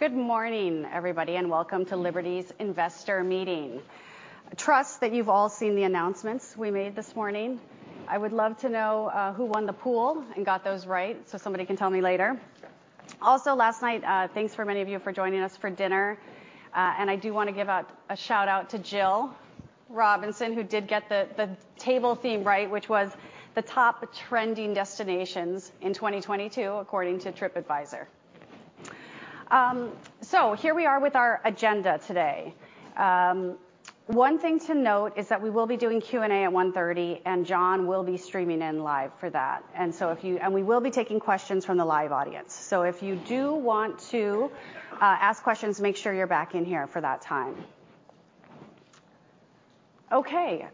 Good morning, everybody, and welcome to Liberty's Investor Meeting. I trust that you've all seen the announcements we made this morning. I would love to know who won the pool and got those right, so somebody can tell me later. Also, last night, thanks for many of you for joining us for dinner, and I do wanna give out a shout-out to Jill Robinson, who did get the table theme right, which was the top trending destinations in 2022 according to TripAdvisor. Here we are with our agenda today. One thing to note is that we will be doing Q&A at 1:30 P.M., and John will be streaming in live for that. We will be taking questions from the live audience. If you do want to ask questions, make sure you're back in here for that time. Okay,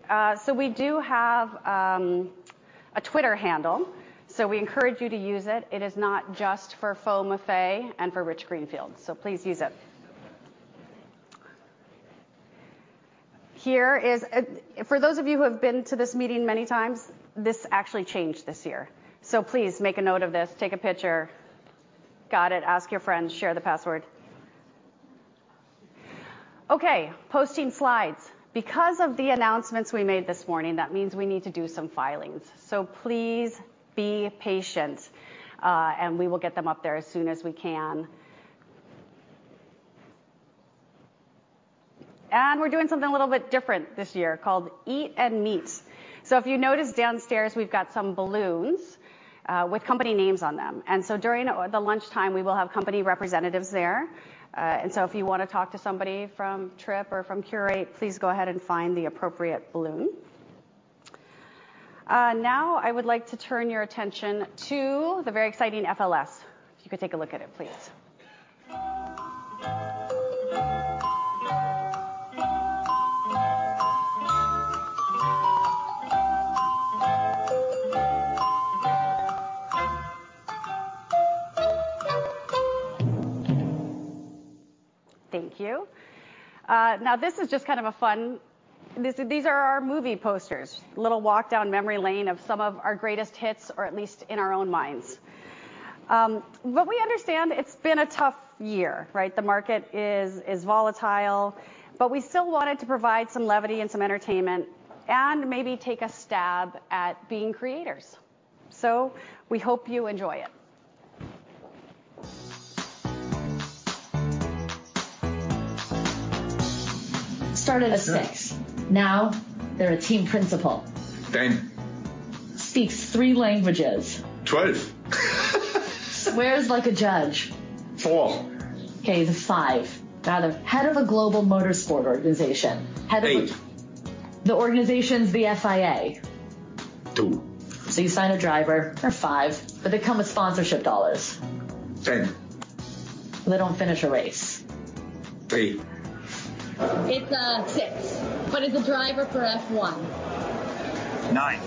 we do have a Twitter handle, so we encourage you to use it. It is not just for FOMAFE and for Rich Greenfield, so please use it. Here is, for those of you who have been to this meeting many times, this actually changed this year. Please make a note of this, take a picture. Got it. Ask your friends. Share the password. Okay, posting slides. Because of the announcements we made this morning, that means we need to do some filings. Please be patient, and we will get them up there as soon as we can. We're doing something a little bit different this year called Eat and Meet. If you notice downstairs, we've got some balloons with company names on them. During the lunchtime, we will have company representatives there. If you wanna talk to somebody from TripAdvisor or from Qurate, please go ahead and find the appropriate balloon. Now I would like to turn your attention to the very exciting FLS. If you could take a look at it, please. Thank you. Now this is just kind of a fun. These are our movie posters. Little walk down memory lane of some of our greatest hits, or at least in our own minds. We understand it's been a tough year, right? The market is volatile, but we still wanted to provide some levity and some entertainment and maybe take a stab at being creators. We hope you enjoy it. Started as six. Sure. Now they're a team principal. Ten. Speaks three languages. Twelve. Swears like a judge. Four. Okay, he's a five. Now the head of a global motorsport organization. Eight. The organization is the FIA. Two. You sign a driver. They're five, but they come with sponsorship dollars. Ten. They don't finish a race. Three. It's six, but it's a driver for Formula 1. Nine.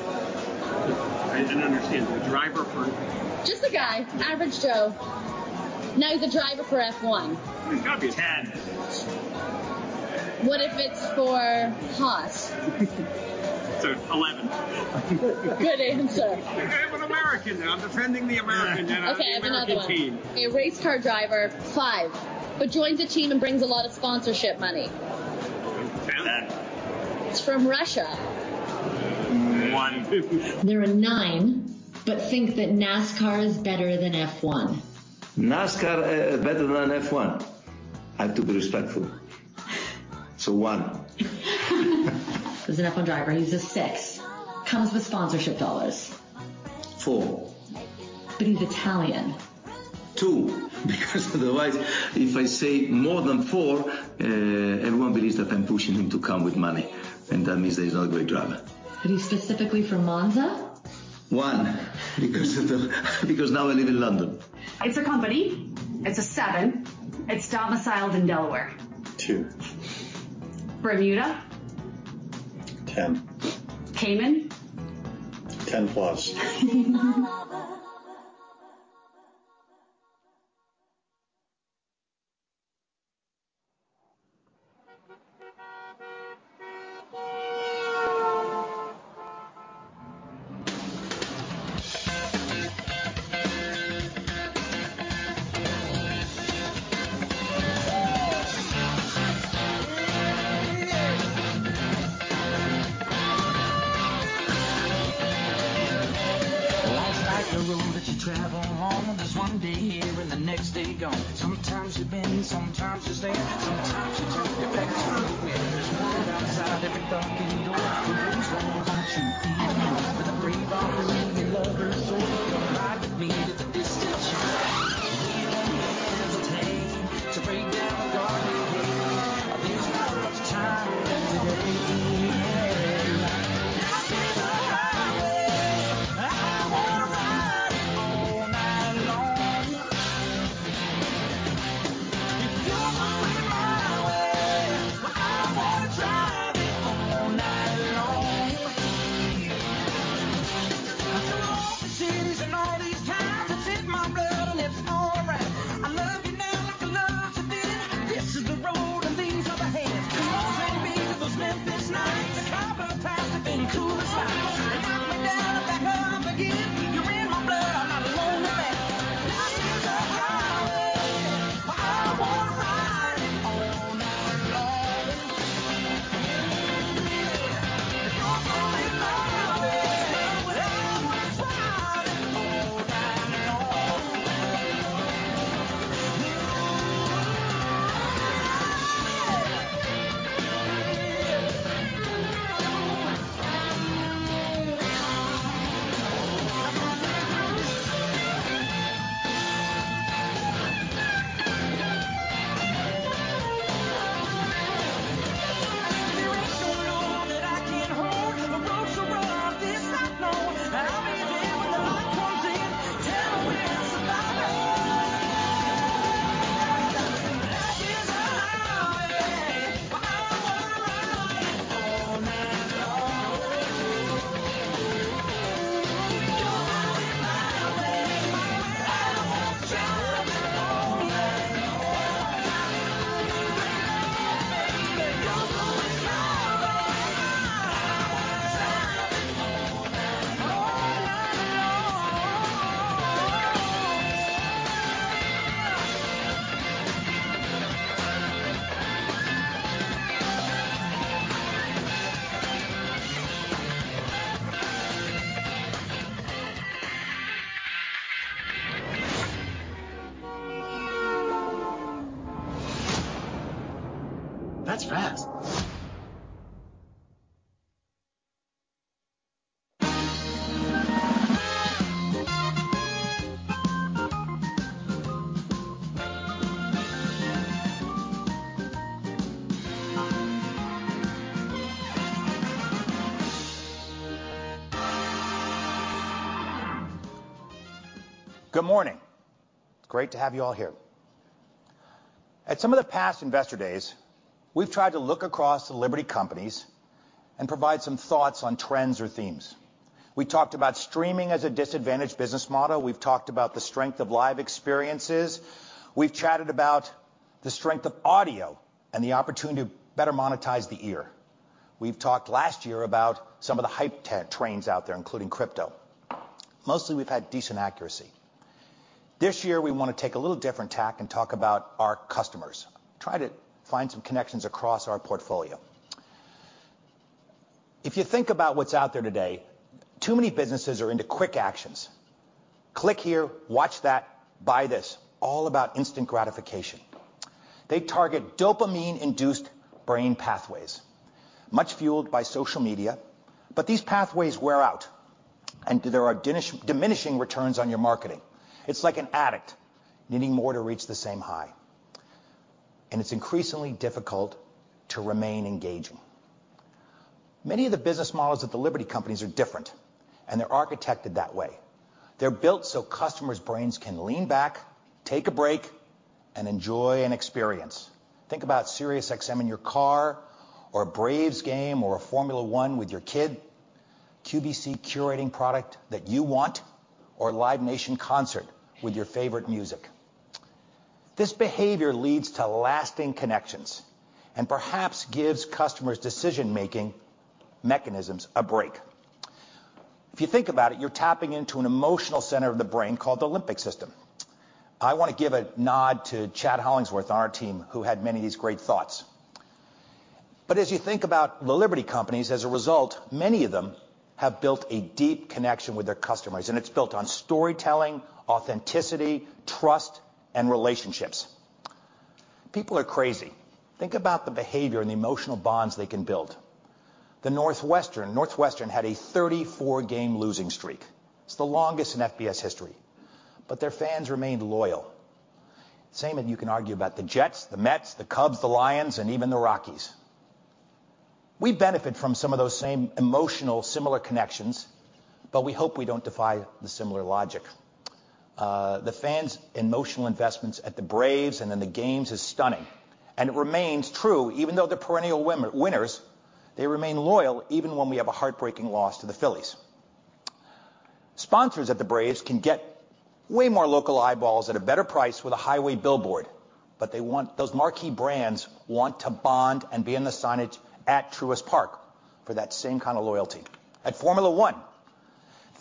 I didn't understand. Just a guy, average Joe. Now he's a driver for F1. Ten. What if it's for Haas? 11. Good answer. I'm an American. Now I'm defending the American honor of an American team. Okay, I have another one. A race car driver, five, but joins a team and brings a lot of sponsorship money. Ten. He's from Russia. One. They're a nine, but think that NASCAR is better than F1 NASCAR better than F1? I have to be respectful. One. He's a Formula 1 driver. He's a six. Comes with sponsorship dollars. Four. He's Italian. Two, because otherwise, if I say more than four, everyone believes that I'm pushing him to come with money, and that means that he's not a great driver. He's specifically from Monza? One, because now I live in London. It's a company. It's a seven. It's domiciled in Delaware. Two. Bermuda? Ten. Cayman? 10 plus. Good morning. Great to have you all here. At some of the past Investor Days, we've tried to look across the Liberty companies and provide some thoughts on trends or themes. We talked about streaming as a disadvantaged business model. We've talked about the strength of live experiences. We've chatted about the strength of audio and the opportunity to better monetize the ear. We've talked last year about some of the hype trains out there, including crypto. Mostly, we've had decent accuracy. This year we wanna take a little different tack and talk about our customers, try to find some connections across our portfolio. If you think about what's out there today, too many businesses are into quick actions. Click here, watch that, buy this. All about instant gratification. They target dopamine-induced brain pathways, much fueled by social media, but these pathways wear out, and there are diminishing returns on your marketing. It's like an addict needing more to reach the same high, and it's increasingly difficult to remain engaging. Many of the business models at the Liberty companies are different, and they're architected that way. They're built so customers' brains can lean back, take a break, and enjoy an experience. Think about SiriusXM in your car or a Braves game or a Formula 1 with your kid, QVC curating product that you want, or a Live Nation concert with your favorite music. This behavior leads to lasting connections and perhaps gives customers' decision-making mechanisms a break. If you think about it, you're tapping into an emotional center of the brain called the limbic system. I wanna give a nod to Chad Hollingsworth on our team, who had many of these great thoughts. As you think about the Liberty companies, as a result, many of them have built a deep connection with their customers, and it's built on storytelling, authenticity, trust, and relationships. People are crazy. Think about the behavior and the emotional bonds they can build. The Northwestern had a 34-game losing streak. It's the longest in FBS history, but their fans remained loyal. Same, and you can argue about the Jets, the Mets, the Cubs, the Lions, and even the Rockies. We benefit from some of those same emotional similar connections, but we hope we don't defy the similar logic. The fans' emotional investments at the Braves and in the games is stunning, and it remains true even though they're perennial winners. They remain loyal even when we have a heartbreaking loss to the Phillies. Sponsors at the Braves can get way more local eyeballs at a better price with a highway billboard, but those marquee brands want to bond and be in the signage at Truist Park for that same kind of loyalty. At Formula 1,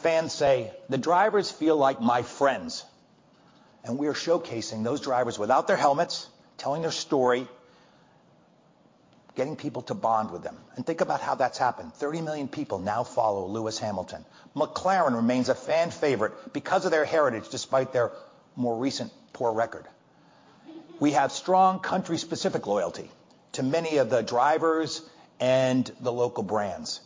fans say, "The drivers feel like my friends," and we are showcasing those drivers without their helmets, telling their story, getting people to bond with them, and think about how that's happened. 30 million people now follow Lewis Hamilton. McLaren remains a fan favorite because of their heritage, despite their more recent poor record. We have strong country-specific loyalty to many of the drivers and the local brands.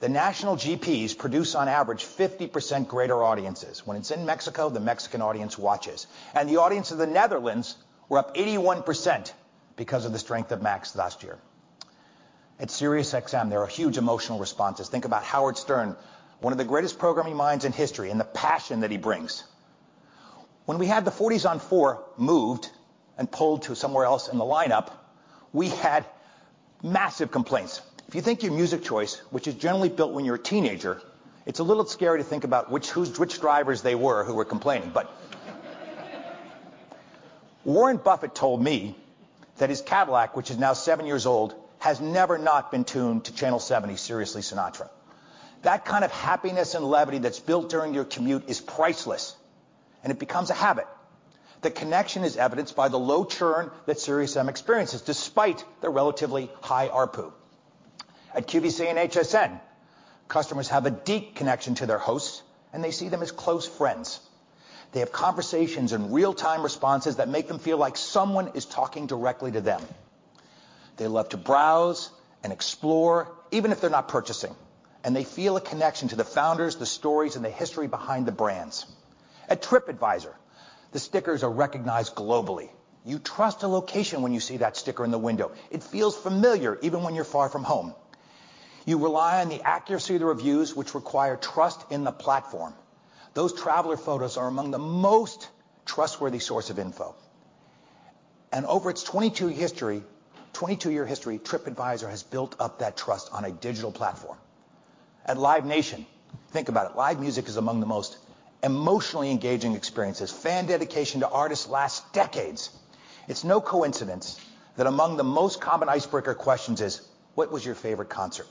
The national GPs produce on average 50% greater audiences. When it's in Mexico, the Mexican audience watches, and the audience of the Netherlands were up 81% because of the strength of Max last year. At SiriusXM, there are huge emotional responses. Think about Howard Stern, one of the greatest programming minds in history, and the passion that he brings. When we had the '40s on four moved and pulled to somewhere else in the lineup, we had massive complaints. If you think your music choice, which is generally built when you're a teenager, it's a little scary to think about which drivers they were complaining, but Warren Buffett told me that his Cadillac, which is now seven years old, has never not been tuned to channel 70, SiriusXM Sinatra. That kind of happiness and levity that's built during your commute is priceless, and it becomes a habit. The connection is evidenced by the low churn that SiriusXM experiences despite their relatively high ARPU. At QVC and HSN, customers have a deep connection to their hosts, and they see them as close friends. They have conversations and real-time responses that make them feel like someone is talking directly to them. They love to browse and explore, even if they're not purchasing, and they feel a connection to the founders, the stories, and the history behind the brands. At TripAdvisor, the stickers are recognized globally. You trust a location when you see that sticker in the window. It feels familiar even when you're far from home. You rely on the accuracy of the reviews which require trust in the platform. Those traveler photos are among the most trustworthy source of info. Over its 22-year history, TripAdvisor has built up that trust on a digital platform. At Live Nation, think about it, live music is among the most emotionally engaging experiences. Fan dedication to artists lasts decades. It's no coincidence that among the most common icebreaker questions is, "What was your favorite concert?"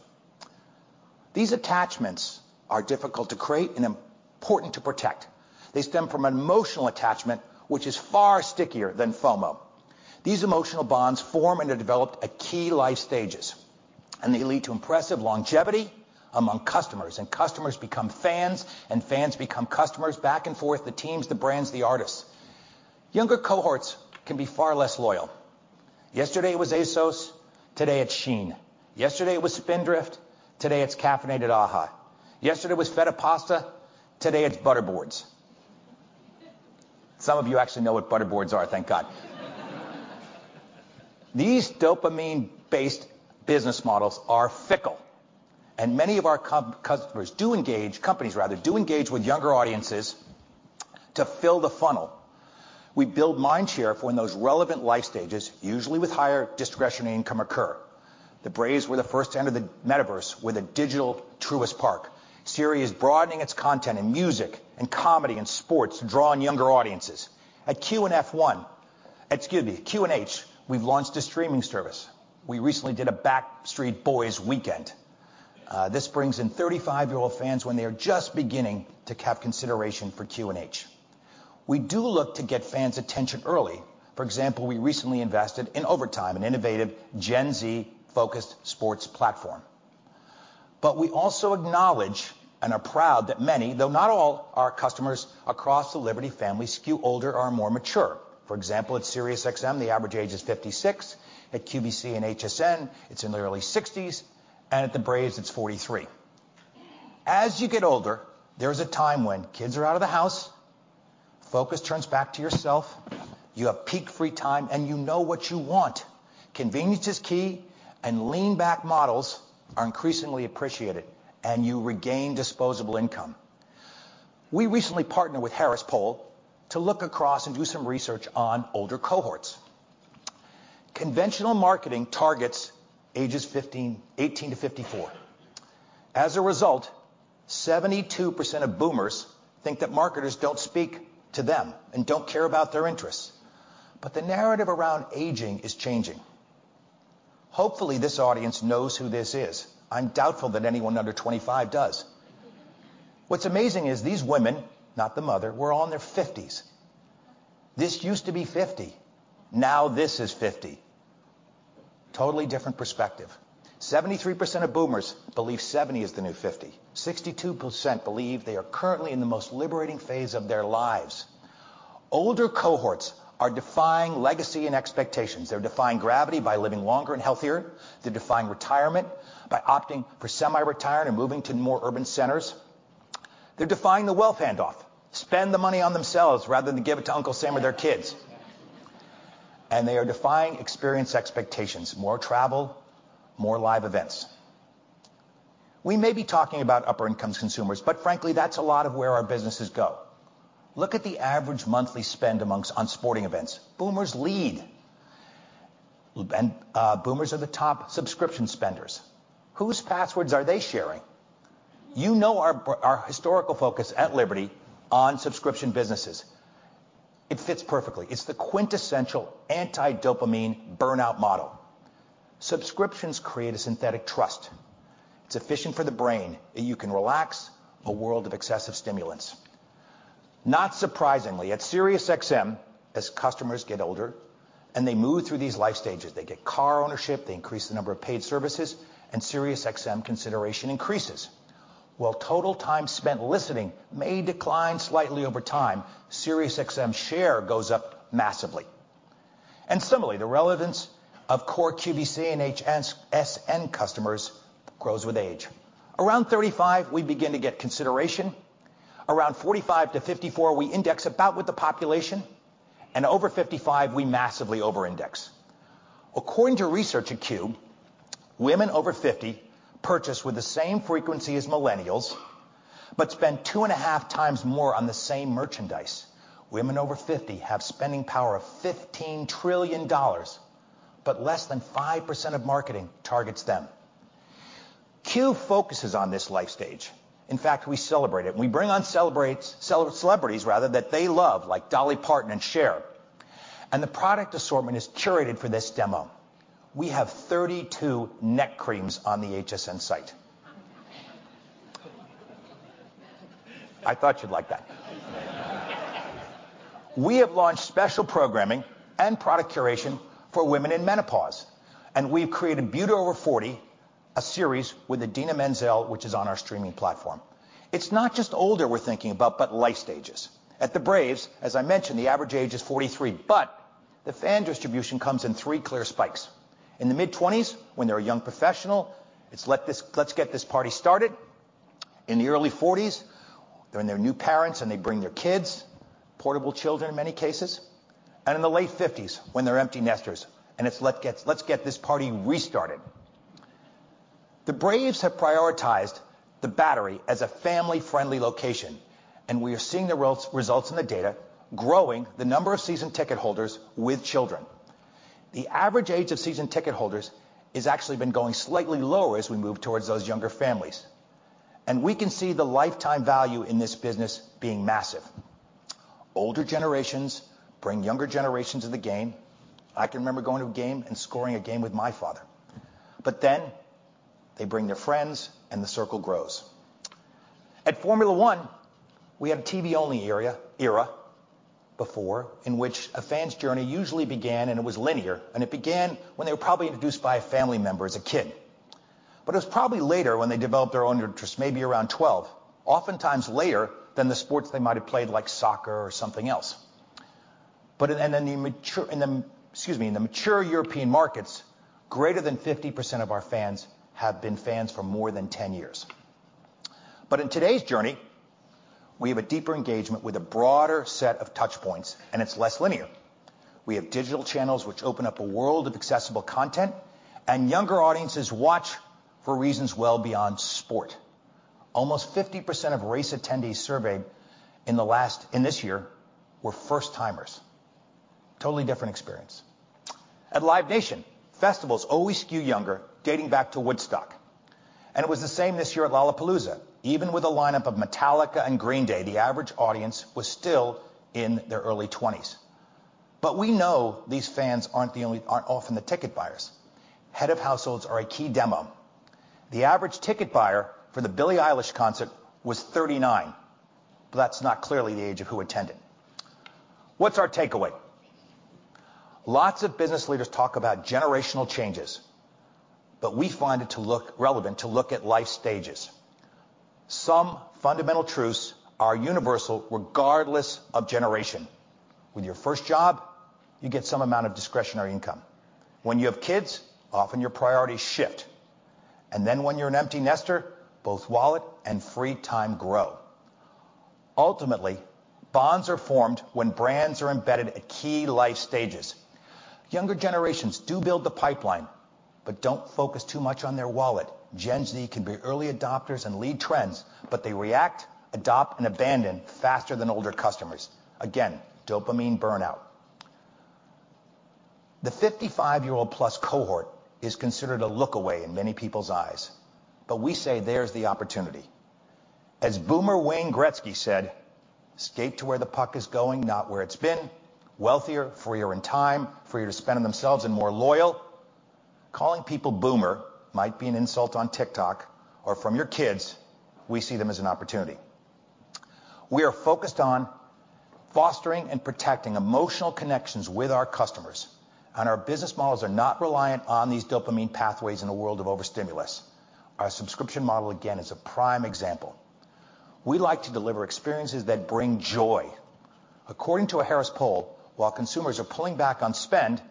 These attachments are difficult to create and important to protect. They stem from an emotional attachment which is far stickier than FOMO. These emotional bonds form and are developed at key life stages, and they lead to impressive longevity among customers, and customers become fans, and fans become customers back and forth, the teams, the brands, the artists. Younger cohorts can be far less loyal. Yesterday it was ASOS, today it's Shein. Yesterday it was Spindrift, today it's caffeinated AHA. Yesterday it was feta pasta, today it's butter boards. Some of you actually know what butter boards are, thank God. These dopamine-based business models are fickle, and many of our customers, companies rather, do engage with younger audiences to fill the funnel. We build mindshare for when those relevant life stages, usually with higher discretionary income, occur. The Braves were the first to enter the metaverse with a digital Truist Park. Sirius is broadening its content in music and comedy and sports, drawing younger audiences. At QxH, we've launched a Streaming service. We recently did a Backstreet Boys weekend. This brings in 35-year-old fans when they are just beginning to capture consideration for QxH. We do look to get fans' attention early. For example, we recently invested in Overtime, an innovative Gen Z-focused sports platform. We also acknowledge and are proud that many, though not all our customers across the Liberty family skew older or are more mature. For example, at SiriusXM, the average age is 56. At QVC and HSN, it's in their early sixties, and at the Braves it's 43. As you get older, there's a time when kids are out of the house, focus turns back to yourself, you have peak free time, and you know what you want. Convenience is key, and lean-back models are increasingly appreciated, and you regain disposable income. We recently partnered with The Harris Poll to look across and do some research on older cohorts. Conventional marketing targets ages 15-18 to 54. As a result, 72% of boomers think that marketers don't speak to them and don't care about their interests. The narrative around aging is changing. Hopefully, this audience knows who this is. I'm doubtful that anyone under 25 does. What's amazing is these women, not the mother, were all in their 50s. This used to be 50. Now this is 50. Totally different perspective. 73% of boomers believe 70 is the new 50. 62% believe they are currently in the most liberating phase of their lives. Older cohorts are defying legacy and expectations. They're defying gravity by living longer and healthier. They're defying retirement by opting for semi-retired and moving to more urban centers. They're defying the wealth handoff. Spend the money on themselves rather than give it to Uncle Sam or their kids. They are defying experience expectations, more travel, more live events. We may be talking about upper-income consumers, but frankly, that's a lot of where our businesses go. Look at the average monthly spend on sporting events. Boomers lead. Boomers are the top subscription spenders. Whose passwords are they sharing? You know our historical focus at Liberty on subscription businesses. It fits perfectly. It's the quintessential anti-dopamine burnout model. Subscriptions create a synthetic trust. It's efficient for the brain, and you can relax a world of excessive stimulants. Not surprisingly, at SiriusXM, as customers get older and they move through these life stages, they get car ownership, they increase the number of paid services, and SiriusXM consideration increases. While total time spent listening may decline slightly over time, SiriusXM share goes up massively. Similarly, the relevance of core QVC and HSN customers grows with age. Around 35, we begin to get consideration. Around 45-54, we index about with the population. Over 55, we massively over-index. According to research at Q, women over 50 purchase with the same frequency as millennials but spend two and a half times more on the same merchandise. Women over 50 have spending power of $15 trillion, but less than 5% of marketing targets them. Q focuses on this life stage. In fact, we celebrate it. We bring on celebrities that they love, like Dolly Parton and Cher. The product assortment is curated for this demo. We have 32 neck creams on the HSN site. I thought you'd like that. We have launched special programming and product curation for women in menopause, and we've created Beauty Over Forty, a series with Idina Menzel, which is on our streaming platform. It's not just older we're thinking about, but life stages. At the Braves, as I mentioned, the average age is 43, but the fan distribution comes in three clear spikes. In the mid-20s when they're a young professional, it's let's get this party started. In the early 40s, they're new parents, and they bring their kids, portable children in many cases. In the late 50s when they're empty nesters, and it's let's get this party restarted. The Braves have prioritized the Battery as a family-friendly location, and we are seeing the results in the data growing the number of season ticket holders with children. The average age of season ticket holders is actually been going slightly lower as we move towards those younger families. We can see the lifetime value in this business being massive. Older generations bring younger generations of the game. I can remember going to a game and scoring a game with my father, but then they bring their friends and the circle grows. At Formula 1, we had a TV-only era before, in which a fan's journey usually began, and it was linear, and it began when they were probably introduced by a family member as a kid. It was probably later when they developed their own interest, maybe around 12, oftentimes later than the sports they might have played, like soccer or something else. Excuse me, in the mature European markets, greater than 50% of our fans have been fans for more than 10 years. In today's journey, we have a deeper engagement with a broader set of touch points, and it's less linear. We have digital channels which open up a world of accessible content, and younger audiences watch for reasons well beyond sport. Almost 50% of race attendees surveyed in this year were first-timers. Totally different experience. At Live Nation, festivals always skew younger, dating back to Woodstock, and it was the same this year at Lollapalooza. Even with a lineup of Metallica and Green Day, the average audience was still in their early 20s. We know these fans aren't often the ticket buyers. Head of households are a key demo. The average ticket buyer for the Billie Eilish concert was 39, but that's not clearly the age of who attended. What's our takeaway? Lots of business leaders talk about generational changes, but we find it to look relevant, to look at life stages. Some fundamental truths are universal, regardless of generation. With your first job, you get some amount of discretionary income. When you have kids, often your priorities shift. When you're an empty nester, both wallet and free time grow. Ultimately, bonds are formed when brands are embedded at key life stages. Younger generations do build the pipeline, but don't focus too much on their wallet. Gen Z can be early adopters and lead trends, but they react, adopt, and abandon faster than older customers. Again, dopamine burnout. The 55-year-old plus cohort is considered a look away in many people's eyes, but we say there's the opportunity. As boomer Wayne Gretzky said, "Skate to where the puck is going, not where it's been." Wealthier, freer in time, freer to spend on themselves, and more loyal. Calling people boomer might be an insult on TikTok or from your kids. We see them as an opportunity. We are focused on fostering and protecting emotional connections with our customers, and our business models are not reliant on these dopamine pathways in a world of overstimulation. Our subscription model, again, is a prime example. We like to deliver experiences that bring joy. According to The Harris Poll, while consumers are pulling back on spending,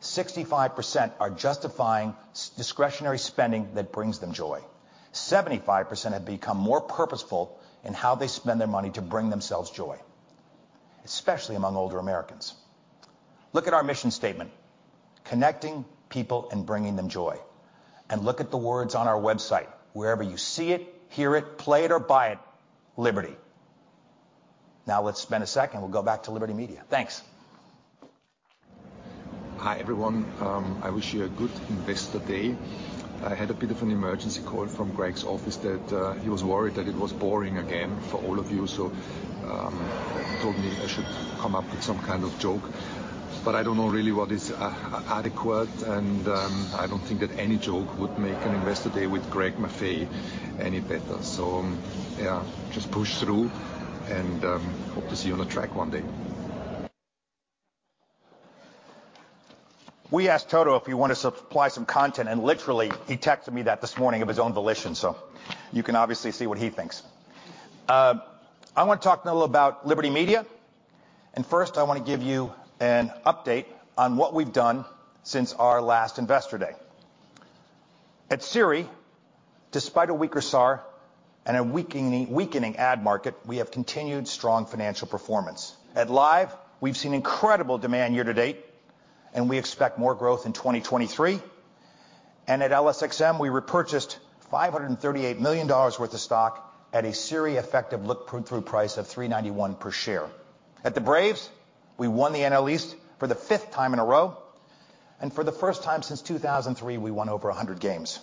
65% are justifying some discretionary spending that brings them joy. 75% have become more purposeful in how they spend their money to bring themselves joy, especially among older Americans. Look at our mission statement, connecting people and bringing them joy, and look at the words on our website, wherever you see it, hear it, play it or buy it. Liberty. Now let's spend a second. We'll go back to Liberty Media. Thanks. Hi, everyone. I wish you a good Investor Day. I had a bit of an emergency call from Greg's office that he was worried that it was boring again for all of you, so told me I should come up with some kind of joke, but I don't know really what is adequate and I don't think that any joke would make an Investor Day with Greg Maffei any better. Yeah, just push through and hope to see you on the track one day. We asked Toto if he wanted to supply some content, and literally he texted me that this morning of his own volition, so you can obviously see what he thinks. I wanna talk now a little about Liberty Media, and first I wanna give you an update on what we've done since our last Investor Day. At SIRI, despite a weaker SAR and a weakening ad market, we have continued strong financial performance. At Live, we've seen incredible demand year to date, and we expect more growth in 2023. At LSXM, we repurchased $538 million worth of stock at a SIRI effective look through price of $3.91 per share. At the Braves, we won the NL East for the 5th time in a row. For the first time since 2003, we won over 100 games.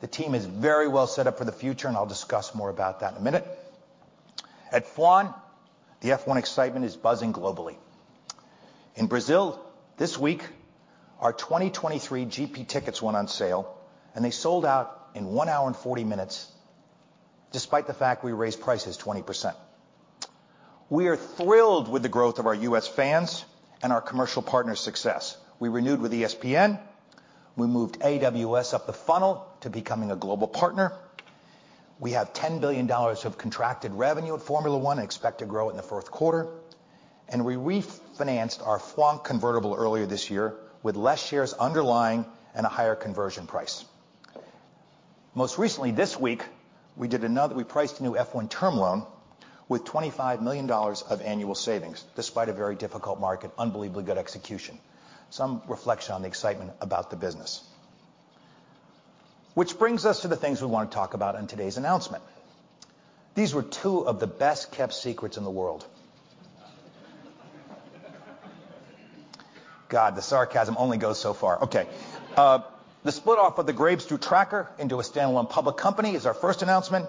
The team is very well set up for the future, and I'll discuss more about that in a minute. At F1, the F1 excitement is buzzing globally. In Brazil this week, our 2023 GP tickets went on sale, and they sold out in 1 hour and 40 minutes despite the fact we raised prices 20%. We are thrilled with the growth of our U.S. fans and our commercial partners' success. We renewed with ESPN. We moved AWS up the funnel to becoming a global partner. We have $10 billion of contracted revenue at Formula 1 and expect to grow in the fourth quarter. We refinanced our FWONK convertible earlier this year with less shares underlying and a higher conversion price. Most recently this week, we did another. We priced a new F1 term loan with $25 million of annual savings despite a very difficult market, unbelievably good execution. Some reflection on the excitement about the business. Which brings us to the things we wanna talk about on today's announcement. These were two of the best-kept secrets in the world. God, the sarcasm only goes so far. Okay. The split off of the Braves through Tracker into a standalone public company is our first announcement,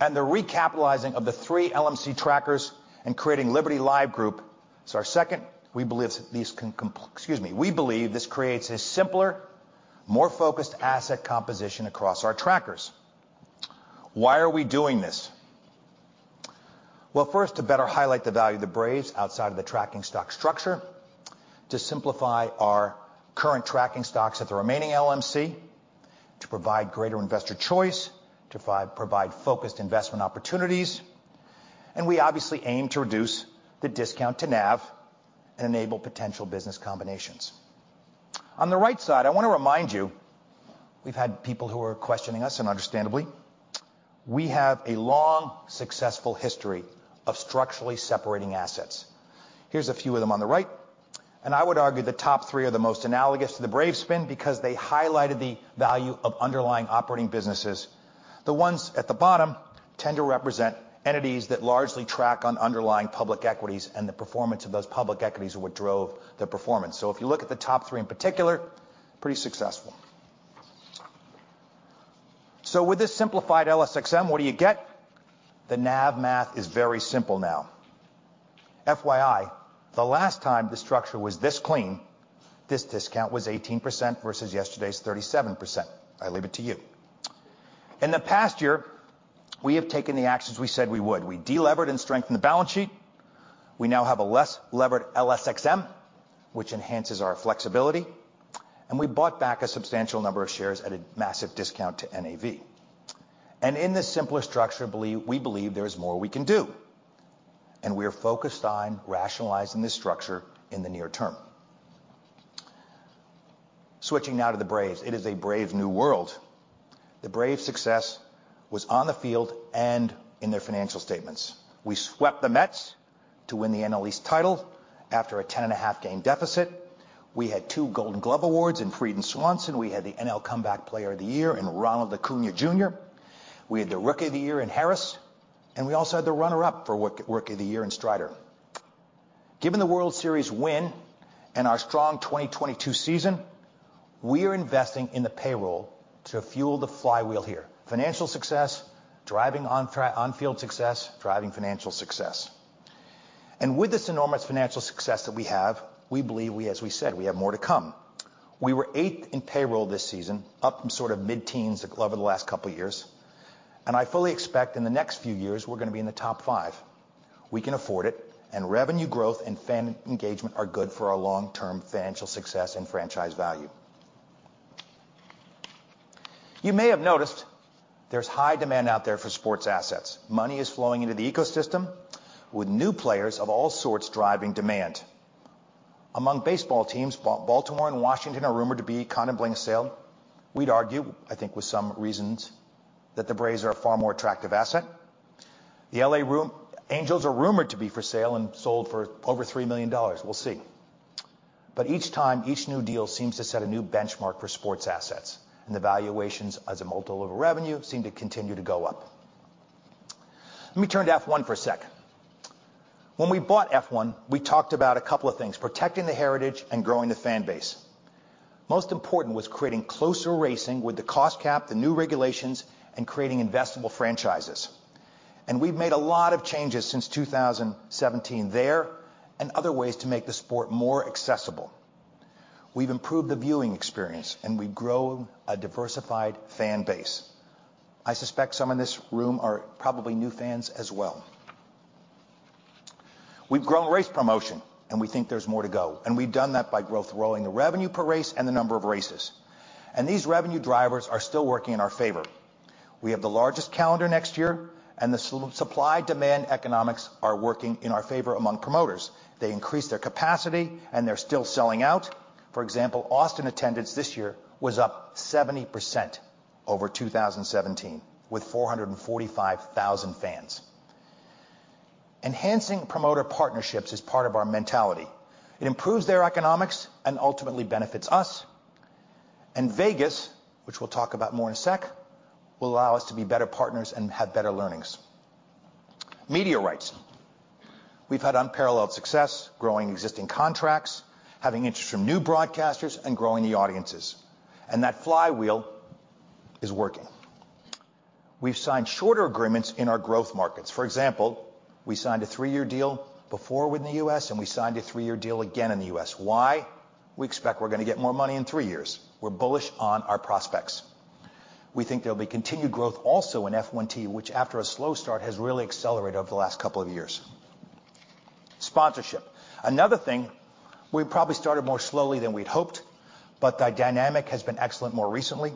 and the recapitalizing of the three LMC Trackers and creating Liberty Live Group is our second. We believe this creates a simpler, more focused asset composition across our Trackers. Why are we doing this? Well, first, to better highlight the value of the Braves outside of the tracking stock structure, to simplify our current tracking stocks at the remaining LMC, to provide greater investor choice, to provide focused investment opportunities, and we obviously aim to reduce the discount to NAV and enable potential business combinations. On the right side, I wanna remind you, we've had people who are questioning us, and understandably. We have a long, successful history of structurally separating assets. Here's a few of them on the right. I would argue the top three are the most analogous to the Braves spin because they highlighted the value of underlying operating businesses. The ones at the bottom tend to represent entities that largely track on underlying public equities, and the performance of those public equities are what drove the performance. If you look at the top three in particular, pretty successful. With this simplified LSXM, what do you get? The NAV math is very simple now. FYI, the last time the structure was this clean, this discount was 18% versus yesterday's 37%. I leave it to you. In the past year, we have taken the actions we said we would. We de-levered and strengthened the balance sheet. We now have a less levered LSXM, which enhances our flexibility, and we bought back a substantial number of shares at a massive discount to NAV. In this simpler structure, we believe there is more we can do, and we are focused on rationalizing this structure in the near term. Switching now to the Braves. It is a Brave new world. The Braves' success was on the field and in their financial statements. We swept the Mets to win the NL East title after a 10.5-game deficit. We had two Gold Glove Awards in Fried and Swanson. We had the NL Comeback Player of the Year in Ronald Acuña Jr. We had the Rookie of the Year in Harris, and we also had the runner-up for Rookie of the Year in Strider. Given the World Series win and our strong 2022 season, we are investing in the payroll to fuel the flywheel here. Financial success, driving on-field success, driving financial success. With this enormous financial success that we have, we believe we, as we said, we have more to come. We were eighth in payroll this season, up from sort of mid-teens over the last couple years, and I fully expect in the next few years we're gonna be in the top five. We can afford it, and revenue growth and fan engagement are good for our long-term financial success and franchise value. You may have noticed there's high demand out there for sports assets. Money is flowing into the ecosystem with new players of all sorts driving demand. Among baseball teams, Baltimore and Washington are rumored to be contemplating a sale. We'd argue, I think with some reasons, that the Braves are a far more attractive asset. The Los Angeles Angels are rumored to be for sale and sold for over $3 million. We'll see. Each time, each new deal seems to set a new benchmark for sports assets, and the valuations as a multiple of revenue seem to continue to go up. Let me turn to F1 for a sec. When we bought F1, we talked about a couple of things, protecting the heritage and growing the fan base. Most important was creating closer racing with the cost cap, the new regulations, and creating investable franchises. We've made a lot of changes since 2017 there and other ways to make the sport more accessible. We've improved the viewing experience, and we've grown a diversified fan base. I suspect some in this room are probably new fans as well. We've grown race promotion, and we think there's more to go, and we've done that by growing the revenue per race and the number of races. These revenue drivers are still working in our favor. We have the largest calendar next year, and the supply-demand economics are working in our favor among promoters. They increase their capacity, and they're still selling out. For example, Austin attendance this year was up 70% over 2017, with 445,000 fans. Enhancing promoter partnerships is part of our mentality. It improves their economics and ultimately benefits us. Vegas, which we'll talk about more in a sec, will allow us to be better partners and have better learnings. Media rights. We've had unparalleled success growing existing contracts, having interest from new broadcasters, and growing the audiences. That flywheel is working. We've signed shorter agreements in our growth markets. For example, we signed a three-year deal before with the U.S., and we signed a three-year deal again in the U.S.. Why? We expect we're gonna get more money in three years. We're bullish on our prospects. We think there'll be continued growth also in F1 TV, which after a slow start, has really accelerated over the last couple of years. Sponsorship. Another thing, we probably started more slowly than we'd hoped, but the dynamic has been excellent more recently.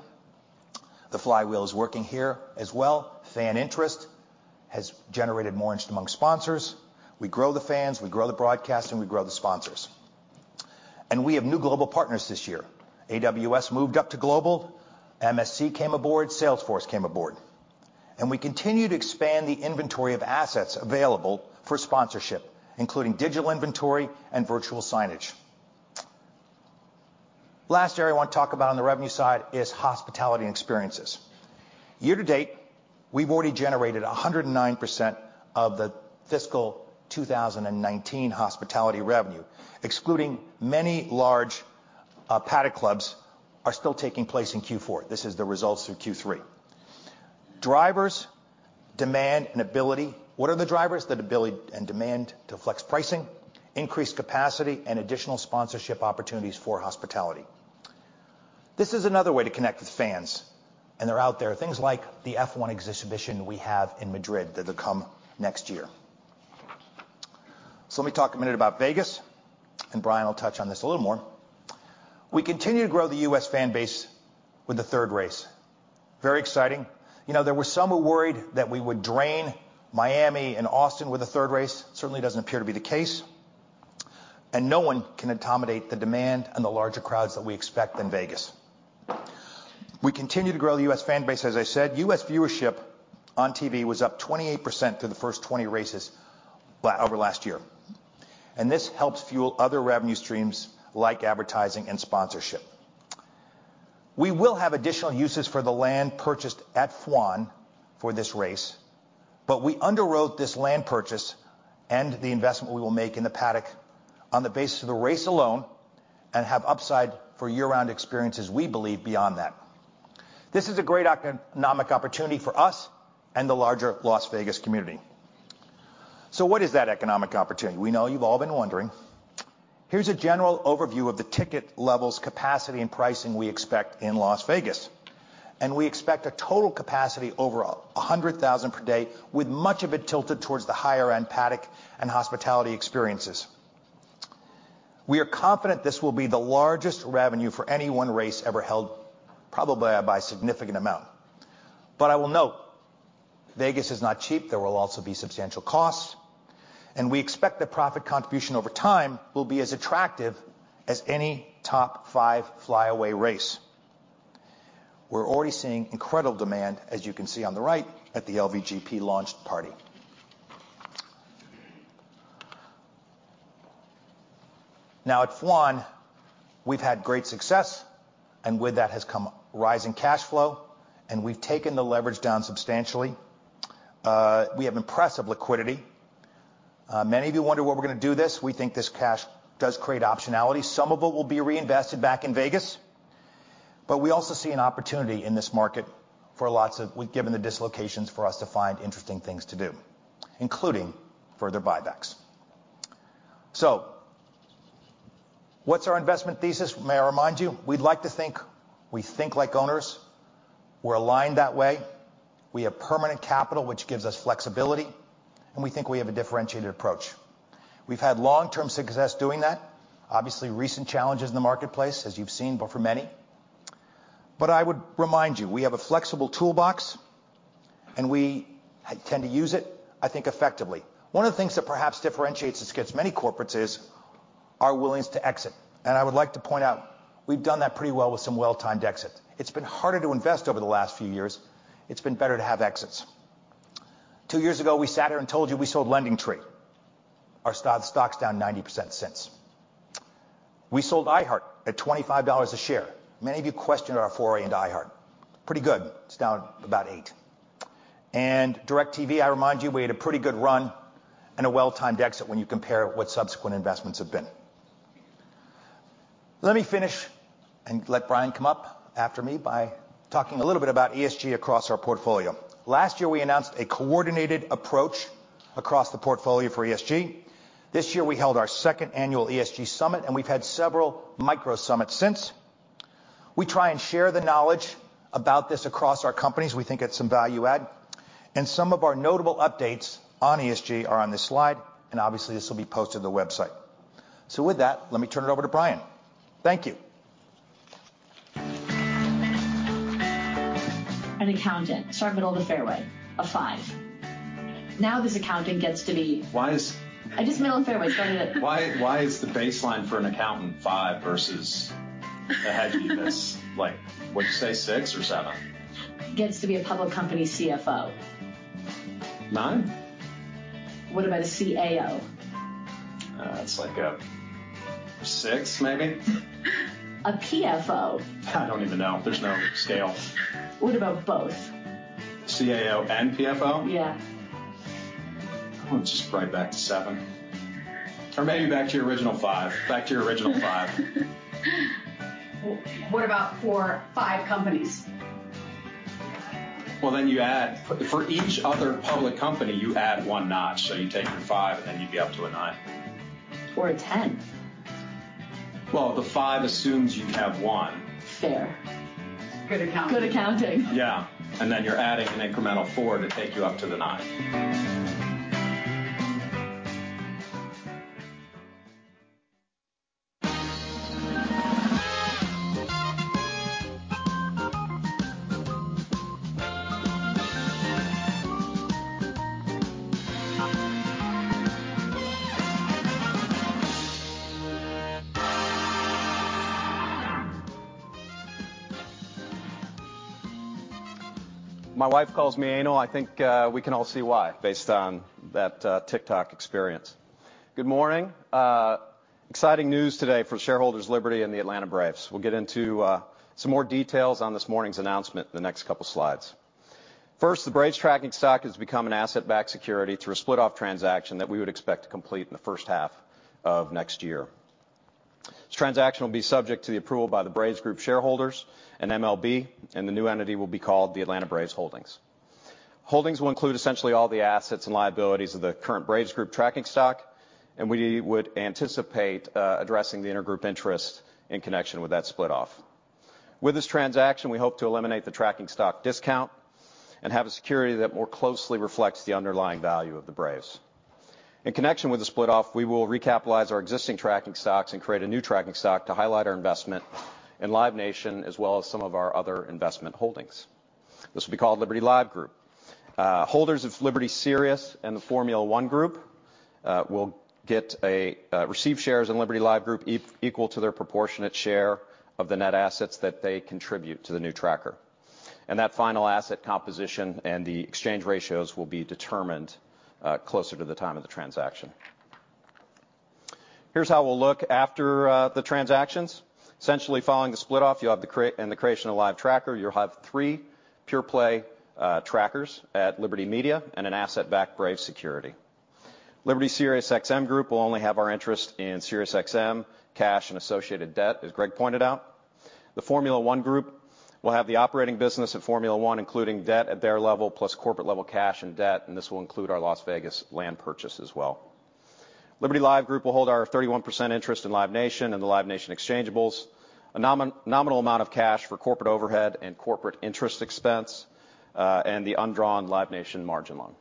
The flywheel is working here as well. Fan interest has generated more interest among sponsors. We grow the fans, we grow the broadcast, and we grow the sponsors. We have new global partners this year. AWS moved up to global, MSC came aboard, Salesforce came aboard. We continue to expand the inventory of assets available for sponsorship, including digital inventory and virtual signage. Last area I wanna talk about on the revenue side is hospitality and experiences. Year-to-date, we've already generated 109% of the fiscal 2019 hospitality revenue, excluding many large Paddock Clubs are still taking place in Q4. This is the results of Q3. Drivers, demand, and ability. What are the drivers? The ability and demand to flex pricing, increased capacity, and additional sponsorship opportunities for hospitality. This is another way to connect with fans, and they're out there. Things like the F1 exhibition we have in Madrid that'll come next year. Let me talk a minute about Vegas, and Brian will touch on this a little more. We continue to grow the U.S. fan base with the third race. Very exciting. You know, there were some who worried that we would drain Miami and Austin with a third race. Certainly doesn't appear to be the case. No one can accommodate the demand and the larger crowds that we expect in Vegas. We continue to grow the U.S. fan base, as I said. U.S. viewership on TV was up 28% through the first 20 races over last year. This helps fuel other revenue streams like advertising and sponsorship. We will have additional uses for the land purchased at F1 for this race, but we underwrote this land purchase and the investment we will make in the paddock on the basis of the race alone and have upside for year-round experiences we believe beyond that. This is a great economic opportunity for us and the larger Las Vegas community. What is that economic opportunity? We know you've all been wondering. Here's a general overview of the ticket levels, capacity, and pricing we expect in Las Vegas, and we expect a total capacity over 100,000 per day, with much of it tilted towards the higher-end paddock and hospitality experiences. We are confident this will be the largest revenue for any one race ever held, probably by a significant amount. I will note, Vegas is not cheap. There will also be substantial costs, and we expect the profit contribution over time will be as attractive as any top five fly-away race. We're already seeing incredible demand, as you can see on the right, at the LVGP launch party. Now, at F1, we've had great success, and with that has come rising cash flow, and we've taken the leverage down substantially. We have impressive liquidity. Many of you wonder what we're gonna do with this. We think this cash does create optionality. Some of it will be reinvested back in Vegas, but we also see an opportunity in this market, given the dislocations, for us to find interesting things to do, including further buybacks. What's our investment thesis? May I remind you, we'd like to think we think like owners. We're aligned that way. We have permanent capital, which gives us flexibility, and we think we have a differentiated approach. We've had long-term success doing that. Obviously, recent challenges in the marketplace, as you've seen, but for many. I would remind you, we have a flexible toolbox, and we tend to use it, I think, effectively. One of the things that perhaps differentiates us against many corporates is our willingness to exit, and I would like to point out we've done that pretty well with some well-timed exits. It's been harder to invest over the last few years. It's been better to have exits. Two years ago, we sat here and told you we sold LendingTree. Our stock's down 90% since. We sold iHeart at $25 a share. Many of you questioned our foray into iHeart. Pretty good. It's down about $8. DirecTV, I remind you, we had a pretty good run and a well-timed exit when you compare what subsequent investments have been. Let me finish and let Brian come up after me by talking a little bit about ESG across our portfolio. Last year, we announced a coordinated approach across the portfolio for ESG. This year, we held our second annual ESG summit, and we've had several micro summits since. We try and share the knowledge about this across our companies. We think it's some value add. Some of our notable updates on ESG are on this slide, and obviously, this will be posted to the website. With that, let me turn it over to Brian. Thank you. An accountant. Straight middle of the fairway, a five. Now this accountant gets to be. Why is I just middle of the fairway. Starting it. Why is the baseline for an accountant five versus the headie that's like, what'd you say, six or seven. Gets to be a public company CFO. Nine. What about a CAO. It's like a six maybe. A PFO.I don't even know. There's no scale. What about both? CAO and PFO? Yeah. Oh, it's just right back to seven. Or maybe back to your original five. What about for five companies? Well, you add for each other public company, you add one notch. You take your five, and then you'd be up to a nine. A 10. Well, the five assumes you have one. Fair. Good accounting. Yeah. Then you're adding an incremental 4 to take you up to the 9. My wife calls me anal. I think we can all see why based on that TikTok experience. Good morning. Exciting news today for shareholders Liberty and the Atlanta Braves. We'll get into some more details on this morning's announcement in the next couple slides. First, the Braves tracking stock has become an asset-backed security through a split-off transaction that we would expect to complete in the first half of next year. This transaction will be subject to the approval by the Braves Group shareholders and MLB, and the new entity will be called the Atlanta Braves Holdings. Holdings will include essentially all the assets and liabilities of the current Braves Group tracking stock, and we would anticipate addressing the intergroup interest in connection with that split-off. With this transaction, we hope to eliminate the tracking stock discount and have a security that more closely reflects the underlying value of the Braves. In connection with the split-off, we will recapitalize our existing tracking stocks and create a new tracking stock to highlight our investment in Live Nation as well as some of our other investment holdings. This will be called Liberty Live Group. Holders of Liberty SiriusXM Group and the Formula 1 Group will receive shares in Liberty Live Group equal to their proportionate share of the net assets that they contribute to the new tracker. That final asset composition and the exchange ratios will be determined closer to the time of the transaction. Here's how we'll look after the transactions. Essentially following the split off, you'll have and the creation of Live tracker, you'll have three pure play trackers at Liberty Media and an asset-backed Braves security. Liberty SiriusXM Group will only have our interest in SiriusXM, cash and associated debt, as Greg pointed out. The Formula 1 Group will have the operating business at Formula 1, including debt at their level, plus corporate level cash and debt, and this will include our Las Vegas land purchase as well. Liberty Live Group will hold our 31% interest in Live Nation and the Live Nation exchangeables, a nominal amount of cash for corporate overhead and corporate interest expense, and the undrawn Live Nation margin loan.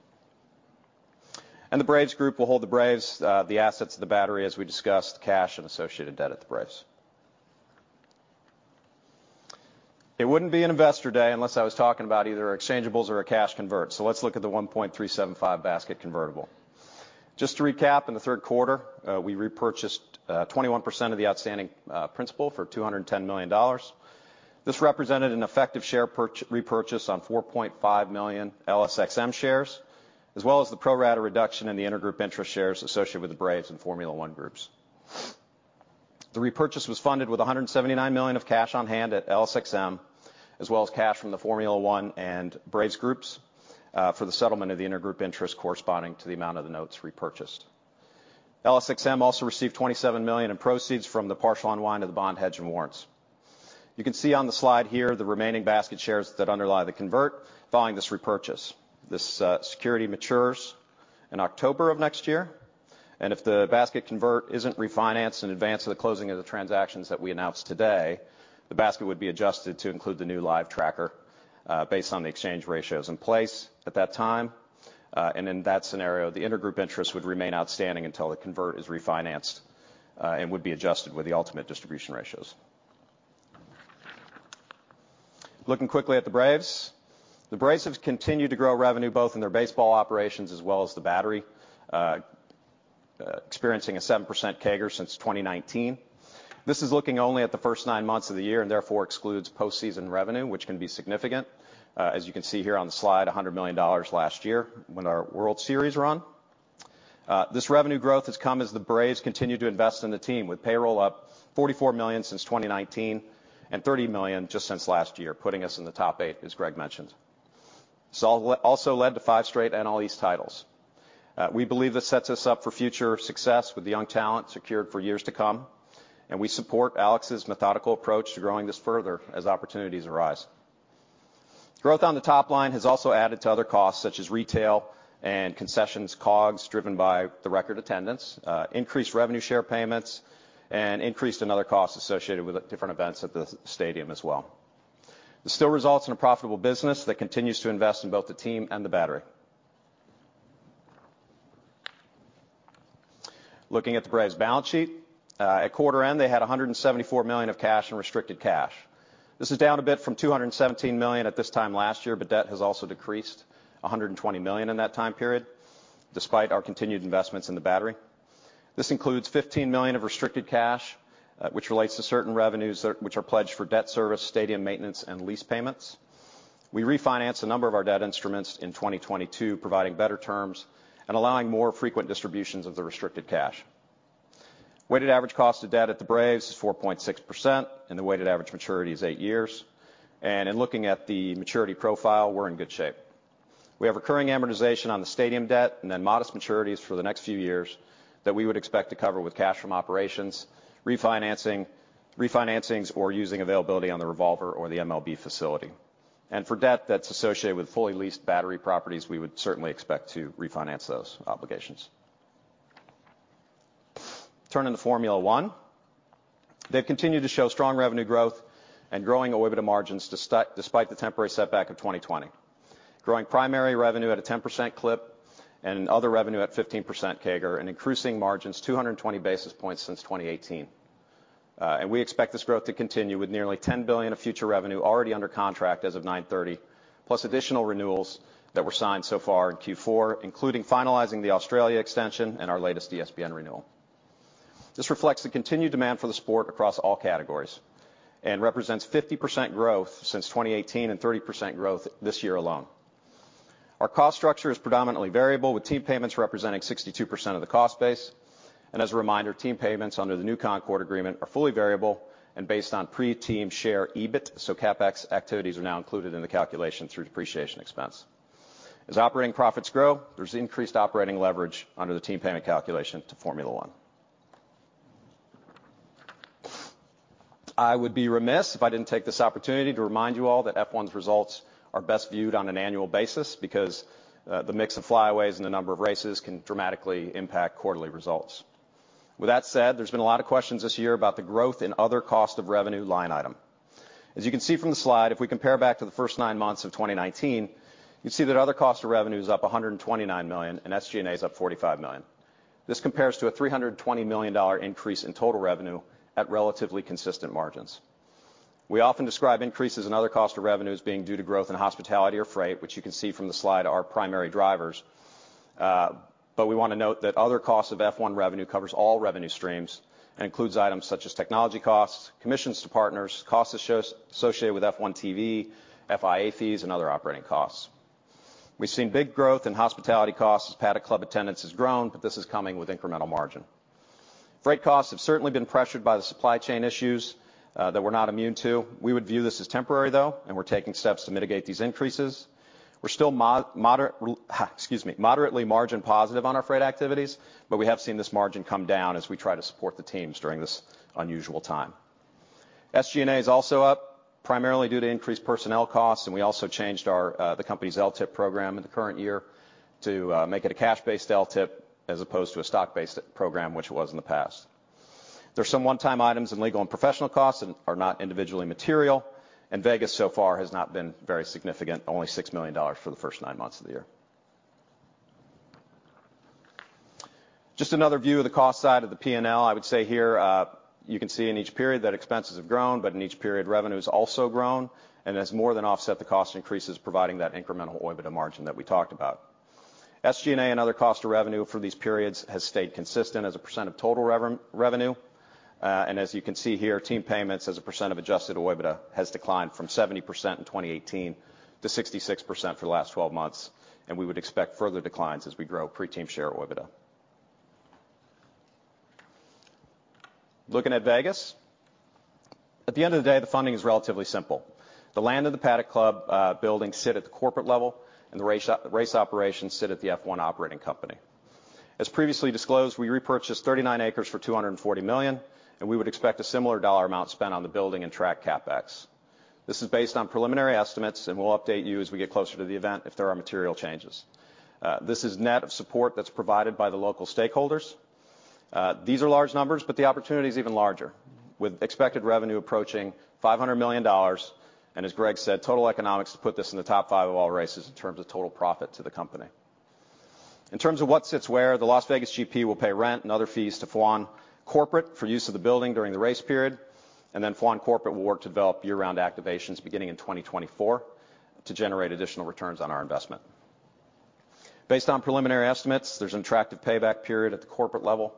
The Braves Group will hold the Braves, the assets of the Battery as we discussed, cash and associated debt at the Braves. It wouldn't be an Investor Day unless I was talking about either exchangeables or a cash convertible. Let's look at the 1.375 basket convertible. Just to recap, in the third quarter, we repurchased 21% of the outstanding principal for $210 million. This represented an effective share repurchase on 4.5 million LSXM shares, as well as the pro rata reduction in the intergroup interest shares associated with the Braves and Formula 1 groups. The repurchase was funded with $179 million of cash on hand at LSXM, as well as cash from the Formula 1 and Braves groups, for the settlement of the intergroup interest corresponding to the amount of the notes repurchased. LSXM also received $27 million in proceeds from the partial unwind of the bond hedge and warrants. You can see on the slide here the remaining basket shares that underlie the convert following this repurchase. This security matures in October of next year, and if the basket convert isn't refinanced in advance of the closing of the transactions that we announced today, the basket would be adjusted to include the new live tracker based on the exchange ratios in place at that time. In that scenario, the intergroup interest would remain outstanding until the convert is refinanced and would be adjusted with the ultimate distribution ratios. Looking quickly at the Braves. The Braves have continued to grow revenue both in their baseball operations as well as the Battery, experiencing a 7% CAGR since 2019. This is looking only at the first nine months of the year and therefore excludes postseason revenue, which can be significant. As you can see here on the slide, $100 million last year with our World Series run. This revenue growth has come as the Braves continue to invest in the team with payroll up $44 million since 2019 and $30 million just since last year, putting us in the top eight as Greg mentioned. It's also led to five straight NL East titles. We believe this sets us up for future success with the young talent secured for years to come, and we support Alex's methodical approach to growing this further as opportunities arise. Growth on the top line has also added to other costs such as retail and concessions COGS, driven by the record attendance, increased revenue share payments, and increase in other costs associated with different events at the stadium as well. This still results in a profitable business that continues to invest in both the team and the Battery. Looking at the Braves' balance sheet, at quarter end, they had $174 million of cash and restricted cash. This is down a bit from $217 million at this time last year, but debt has also decreased $120 million in that time period, despite our continued investments in the Battery. This includes $15 million of restricted cash, which relates to certain revenues which are pledged for debt service, stadium maintenance, and lease payments. We refinanced a number of our debt instruments in 2022, providing better terms and allowing more frequent distributions of the restricted cash. Weighted average cost of debt at the Braves is 4.6%, and the weighted average maturity is eight years. In looking at the maturity profile, we're in good shape. We have recurring amortization on the stadium debt, and then modest maturities for the next few years that we would expect to cover with cash from operations, refinancing or using availability on the revolver or the MLB facility. For debt that's associated with fully leased battery properties, we would certainly expect to refinance those obligations. Turning to Formula 1. They've continued to show strong revenue growth and growing OIBDA margins despite the temporary setback of 2020. Growing primary revenue at a 10% clip and other revenue at 15% CAGR, and increasing margins 220 basis points since 2018. We expect this growth to continue with nearly $10 billion of future revenue already under contract as of 9/30, plus additional renewals that were signed so far in Q4, including finalizing the Australia extension and our latest ESPN renewal. This reflects the continued demand for the sport across all categories and represents 50% growth since 2018 and 30% growth this year alone. Our cost structure is predominantly variable, with team payments representing 62% of the cost base. As a reminder, team payments under the new Concorde Agreement are fully variable and based on pre-team share EBIT, so CapEx activities are now included in the calculation through depreciation expense. As operating profits grow, there's increased operating leverage under the team payment calculation to Formula 1. I would be remiss if I didn't take this opportunity to remind you all that F1's results are best viewed on an annual basis because the mix of flyaway's and the number of races can dramatically impact quarterly results. With that said, there's been a lot of questions this year about the growth in other cost of revenue line item. As you can see from the slide, if we compare back to the first nine months of 2019, you'd see that other cost of revenue is up $129 million and SG&A is up $45 million. This compares to a $320 million increase in total revenue at relatively consistent margins. We often describe increases in other cost of revenues being due to growth in hospitality or freight, which you can see from the slide are primary drivers. We wanna note that other costs of F1 revenue covers all revenue streams and includes items such as technology costs, commissions to partners, costs associated with F1 TV, FIA fees, and other operating costs. We've seen big growth in hospitality costs as Paddock Club attendance has grown, but this is coming with incremental margin. Freight costs have certainly been pressured by the supply chain issues that we're not immune to. We would view this as temporary, though, and we're taking steps to mitigate these increases. We're still moderately margin positive on our freight activities, but we have seen this margin come down as we try to support the teams during this unusual time. SG&A is also up, primarily due to increased personnel costs, and we also changed the company's LTIP program in the current year to make it a cash-based LTIP as opposed to a stock-based program, which it was in the past. There's some one-time items in legal and professional costs and are not individually material, and Vegas so far has not been very significant, only $6 million for the first nine months of the year. Just another view of the cost side of the P&L. I would say here, you can see in each period that expenses have grown, but in each period, revenue has also grown and has more than offset the cost increases, providing that incremental OIBDA margin that we talked about. SG&A and other cost of revenue for these periods has stayed consistent as a % of total revenue. As you can see here, team payments as a percent of adjusted OIBDA has declined from 70% in 2018 to 66% for the last 12 months, and we would expect further declines as we grow pre-team share `OIBDA. Looking at Vegas. At the end of the day, the funding is relatively simple. The land and the Paddock Club building sit at the corporate level, and the race operations sit at the F1 operating company. As previously disclosed, we repurchased 39 acres for $240 million, and we would expect a similar dollar amount spent on the building and track CapEx. This is based on preliminary estimates, and we'll update you as we get closer to the event if there are material changes. This is net of support that's provided by the local stakeholders. These are large numbers, but the opportunity is even larger, with expected revenue approaching $500 million. As Greg said, total economics has put this in the top five of all races in terms of total profit to the company. In terms of what sits where, the Las Vegas GP will pay rent and other fees to Formula 1 corporate for use of the building during the race period. Formula 1 corporate will work to develop year-round activations beginning in 2024 to generate additional returns on our investment. Based on preliminary estimates, there's an attractive payback period at the corporate level,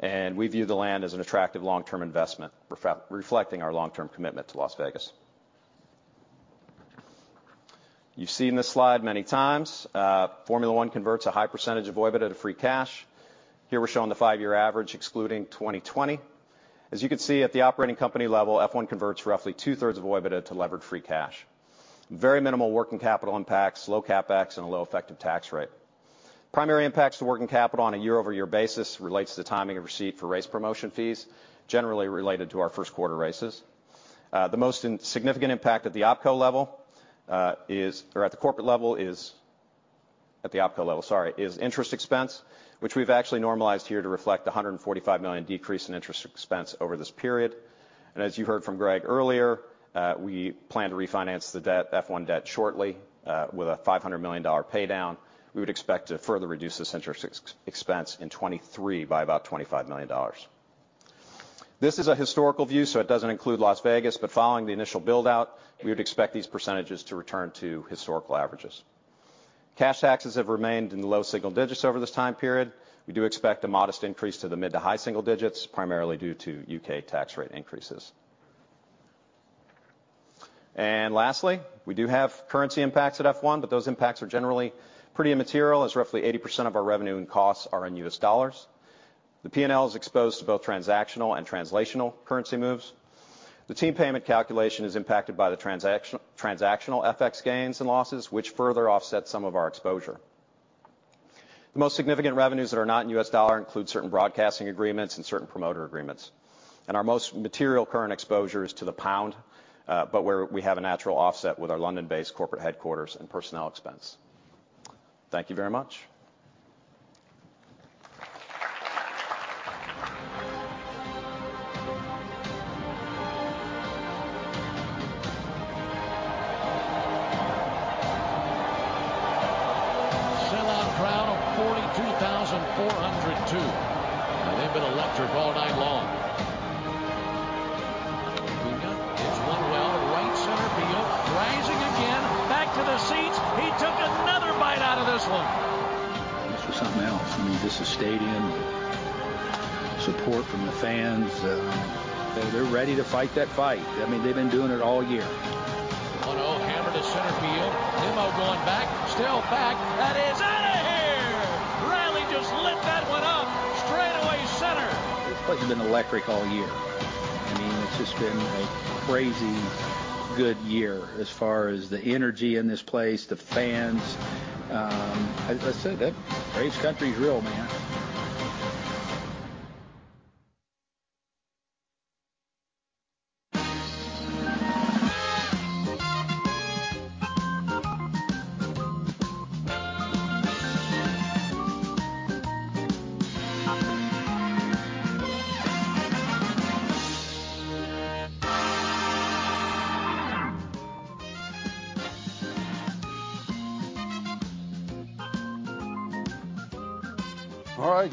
and we view the land as an attractive long-term investment reflecting our long-term commitment to Las Vegas. You've seen this slide many times. Formula 1 converts a high percentage of OIBDA to free cash. Here we're showing the five-year average, excluding 2020. As you can see, at the operating company level, F1 converts roughly two-thirds of OIBDA to levered free cash. Very minimal working capital impacts, low CapEx, and a low effective tax rate. Primary impacts to working capital on a year-over-year basis relates to the timing of receipt for race promotion fees, generally related to our first quarter races. The most insignificant impact at the OpCo level, sorry, is interest expense, which we've actually normalized here to reflect the $145 million decrease in interest expense over this period. As you heard from Greg earlier, we plan to refinance the debt, F1 debt shortly, with a $500 million paydown. We would expect to further reduce this interest expense in 2023 by about $25 million. This is a historical view, so it doesn't include Las Vegas, but following the initial build-out, we would expect these percentages to return to historical averages. Cash taxes have remained in the low single digits over this time period. We do expect a modest increase to the mid to high single digits, primarily due to U.K. tax rate increases. Lastly, we do have currency impacts at F1, but those impacts are generally pretty immaterial, as roughly 80% of our revenue and costs are in U.S. dollars. The P&L is exposed to both transactional and translational currency moves. The team payment calculation is impacted by the transactional FX gains and losses, which further offset some of our exposure. The most significant revenues that are not in U.S. dollar include certain broadcasting agreements and certain promoter agreements. Our most material current exposure is to the pound, but where we have a natural offset with our London-based corporate headquarters and personnel expense. Thank you very much. All right.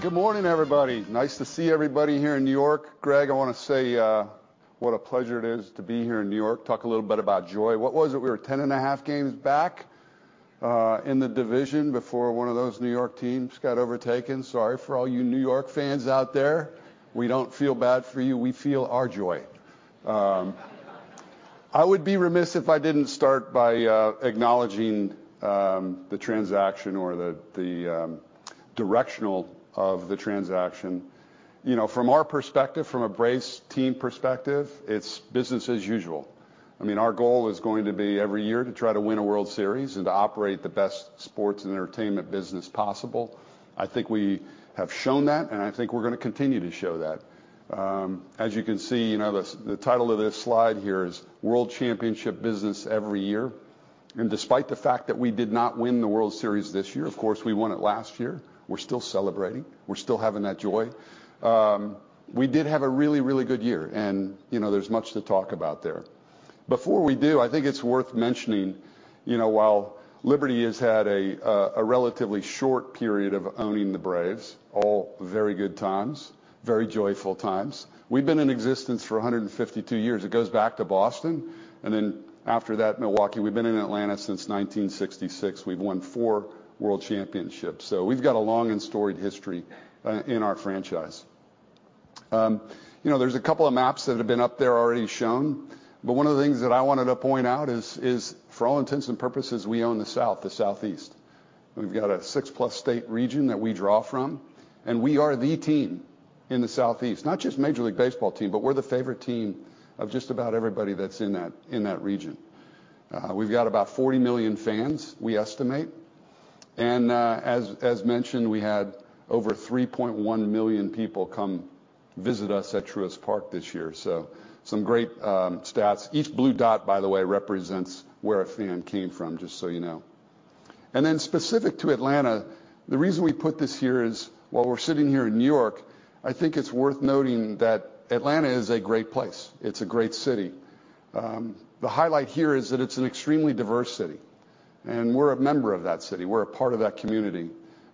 Good morning, everybody. Nice to see everybody here in New York. Greg, I want to say what a pleasure it is to be here in New York. Talk a little bit about joy. What was it? We were 10.5 games back in the division before one of those New York teams got overtaken. Sorry for all you New York fans out there. We don't feel bad for you. We feel our joy. I would be remiss if I didn't start by acknowledging the transaction or the direction of the transaction. You know, from our perspective, from a Braves team perspective, it's business as usual. I mean, our goal is going to be every year to try to win a World Series and to operate the best sports and entertainment business possible. I think we have shown that, and I think we're gonna continue to show that. As you can see, you know, the title of this slide here is World Championship Business Every Year. Despite the fact that we did not win the World Series this year, of course, we won it last year. We're still celebrating. We're still having that joy. We did have a really good year, and, you know, there's much to talk about there. Before we do, I think it's worth mentioning, you know, while Liberty has had a relatively short period of owning the Braves, all very good times, very joyful times, we've been in existence for 152 years. It goes back to Boston, and then after that, Milwaukee. We've been in Atlanta since 1966. We've won four World Championships, so we've got a long and storied history in our franchise. You know, there's a couple of maps that have been up there already shown, but one of the things that I wanted to point out is for all intents and purposes, we own the South, the Southeast. We've got a 6 plus state region that we draw from, and we are the team in the Southeast, not just Major League Baseball team, but we're the favorite team of just about everybody that's in that region. We've got about 40 million fans, we estimate. As mentioned, we had over 3.1 million people come visit us at Truist Park this year. Some great stats. Each blue dot, by the way, represents where a fan came from, just so you know. Specific to Atlanta, the reason we put this here is while we're sitting here in New York, I think it's worth noting that Atlanta is a great place. It's a great city. The highlight here is that it's an extremely diverse city, and we're a member of that city. We're a part of that community.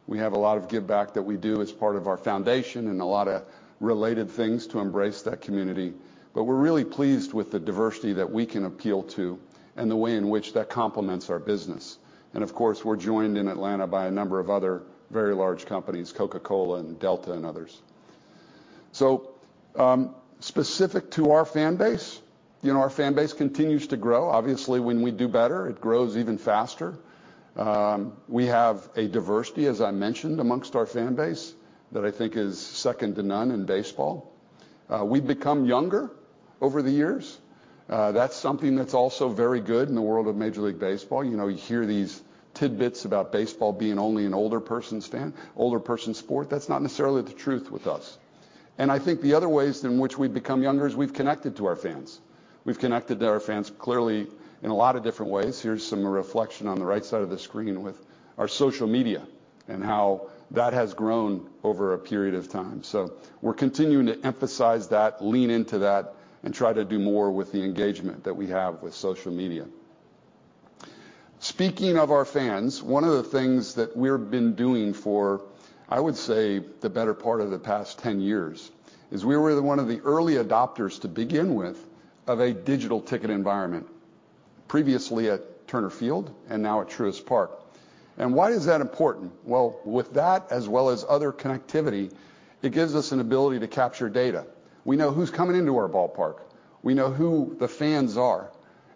We have a lot of give back that we do as part of our foundation and a lot of related things to embrace that community. But we're really pleased with the diversity that we can appeal to and the way in which that complements our business. And of course, we're joined in Atlanta by a number of other very large companies, Coca-Cola and Delta and others. Specific to our fan base, you know, our fan base continues to grow. Obviously, when we do better, it grows even faster. We have a diversity, as I mentioned, among our fan base that I think is second to none in baseball. We've become younger over the years. That's something that's also very good in the world of Major League Baseball. You know, you hear these tidbits about baseball being only an older person's fan, older person sport. That's not necessarily the truth with us. I think the other ways in which we've become younger is we've connected to our fans clearly in a lot of different ways. Here's some reflection on the right side of the screen with our social media and how that has grown over a period of time. We're continuing to emphasize that, lean into that, and try to do more with the engagement that we have with social media. Speaking of our fans, one of the things that we've been doing, I would say the better part of the past 10 years is we were one of the early adopters to begin with of a digital ticket environment, previously at Turner Field and now at Truist Park. Why is that important? Well, with that, as well as other connectivity, it gives us an ability to capture data. We know who's coming into our ballpark. We know who the fans are,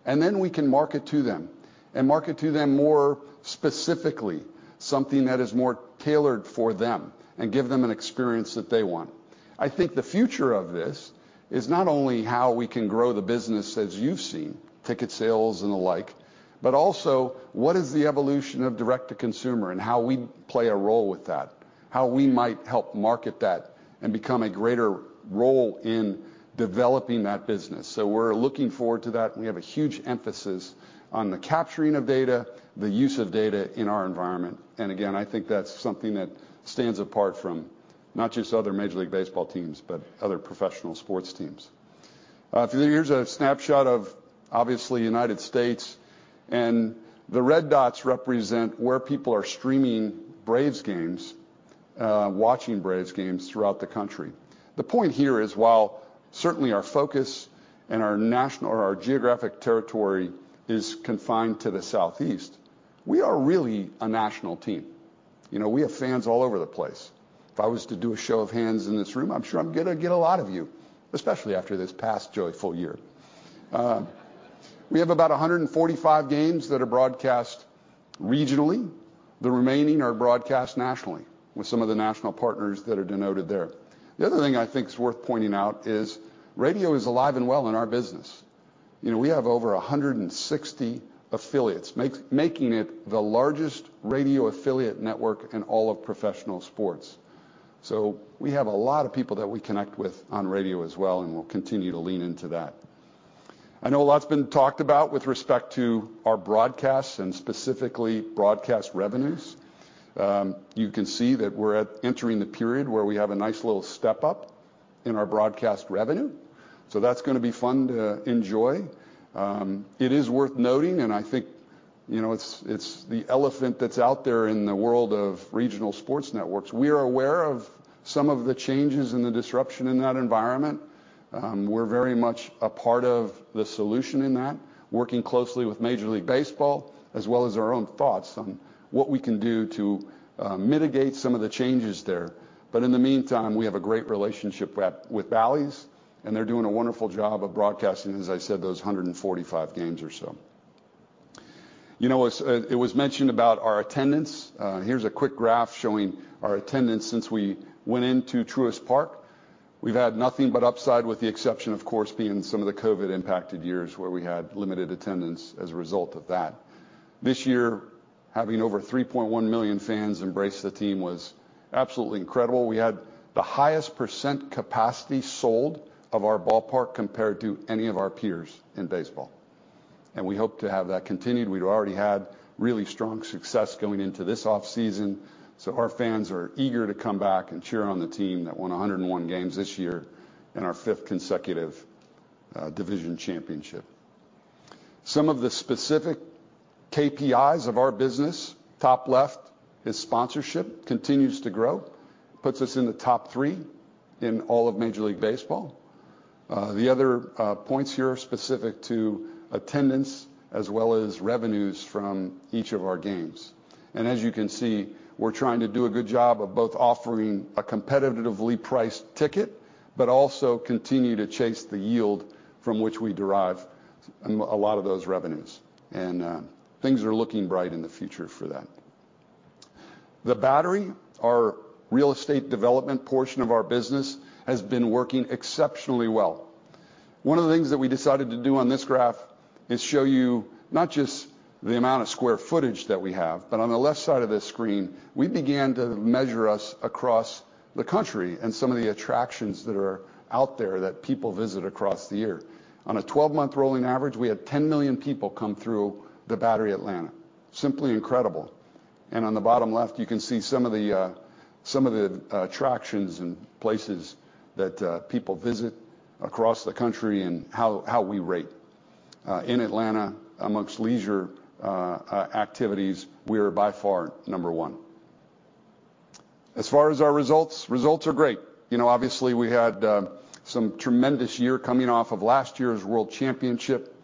and then we can market to them and market to them more specifically, something that is more tailored for them and give them an experience that they want. I think the future of this is not only how we can grow the business as you've seen, ticket sales and the like, but also what is the evolution of direct-to-consumer and how we play a role with that, how we might help market that and become a greater role in developing that business. We're looking forward to that, and we have a huge emphasis on the capturing of data, the use of data in our environment. Again, I think that's something that stands apart from not just other Major League Baseball teams, but other professional sports teams. Here's a snapshot of, obviously, U.S., and the red dots represent where people are streaming Braves games, watching Braves games throughout the country. The point here is, while certainly our focus and our national or our geographic territory is confined to the Southeast, we are really a national team. You know, we have fans all over the place. If I was to do a show of hands in this room, I'm sure I'm gonna get a lot of you, especially after this past joyful year. We have about 145 games that are broadcast regionally. The remaining are broadcast nationally with some of the national partners that are denoted there. The other thing I think is worth pointing out is radio is alive and well in our business. You know, we have over 160 affiliates, making it the largest radio affiliate network in all of professional sports. We have a lot of people that we connect with on radio as well, and we'll continue to lean into that. I know a lot's been talked about with respect to our broadcasts and specifically broadcast revenues. You can see that we're entering the period where we have a nice little step-up in our broadcast revenue, so that's gonna be fun to enjoy. It is worth noting, and I think, you know, it's the elephant that's out there in the world of regional sports networks. We are aware of some of the changes and the disruption in that environment. We're very much a part of the solution in that, working closely with Major League Baseball, as well as our own thoughts on what we can do to mitigate some of the changes there. In the meantime, we have a great relationship with Ballies, and they're doing a wonderful job of broadcasting, as I said, those 145 games or so. You know, as it was mentioned about our attendance, here's a quick graph showing our attendance since we went into Truist Park. We've had nothing but upside with the exception, of course, being some of the COVID-impacted years where we had limited attendance as a result of that. This year, having over 3.1 million fans embrace the team was absolutely incredible. We had the highest % capacity sold of our ballpark compared to any of our peers in baseball, and we hope to have that continued. We'd already had really strong success going into this off-season, so our fans are eager to come back and cheer on the team that won 101 games this year in our fifth consecutive division championship. Some of the specific KPIs of our business, top left is sponsorship, continues to grow, puts us in the top three in all of Major League Baseball. The other points here are specific to attendance as well as revenues from each of our games. As you can see, we're trying to do a good job of both offering a competitively priced ticket, but also continue to chase the yield from which we derive a lot of those revenues. Things are looking bright in the future for that. The Battery, our real estate development portion of our business, has been working exceptionally well. One of the things that we decided to do on this graph is show you not just the amount of square footage that we have, but on the left side of this screen, we began to measure us across the country and some of the attractions that are out there that people visit across the year. On a 12-month rolling average, we had 10 million people come through The Battery Atlanta. Simply incredible. On the bottom left, you can see some of the attractions and places that people visit across the country and how we rate. In Atlanta, among leisure activities, we are by far number one. As far as our results are great. You know, obviously we had some tremendous year coming off of last year's world championship.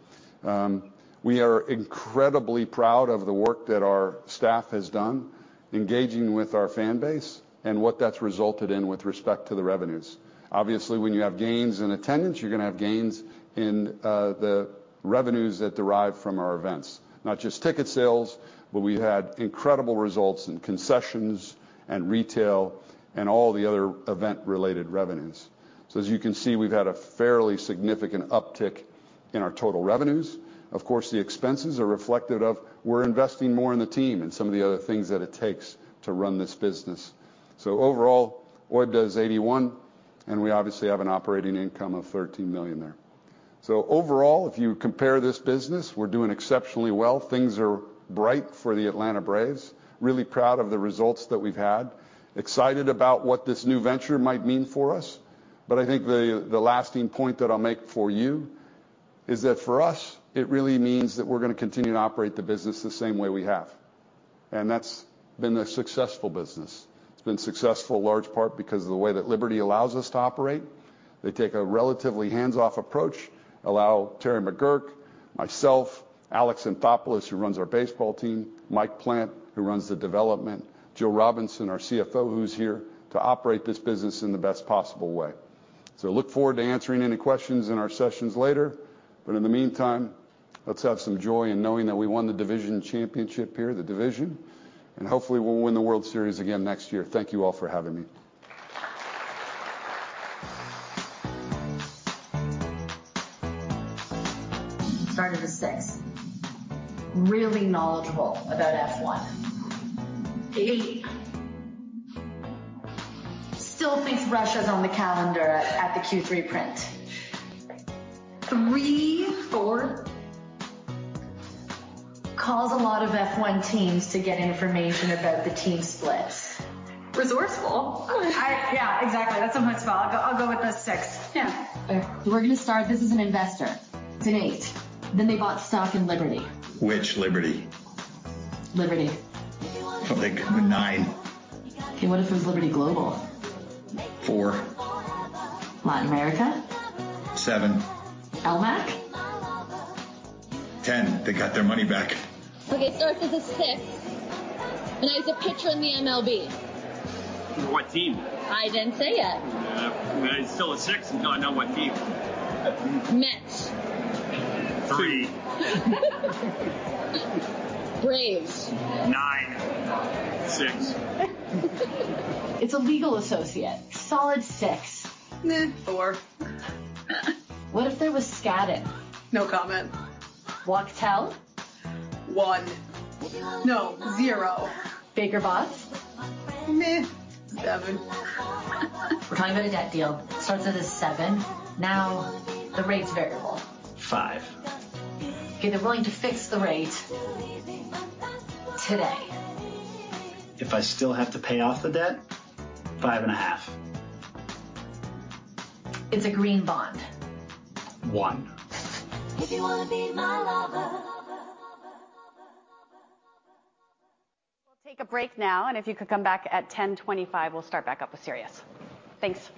We are incredibly proud of the work that our staff has done, engaging with our fan base and what that's resulted in with respect to the revenues. Obviously, when you have gains in attendance, you're gonna have gains in the revenues that derive from our events. Not just ticket sales, but we had incredible results in concessions and retail and all the other event-related revenues. As you can see, we've had a fairly significant uptick in our total revenues. Of course, the expenses are reflective of we're investing more in the team and some of the other things that it takes to run this business. Overall, OIBDA is $81 million, and we obviously have an operating income of $13 million there. Overall, if you compare this business, we're doing exceptionally well. Things are bright for the Atlanta Braves. Really proud of the results that we've had. Excited about what this new venture might mean for us, but I think the lasting point that I'll make for you is that for us, it really means that we're gonna continue to operate the business the same way we have. That's been a successful business. It's been successful in large part because of the way that Liberty allows us to operate. They take a relatively hands-off approach, allow Terry McGuirk, myself, Alex Anthopoulos, who runs our baseball team, Mike Plant, who runs the development, Jill Robinson, our CFO, who's here to operate this business in the best possible way. Look forward to answering any questions in our sessions later, but in the meantime, let's have some joy in knowing that we won the division championship here, the division, and hopefully we'll win the World Series again next year. Thank you all for having me. We'll take a break now, and if you could come back at 10:25, we'll start back up with Sirius. Thanks.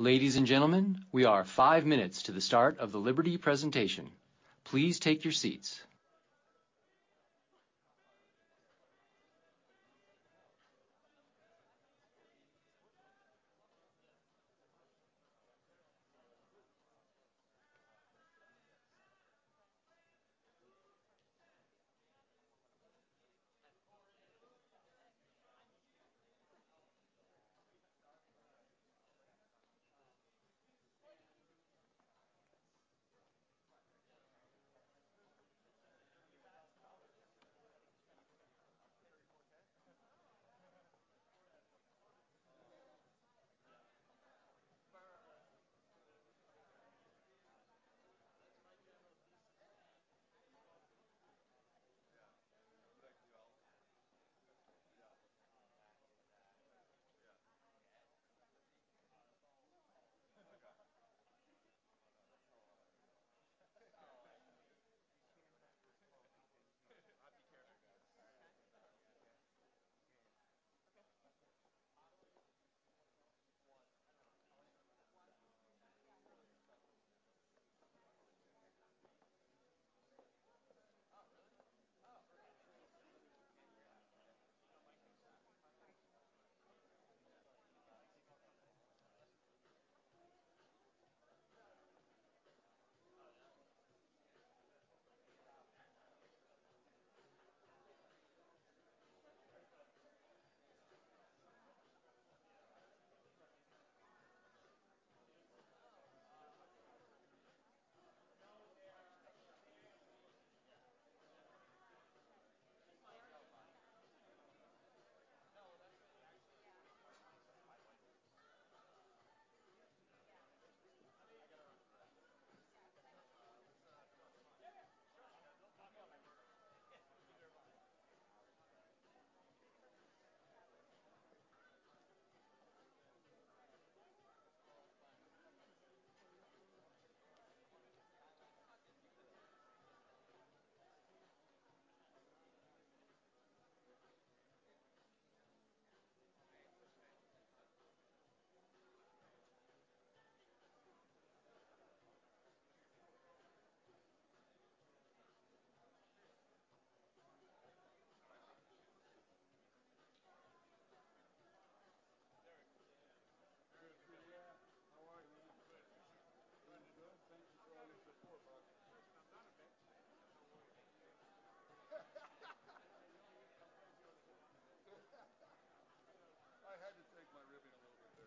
Ladies and gentlemen, we are five minutes to the start of the Liberty presentation. Please take your seats.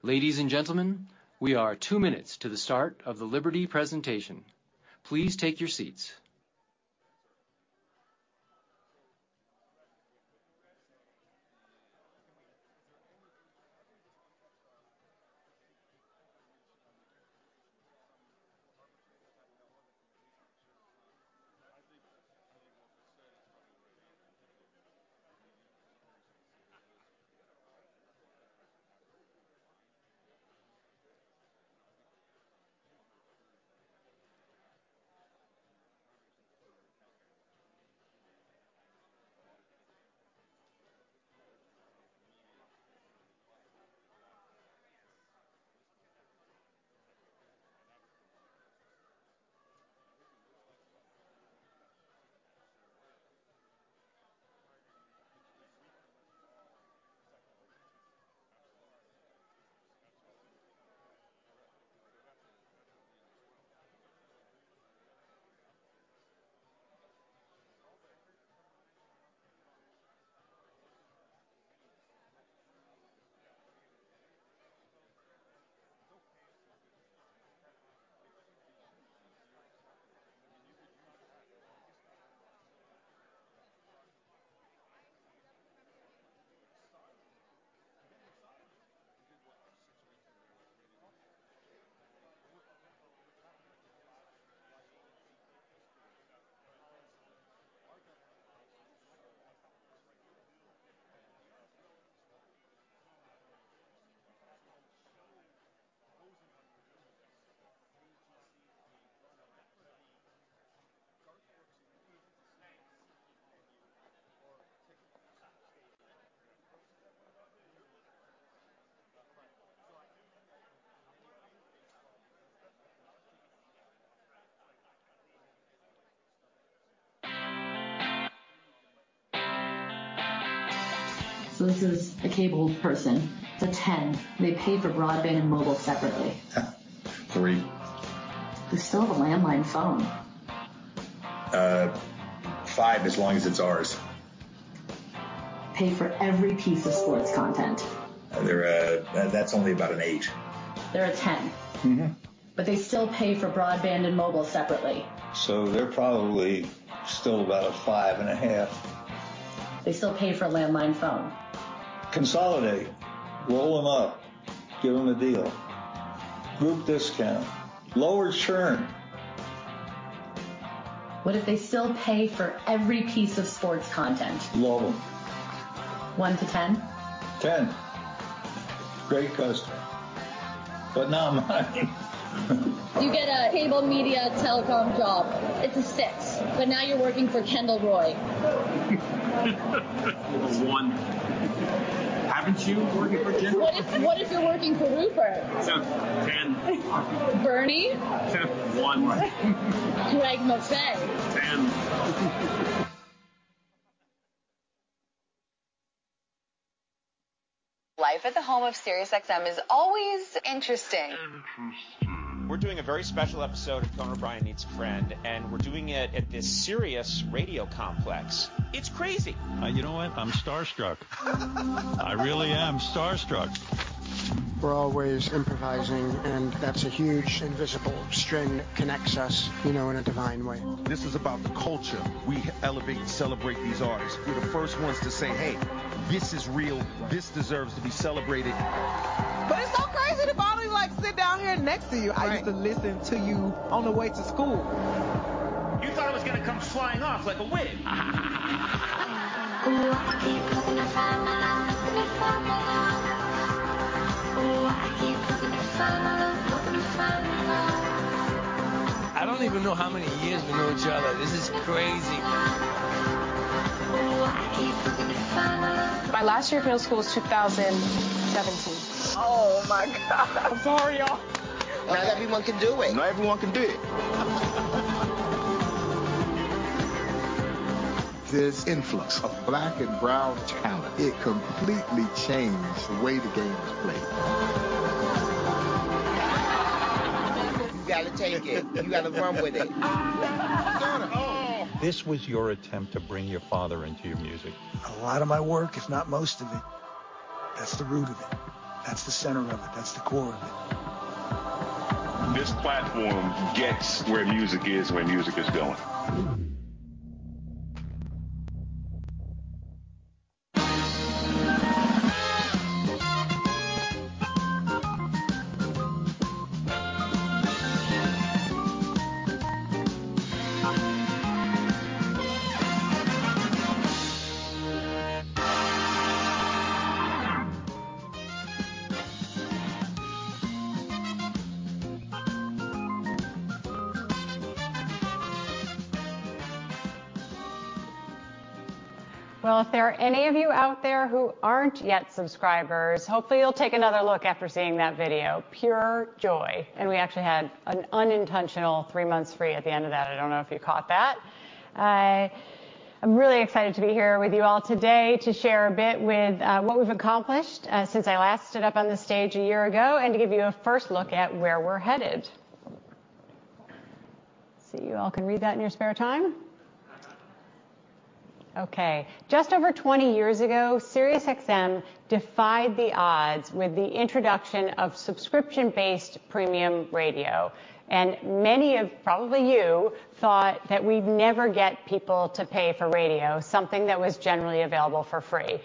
Ladies and gentlemen, we are two minutes to the start of the Liberty presentation. Please take your seats. This is a cable person. It's a 10. They pay for broadband and mobile separately. Three. They still have a landline phone. Five as long as it's ours. Pay for every piece of sports content. That's only about an 8. They're a 10.Mm-hmm. They still pay for broadband and mobile separately. They're probably still about a 5.5. They still pay for a landline phone. Consolidate. Roll them up, give them a deal. Group discount. Lower churn. What if they still pay for every piece of sports content? Love them. One to 10? 10. Great customer. Not mine. You get a cable media telecom job. It's a six. Now you're working for Kendall Roy. A 1. Haven't you worked for Kendall? What if you're working for Rupert? Ten.Bernie?10. 1. Greg Maffei. Ten. Life at the home of SiriusXM is always interesting. Interesting. We're doing a very special episode of Conan O'Brien Needs a Friend, and we're doing it at this SiriusXM complex. It's crazy. You know what? I'm starstruck. I really am starstruck. We're always improvising, and that's a huge invisible string that connects us, you know, in a divine way. This is about the culture. We elevate and celebrate these artists. We're the first ones to say, "Hey, this is real. This deserves to be celebrated. It's so crazy to finally, like, sit down here next to yo Right I used to listen to you on the way to school. You thought it was gonna come flying off like a wig. Oh, I keep looking for something. I don't even know how many years we know each other. This is crazy. Oh, I keep looking for something. My last year of middle school was 2017. Oh my God. I'm sorry, y'all. Not everyone can do it. Not everyone can do it. This influx of Black and brown talent, it completely changed the way the game was played. You gotta take it. You gotta run with it. Conan, oh. This was your attempt to bring your father into your music. A lot of my work, if not most of it, that's the root of it. That's the center of it. That's the core of it. This platform gets where music is and where music is going. Well, if there are any of you out there who aren't yet subscribers, hopefully you'll take another look after seeing that video. Pure joy. We actually had an unintentional 3 months free at the end of that. I don't know if you caught that. I'm really excited to be here with you all today to share a bit with what we've accomplished since I last stood up on this stage a year ago, and to give you a first look at where we're headed. So you all can read that in your spare time. Okay. Just over 20 years ago, SiriusXM defied the odds with the introduction of subscription-based premium radio, and many of you probably thought that we'd never get people to pay for radio, something that was generally available for free.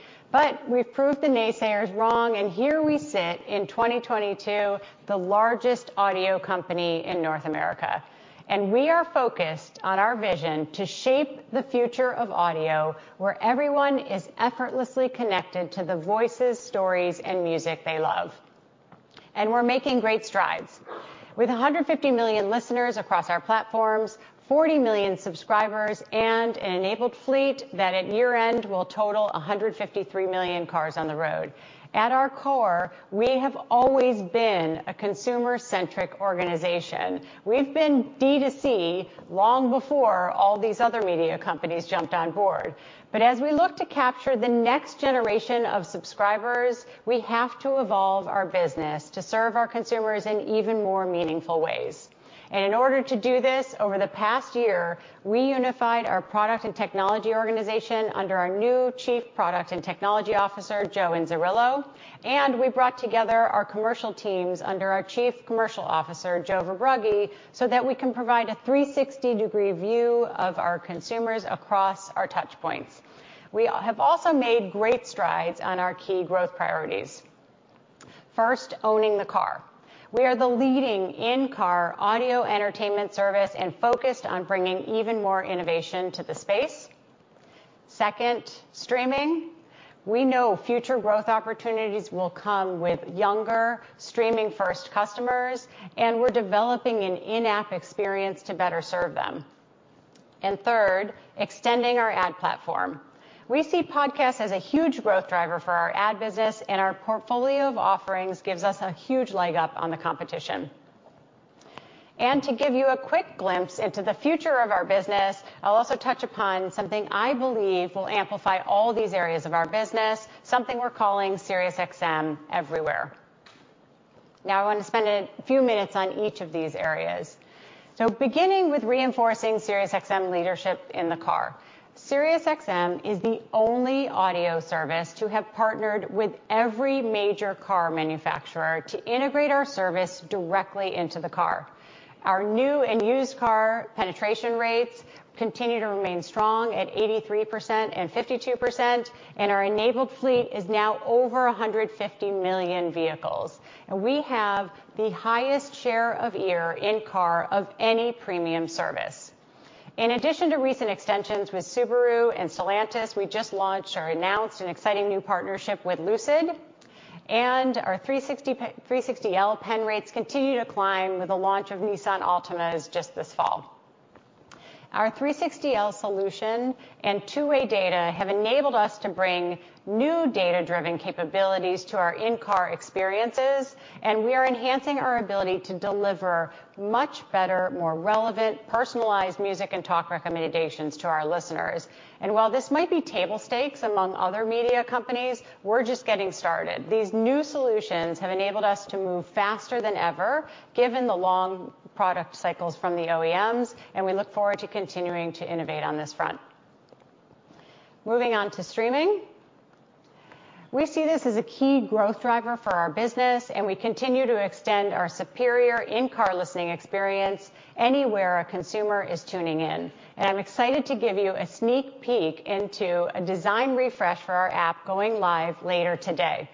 We've proved the naysayers wrong, and here we sit in 2022, the largest audio company in North America. We are focused on our vision to shape the future of audio, where everyone is effortlessly connected to the voices, stories and music they love. We're making great strides. With 150 million listeners across our platforms, 40 million subscribers, and an enabled fleet that at year-end will total 153 million cars on the road. At our core, we have always been a consumer-centric organization. We've been D2C long before all these other media companies jumped on board. As we look to capture the next generation of subscribers, we have to evolve our business to serve our consumers in even more meaningful ways. In order to do this, over the past year, we unified our product and technology organization under our new Chief Product and Technology Officer, Joe Inzerillo, and we brought together our commercial teams under our Chief Commercial Officer, Joe Verbrugge, so that we can provide a 360-degree view of our consumers across our touchpoints. We have also made great strides on our key growth priorities. First, owning the car. We are the leading in-car audio entertainment service and focused on bringing even more innovation to the space. Second, streaming. We know future growth opportunities will come with younger streaming-first customers, and we're developing an in-app experience to better serve them. Third, extending our ad platform. We see podcasts as a huge growth driver for our ad business, and our portfolio of offerings gives us a huge leg up on the competition. To give you a quick glimpse into the future of our business, I'll also touch upon something I believe will amplify all these areas of our business, something we're calling SiriusXM Everywhere. Now, I want to spend a few minutes on each of these areas. Beginning with reinforcing SiriusXM leadership in the car. SiriusXM is the only audio service to have partnered with every major car manufacturer to integrate our service directly into the car. Our new and used car penetration rates continue to remain strong at 83% and 52%, and our enabled fleet is now over 150 million vehicles. We have the highest share of ear in-car of any premium service. In addition to recent extensions with Subaru and Stellantis, we just launched or announced an exciting new partnership with Lucid, and our 360L penetration rates continue to climb with the launch of Nissan Altima just this fall. Our 360L solution and two-way data have enabled us to bring new data-driven capabilities to our in-car experiences, and we are enhancing our ability to deliver much better, more relevant, personalized music and talk recommendations to our listeners. While this might be table stakes among other media companies, we're just getting started. These new solutions have enabled us to move faster than ever given the long product cycles from the OEMs, and we look forward to continuing to innovate on this front. Moving on to streaming. We see this as a key growth driver for our business, and we continue to extend our superior in-car listening experience anywhere a consumer is tuning in. I'm excited to give you a sneak peek into a design refresh for our app going live later today.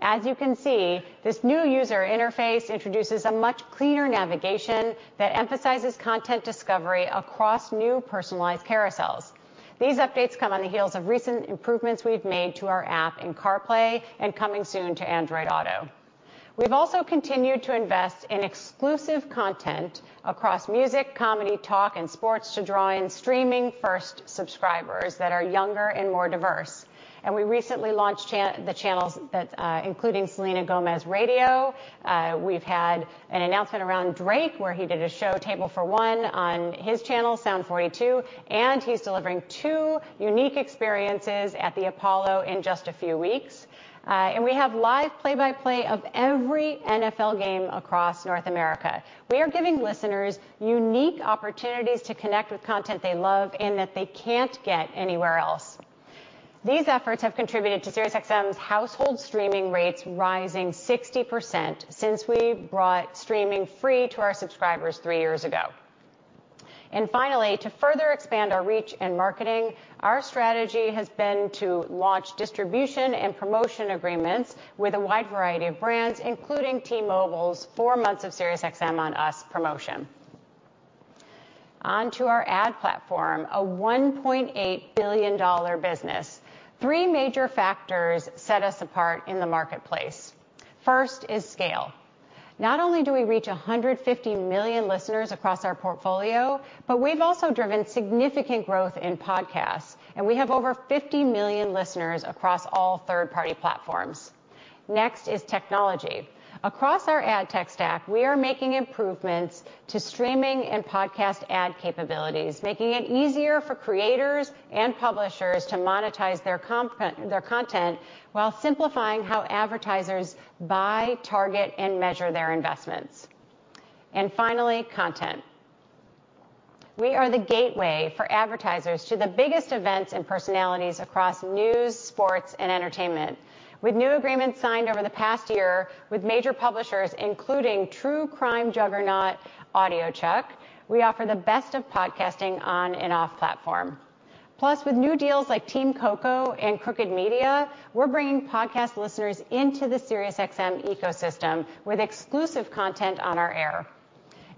As you can see, this new user interface introduces a much cleaner navigation that emphasizes content discovery across new personalized carousels. These updates come on the heels of recent improvements we've made to our app in CarPlay and coming soon to Android Auto. We've also continued to invest in exclusive content across music, comedy, talk, and sports to draw in streaming-first subscribers that are younger and more diverse. We recently launched the channels, including Selena Gomez Radio. We've had an announcement around Drake, where he did a show, Table for One, on his channel, Sound 42, and he's delivering two unique experiences at the Apollo in just a few weeks. We have live play-by-play of every NFL game across North America. We are giving listeners unique opportunities to connect with content they love and that they can't get anywhere else. These efforts have contributed to SiriusXM's household streaming rates rising 60% since we brought streaming free to our subscribers 3 years ago. Finally, to further expand our reach and marketing, our strategy has been to launch distribution and promotion agreements with a wide variety of brands, including T-Mobile's 4 months of SiriusXM on us promotion. On to our ad platform, a $1.8 billion business. Three major factors set us apart in the marketplace. First is scale. Not only do we reach 150 million listeners across our portfolio, but we've also driven significant growth in podcasts, and we have over 50 million listeners across all third-party platforms. Next is technology. Across our ad tech stack, we are making improvements to streaming and podcast ad capabilities, making it easier for creators and publishers to monetize their content while simplifying how advertisers buy, target, and measure their investments. Finally, content. We are the gateway for advertisers to the biggest events and personalities across news, sports, and entertainment. With new agreements signed over the past year with major publishers, including true crime juggernaut audiochuck, we offer the best of podcasting on and off platform. Plus, with new deals like Team Coco and Crooked Media, we're bringing podcast listeners into the SiriusXM ecosystem with exclusive content on our air.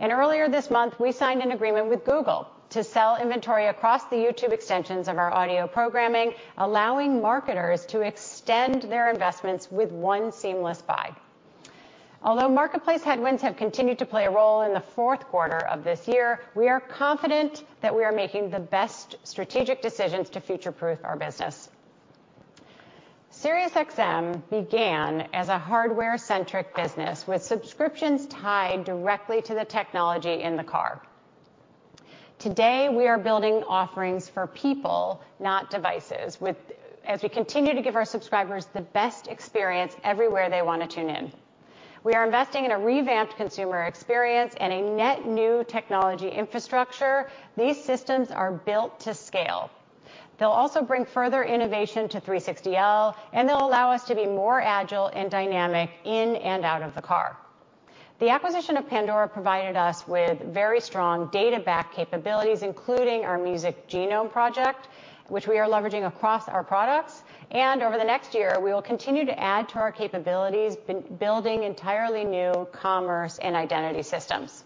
Earlier this month, we signed an agreement with Google to sell inventory across the YouTube extensions of our audio programming, allowing marketers to extend their investments with one seamless buy. Although marketplace headwinds have continued to play a role in the fourth quarter of this year, we are confident that we are making the best strategic decisions to future-proof our business. SiriusXM began as a hardware-centric business with subscriptions tied directly to the technology in the car. Today, we are building offerings for people, not devices, as we continue to give our subscribers the best experience everywhere they wanna tune in. We are investing in a revamped consumer experience and a net new technology infrastructure. These systems are built to scale. They'll also bring further innovation to 360L, and they'll allow us to be more agile and dynamic in and out of the car. The acquisition of Pandora provided us with very strong data backend capabilities, including our Music Genome Project, which we are leveraging across our products. Over the next year, we will continue to add to our capabilities, building entirely new commerce and identity systems.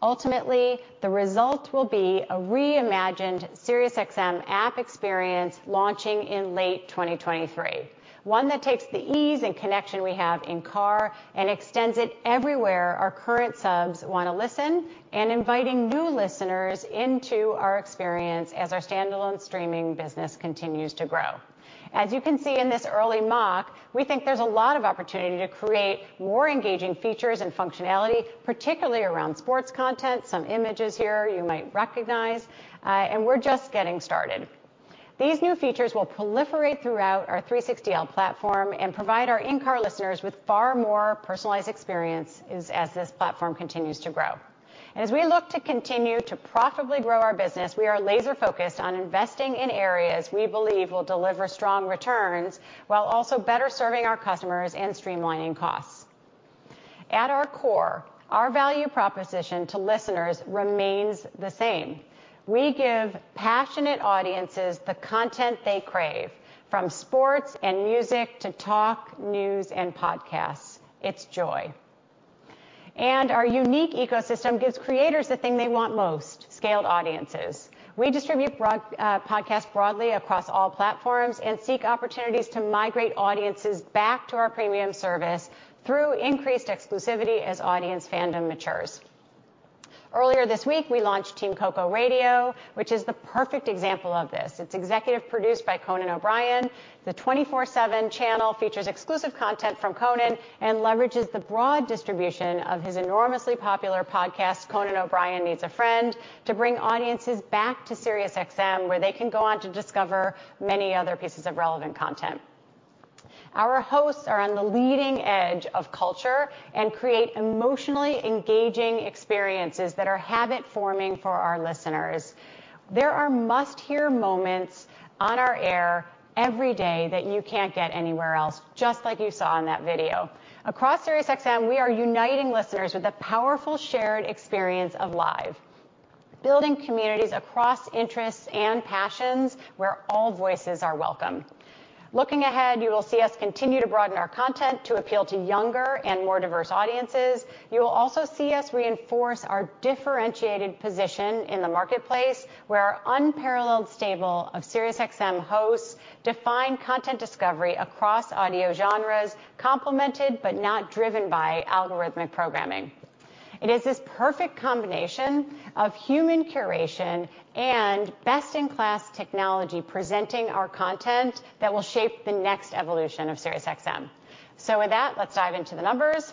Ultimately, the result will be a reimagined SiriusXM app experience launching in late 2023, one that takes the ease and connection we have in car and extends it everywhere our current subs wanna listen and inviting new listeners into our experience as our standalone streaming business continues to grow. As you can see in this early mock, we think there's a lot of opportunity to create more engaging features and functionality, particularly around sports content. Some images here you might recognize, and we're just getting started. These new features will proliferate throughout our 360L platform and provide our in-car listeners with far more personalized experiences as this platform continues to grow. As we look to continue to profitably grow our business, we are laser-focused on investing in areas we believe will deliver strong returns while also better serving our customers and streamlining costs. At our core, our value proposition to listeners remains the same. We give passionate audiences the content they crave, from sports and music to talk, news, and podcasts. It's joy. Our unique ecosystem gives creators the thing they want most, scaled audiences. We distribute broad, podcasts broadly across all platforms and seek opportunities to migrate audiences back to our premium service through increased exclusivity as audience fandom matures. Earlier this week, we launched Team Coco Radio, which is the perfect example of this. It's executive produced by Conan O'Brien. The 24/7 channel features exclusive content from Conan and leverages the broad distribution of his enormously popular podcast, Conan O'Brien Needs a Friend, to bring audiences back to SiriusXM, where they can go on to discover many other pieces of relevant content. Our hosts are on the leading edge of culture and create emotionally engaging experiences that are habit-forming for our listeners. There are must-hear moments on our air every day that you can't get anywhere else, just like you saw in that video. Across SiriusXM, we are uniting listeners with the powerful shared experience of live, building communities across interests and passions, where all voices are welcome. Looking ahead, you will see us continue to broaden our content to appeal to younger and more diverse audiences. You will also see us reinforce our differentiated position in the marketplace, where our unparalleled stable of SiriusXM hosts define content discovery across audio genres, complemented but not driven by algorithmic programming. It is this perfect combination of human curation and best-in-class technology presenting our content that will shape the next evolution of SiriusXM. With that, let's dive into the numbers.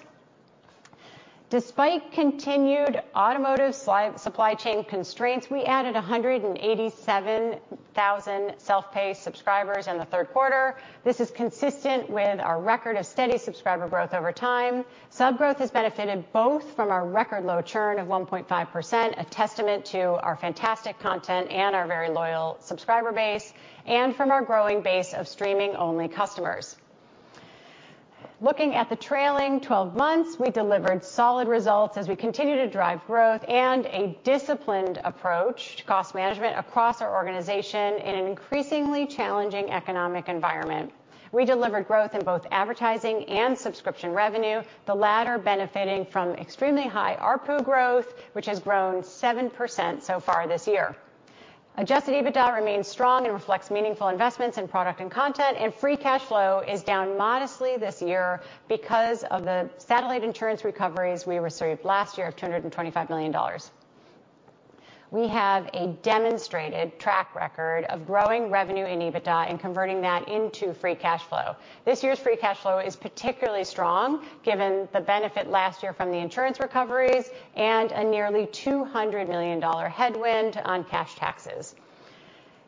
Despite continued automotive supply chain constraints, we added 187,000 self-pay subscribers in the third quarter. This is consistent with our record of steady subscriber growth over time. Sub growth has benefited both from our record low churn of 1.5%, a testament to our fantastic content and our very loyal subscriber base, and from our growing base of streaming-only customers. Looking at the trailing twelve months, we delivered solid results as we continue to drive growth and a disciplined approach to cost management across our organization in an increasingly challenging economic environment. We delivered growth in both advertising and subscription revenue, the latter benefiting from extremely high ARPU growth, which has grown 7% so far this year. Adjusted EBITDA remains strong and reflects meaningful investments in product and content, and free cash flow is down modestly this year because of the satellite insurance recoveries we received last year of $225 million. We have a demonstrated track record of growing revenue and EBITDA and converting that into free cash flow. This year's free cash flow is particularly strong given the benefit last year from the insurance recoveries and a nearly $200 million headwind on cash taxes.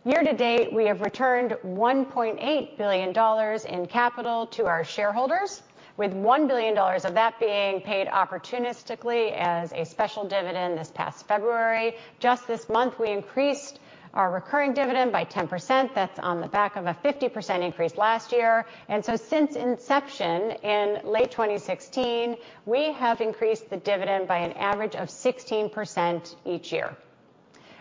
Year to date, we have returned $1.8 billion in capital to our shareholders, with $1 billion of that being paid opportunistically as a special dividend this past February. Just this month, we increased our recurring dividend by 10%. That's on the back of a 50% increase last year. Since inception in late 2016, we have increased the dividend by an average of 16% each year.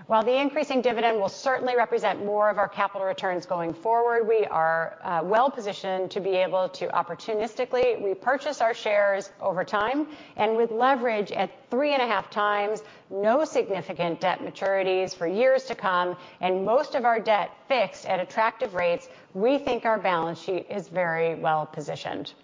While the increasing dividend will certainly represent more of our capital returns going forward, we are well-positioned to be able to opportunistically repurchase our shares over time and with leverage at 3.5 times, no significant debt maturities for years to come, and most of our debt fixed at attractive rates, we think our balance sheet is very well-positioned.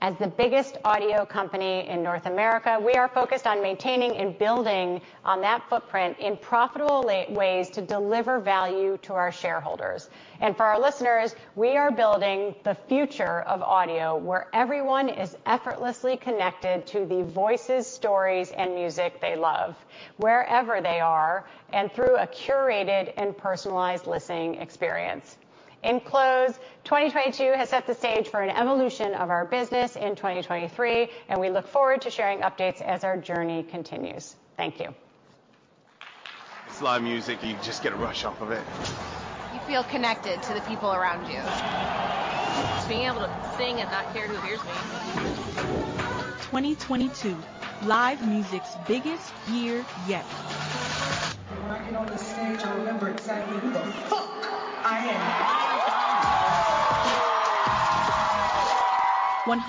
As the biggest audio company in North America, we are focused on maintaining and building on that footprint in profitable ways to deliver value to our shareholders. For our listeners, we are building the future of audio, where everyone is effortlessly connected to the voices, stories, and music they love, wherever they are, and through a curated and personalized listening experience. In closing, 2022 has set the stage for an evolution of our business in 2023, and we look forward to sharing updates as our journey continues. Thank you. All right.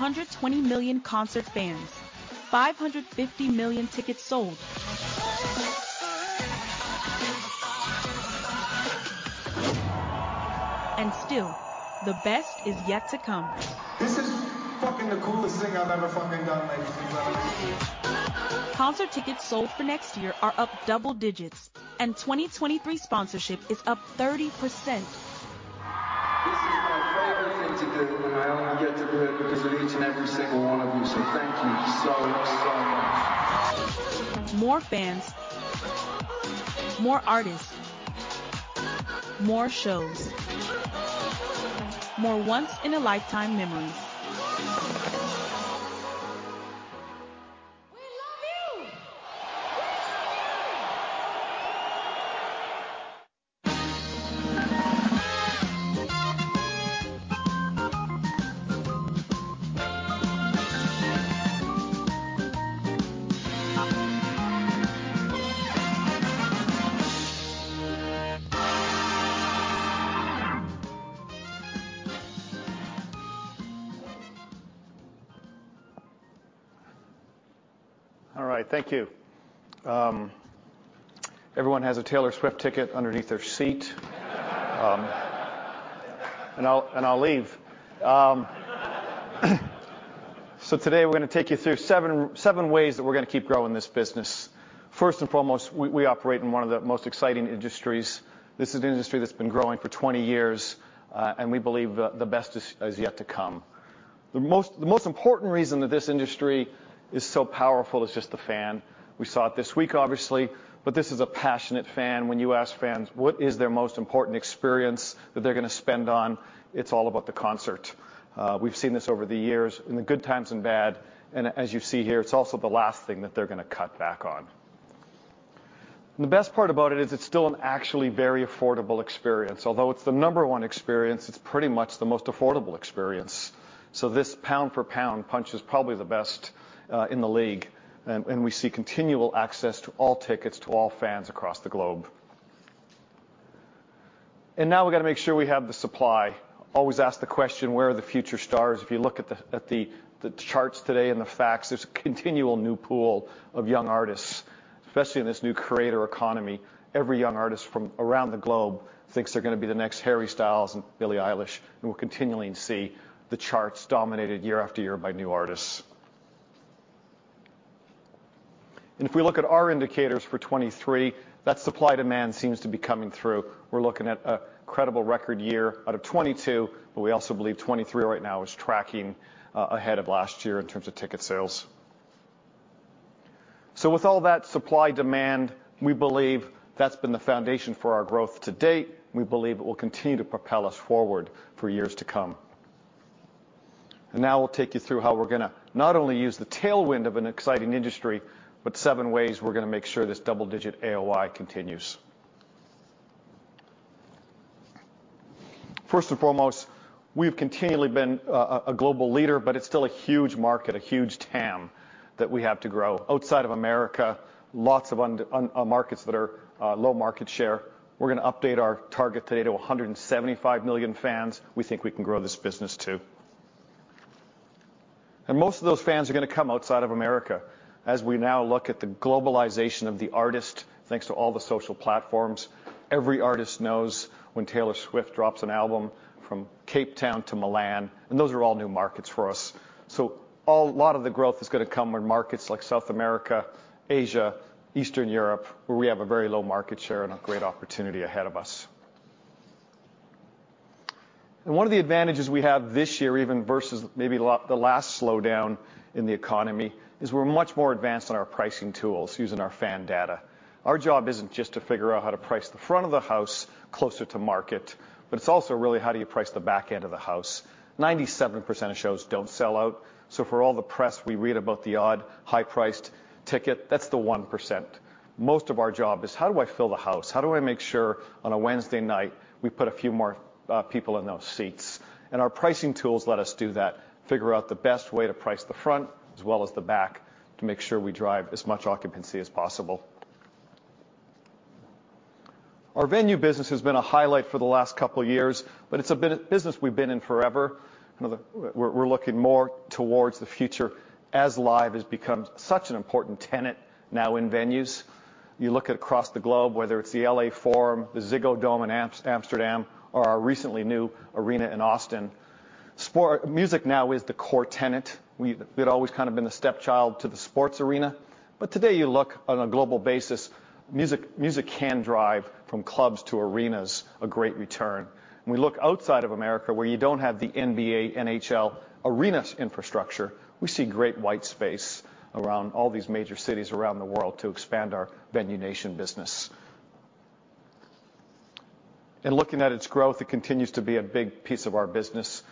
Thank you. Everyone has a Taylor Swift ticket underneath their seat. I'll leave. Today we're gonna take you through seven ways that we're gonna keep growing this business. First and foremost, we operate in one of the most exciting industries. This is an industry that's been growing for 20 years, and we believe the best is yet to come. The most important reason that this industry is so powerful is just the fan. We saw it this week, obviously, but this is a passionate fan. When you ask fans what is their most important experience that they're gonna spend on, it's all about the concert. We've seen this over the years in the good times and bad, and as you see here, it's also the last thing that they're gonna cut back on. The best part about it is it's still an actually very affordable experience. Although it's the number one experience, it's pretty much the most affordable experience. This pound for pound punch is probably the best in the league and we see continual access to all tickets to all fans across the globe. Now we've gotta make sure we have the supply. Always ask the question, where are the future stars? If you look at the charts today and the facts, there's a continual new pool of young artists, especially in this new creator economy. Every young artist from around the globe thinks they're gonna be the next Harry Styles and Billie Eilish, and we're continually see the charts dominated year after year by new artists. If we look at our indicators for 2023, that supply-demand seems to be coming through. We're looking at a credible record year out of 2022, but we also believe 2023 right now is tracking ahead of last year in terms of ticket sales. With all that supply-demand, we believe that's been the foundation for our growth to date. We believe it will continue to propel us forward for years to come. Now we'll take you through how we're gonna not only use the tailwind of an exciting industry, but seven ways we're gonna make sure this double-digit AOI continues. First and foremost, we've continually been a global leader, but it's still a huge market, a huge TAM that we have to grow. Outside of America, lots of markets that are low market share. We're gonna update our target today to 175 million fans we think we can grow this business to. Most of those fans are gonna come outside of America. As we now look at the globalization of the artist, thanks to all the social platforms, every artist knows when Taylor Swift drops an album from Cape Town to Milan, and those are all new markets for us. A lot of the growth is gonna come in markets like South America, Asia, Eastern Europe, where we have a very low market share and a great opportunity ahead of us. One of the advantages we have this year, even versus maybe the last slowdown in the economy, is we're much more advanced in our pricing tools using our fan data. Our job isn't just to figure out how to price the front of the house closer to market, but it's also really how do you price the back end of the house. 97% of shows don't sell out, so for all the press we read about the odd high-priced ticket, that's the 1%. Most of our job is how do I fill the house? How do I make sure on a Wednesday night we put a few more people in those seats? Our pricing tools let us do that, figure out the best way to price the front as well as the back to make sure we drive as much occupancy as possible. Our venue business has been a highlight for the last couple years, but it's a business we've been in forever. We're looking more towards the future as live has become such an important tenet now in venues. You look across the globe, whether it's the L.A. Forum, the Ziggo Dome in Amsterdam, or our recently new arena in Austin. Music now is the core tenant. It always kind of been the stepchild to the sports arena, but today you look on a global basis, music can drive from clubs to arenas a great return. When we look outside of America where you don't have the NBA, NHL arenas infrastructure, we see great white space around all these major cities around the world to expand our Live Nation business. In looking at its growth, it continues to be a big piece of our business.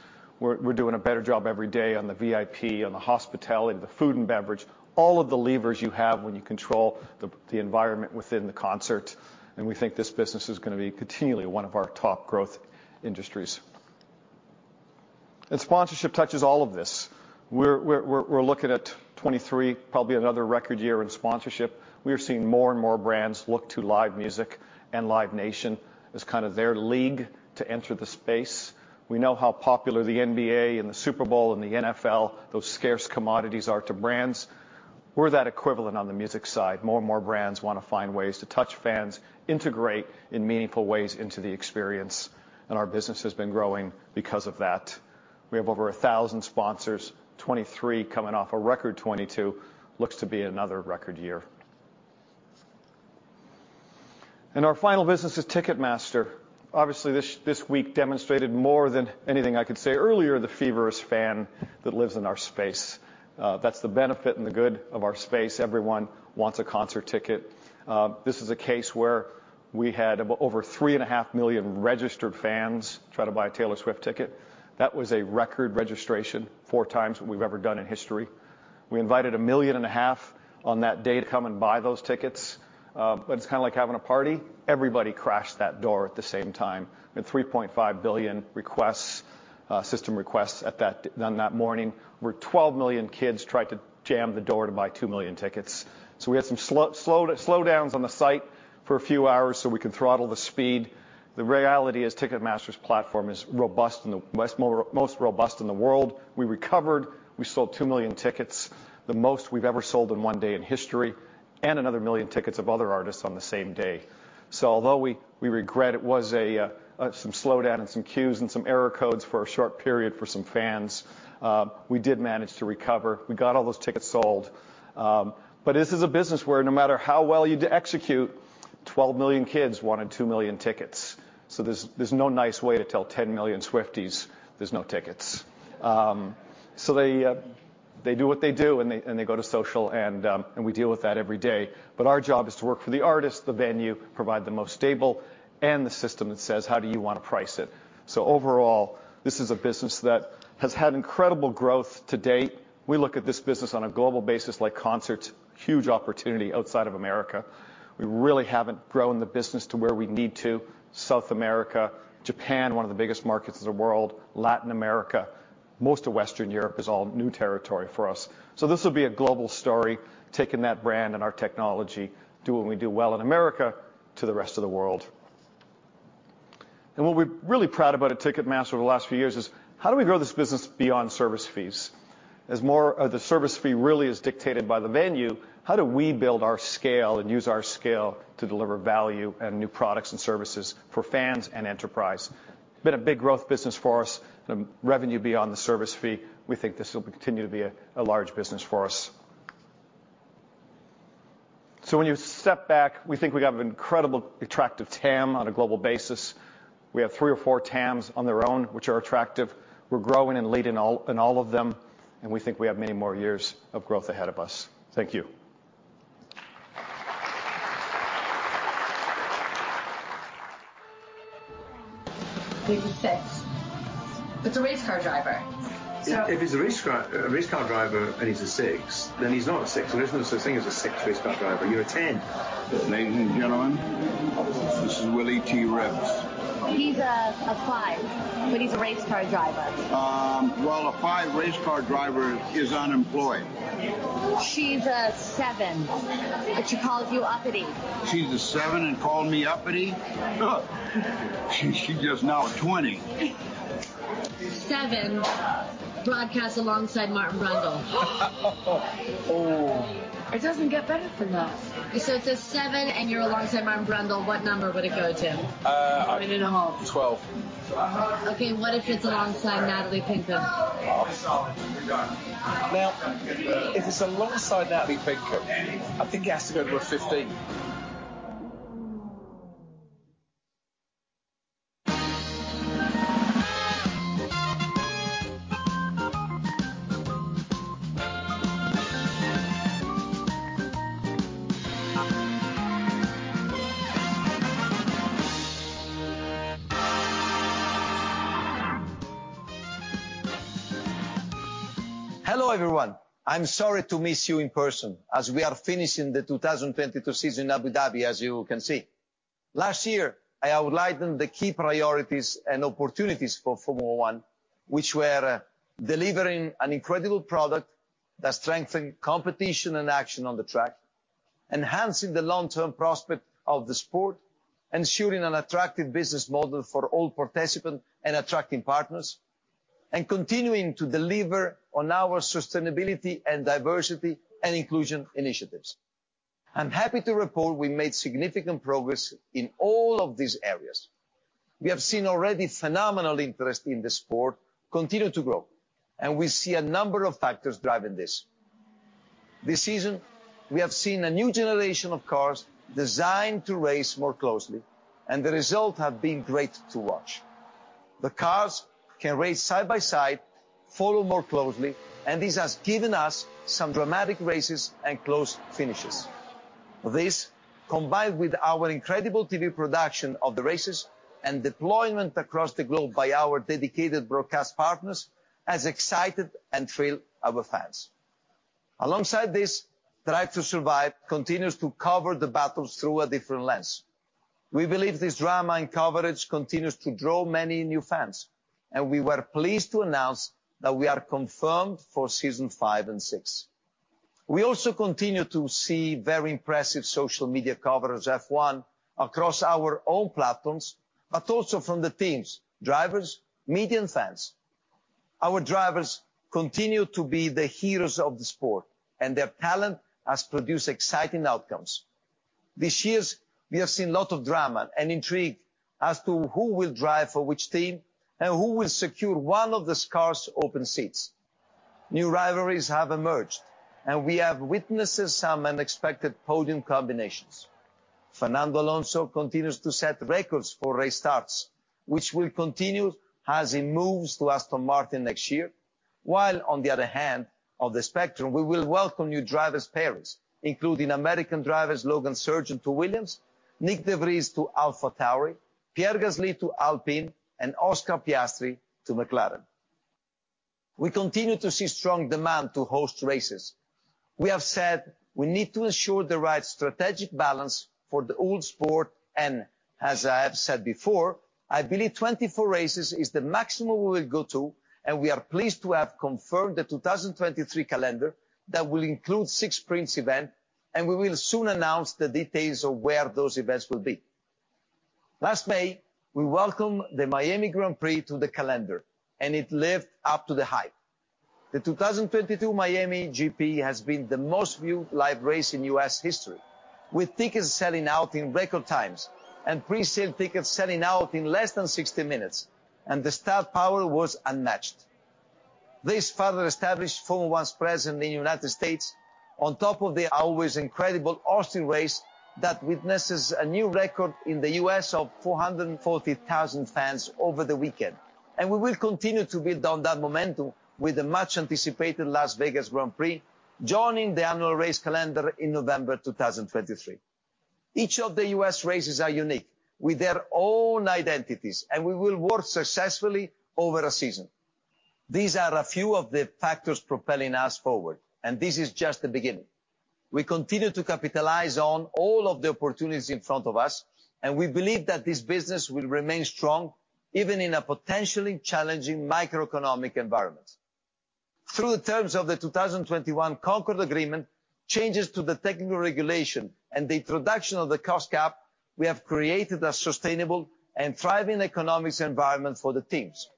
We're doing a better job every day on the VIP, on the hospitality, the food and beverage, all of the levers you have when you control the environment within the concert, and we think this business is gonna be continually one of our top growth industries. Sponsorship touches all of this. We're looking at 2023, probably another record year in sponsorship. We are seeing more and more brands look to live music and Live Nation as kind of their league to enter the space. We know how popular the NBA and the Super Bowl and the NFL, those scarce commodities are to brands. We're that equivalent on the music side. More and more brands wanna find ways to touch fans, integrate in meaningful ways into the experience, and our business has been growing because of that. We have over 1,000 sponsors, 23 coming off a record 22. Looks to be another record year. Our final business is Ticketmaster. Obviously, this week demonstrated more than anything I could say earlier, the feverish fan that lives in our space. That's the benefit and the good of our space. Everyone wants a concert ticket. This is a case where we had over 3.5 million registered fans try to buy a Taylor Swift ticket. That was a record registration, 4 times what we've ever done in history. We invited 1.5 million on that day to come and buy those tickets, but it's kinda like having a party. Everybody crashed that door at the same time. We had 3.5 billion requests, system requests on that morning, where 12 million kids tried to jam the door to buy 2 million tickets. We had some slow slowdowns on the site for a few hours so we could throttle the speed. The reality is Ticketmaster's platform is the most robust in the world. We recovered. We sold 2 million tickets, the most we've ever sold in one day in history, and another 1 million tickets of other artists on the same day. Although we regret it was some slowdown and some queues and some error codes for a short period for some fans, we did manage to recover. We got all those tickets sold. This is a business where no matter how well you execute, 12 million kids wanted 2 million tickets. There's no nice way to tell 10 million Swifties there's no tickets. They do what they do, and they go to social and we deal with that every day. Our job is to work for the artist, the venue, provide the most stable, and the system that says, "How do you wanna price it?" Overall, this is a business that has had incredible growth to date. We look at this business on a global basis like concerts. Huge opportunity outside of America. We really haven't grown the business to where we need to. South America, Japan, one of the biggest markets in the world, Latin America, most of Western Europe is all new territory for us. This will be a global story, taking that brand and our technology, do what we do well in America to the rest of the world. What we're really proud about at Ticketmaster over the last few years is how do we grow this business beyond service fees? As more of the service fee really is dictated by the venue, how do we build our scale and use our scale to deliver value and new products and services for fans and enterprise? Been a big growth business for us, the revenue beyond the service fee. We think this will continue to be a large business for us. When you step back, we think we have an incredible attractive TAM on a global basis. We have three or four TAMs on their own, which are attractive. We're growing and leading all.in all of them, and we think we have many more years of growth ahead of us. Thank you. Hello, everyone. I'm sorry to miss you in person, as we are finishing the 2022 season in Abu Dhabi, as you can see. Last year, I outlined the key priorities and opportunities for Formula 1, which were delivering an incredible product that strengthened competition and action on the track, enhancing the long-term prospects of the sport, ensuring an attractive business model for all participants and attracting partners, and continuing to deliver on our sustainability and diversity and inclusion initiatives. I'm happy to report we made significant progress in all of these areas. We have seen already phenomenal interest in the sport continue to grow, and we see a number of factors driving this. This season, we have seen a new generation of cars designed to race more closely, and the results have been great to watch. The cars can race side by side, follow more closely, and this has given us some dramatic races and close finishes. This, combined with our incredible TV production of the races and deployment across the globe by our dedicated broadcast partners, has excited and thrilled our fans. Alongside this, Drive to Survive continues to cover the battles through a different lens. We believe this drama and coverage continues to draw many new fans, and we were pleased to announce that we are confirmed for season 5 and 6. We also continue to see very impressive social media coverage of F1 across our own platforms, but also from the teams, drivers, media, and fans. Our drivers continue to be the heroes of the sport, and their talent has produced exciting outcomes. This year, we have seen a lot of drama and intrigue as to who will drive for which team and who will secure one of the scarce open seats. New rivalries have emerged, and we have witnessed some unexpected podium combinations. Fernando Alonso continues to set records for race starts, which will continue as he moves to Aston Martin next year. While on the other end of the spectrum, we will welcome new driver pairs, including American driver Logan Sargeant to Williams, Nyck de Vries to AlphaTauri, Pierre Gasly to Alpine, and Oscar Piastri to McLaren. We continue to see strong demand to host races. We have said we need to ensure the right strategic balance for the old sport and, as I have said before, I believe 24 races is the maximum we will go to, and we are pleased to have confirmed the 2023 calendar that will include 6 sprints event, and we will soon announce the details of where those events will be. Last May, we welcomed the Miami Grand Prix to the calendar, and it lived up to the hype. The 2022 Miami GP has been the most viewed live race in U.S. history, with tickets selling out in record times and pre-sale tickets selling out in less than 60 minutes, and the star power was unmatched. This further established Formula 1's presence in the United States, on top of the always incredible Austin race that witnesses a new record in the U.S. of 440,000 fans over the weekend. We will continue to build on that momentum with the much-anticipated Las Vegas Grand Prix, joining the annual race calendar in November 2023. Each of the U.S. races are unique, with their own identities, and we will work successfully over a season. These are a few of the factors propelling us forward, and this is just the beginning. We continue to capitalize on all of the opportunities in front of us, and we believe that this business will remain strong, even in a potentially challenging macroeconomic environment. Through the terms of the 2021 Concorde Agreement, changes to the technical regulation and the introduction of the cost cap, we have created a sustainable and thriving economic environment for the teams.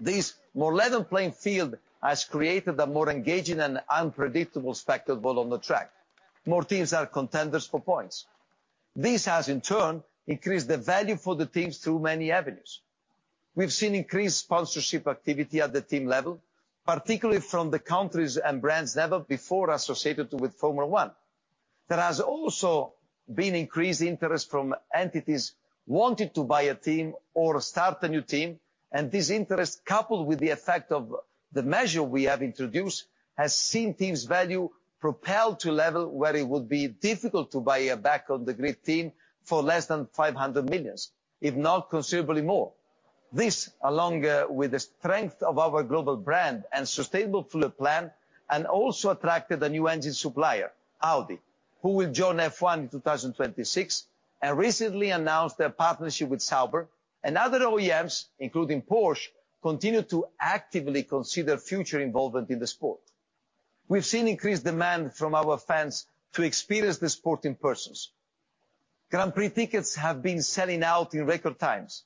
This more level playing field has created a more engaging and unpredictable spectacle on the track. More teams are contenders for points. This has, in turn, increased the value for the teams through many avenues. We've seen increased sponsorship activity at the team level, particularly from the countries and brands never before associated with Formula 1. There has also been increased interest from entities wanting to buy a team or start a new team, and this interest, coupled with the effect of the measure we have introduced, has seen teams' value propel to a level where it would be difficult to buy a back-of-the-grid team for less than $500 million, if not considerably more. This, along with the strength of our global brand and sustainable fuel plan, also attracted a new engine supplier, Audi, who will join F1 in 2026 and recently announced their partnership with Sauber. Other OEMs, including Porsche, continue to actively consider future involvement in the sport. We've seen increased demand from our fans to experience the sport in person. Grand Prix tickets have been selling out in record times.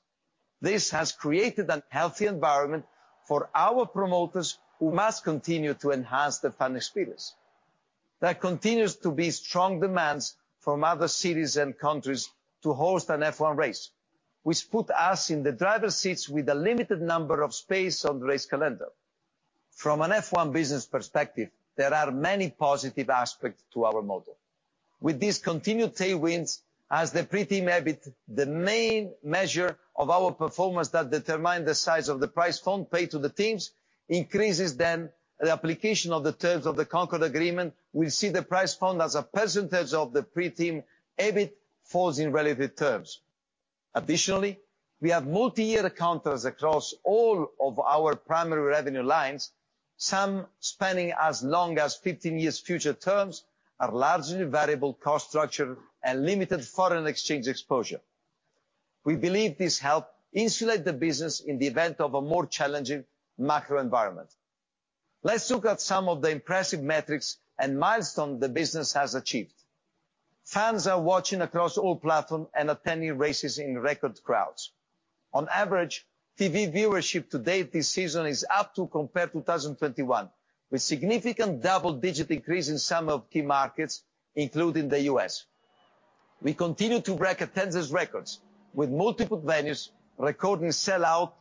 This has created a healthy environment for our promoters, who must continue to enhance the fan experience. There continues to be strong demand from other cities and countries to host an F1 race, which puts us in the driver's seat with a limited number of spaces on the race calendar. From an F1 business perspective, there are many positive aspects to our model. With these continued tailwinds, as the pre-team EBIT, the main measure of our performance that determines the size of the prize fund paid to the teams, increases, then the application of the terms of the Concorde Agreement will see the prize fund as a percentage of the pre-team EBIT fall in relative terms. Additionally, we have multi-year contracts across all of our primary revenue lines, some spanning as long as 15 years into the future, a largely variable cost structure, and limited foreign exchange exposure. We believe this helps insulate the business in the event of a more challenging macro environment. Let's look at some of the impressive metrics and milestones the business has achieved. Fans are watching across all platforms and attending races in record crowds. On average, TV viewership to date this season is up compared to 2021, with significant double-digit increase in some of the key markets, including the U.S. We continue to break attendance records, with multiple venues recording sellouts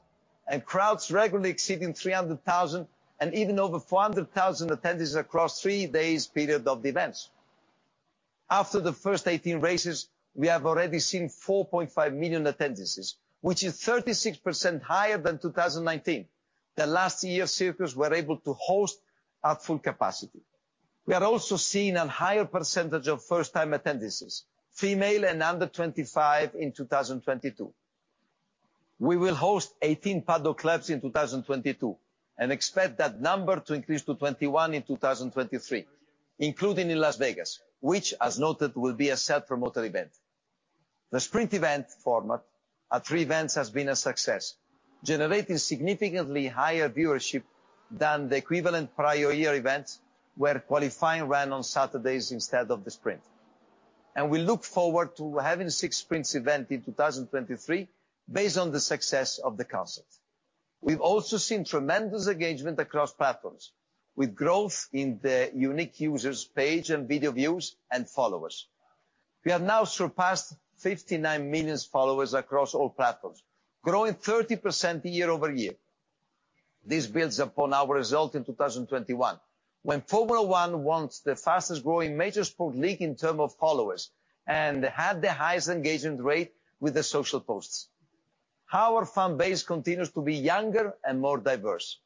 and crowds regularly exceeding 300,000 and even over 400,000 attendees across three-day period of the events. After the first 18 races, we have already seen 4.5 million attendances, which is 36% higher than 2019, the last year circuits were able to host at full capacity. We are also seeing a higher percentage of first-time attendances, female and under 25 in 2022. We will host 18 Paddock Clubs in 2022 and expect that number to increase to 21 in 2023, including in Las Vegas, which, as noted, will be a self-promoted event. The sprint event format at three events has been a success, generating significantly higher viewership than the equivalent prior year events where qualifying ran on Saturdays instead of the sprint. We look forward to having six sprint events in 2023 based on the success of the concept. We've also seen tremendous engagement across platforms, with growth in the unique users, page, and video views and followers. We have now surpassed 59 million followers across all platforms, growing 30% year-over-year. This builds upon our result in 2021 when Formula 1 was the fastest growing major sports league in terms of followers and had the highest engagement rate with the social posts. Our fan base continues to be younger and more diverse.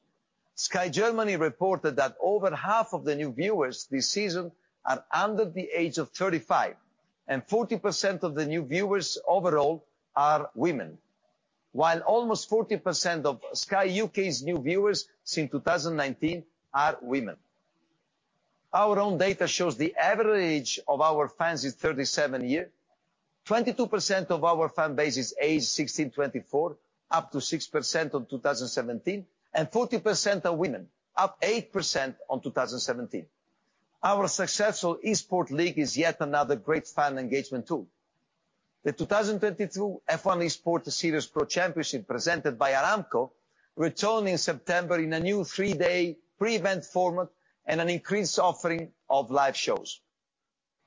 Sky Deutschland reported that over half of the new viewers this season are under the age of 35, and 40% of the new viewers overall are women. Almost 40% of Sky UK's new viewers since 2019 are women. Our own data shows the average age of our fans is 37 years. 22% of our fan base is aged 16-24, up 6% on 2017, and 40% are women, up 8% on 2017. Our successful eSports league is yet another great fan engagement tool. The 2022 F1 Esports Series Pro Championship presented by Aramco returned in September in a new three-day pre-event format and an increased offering of live shows.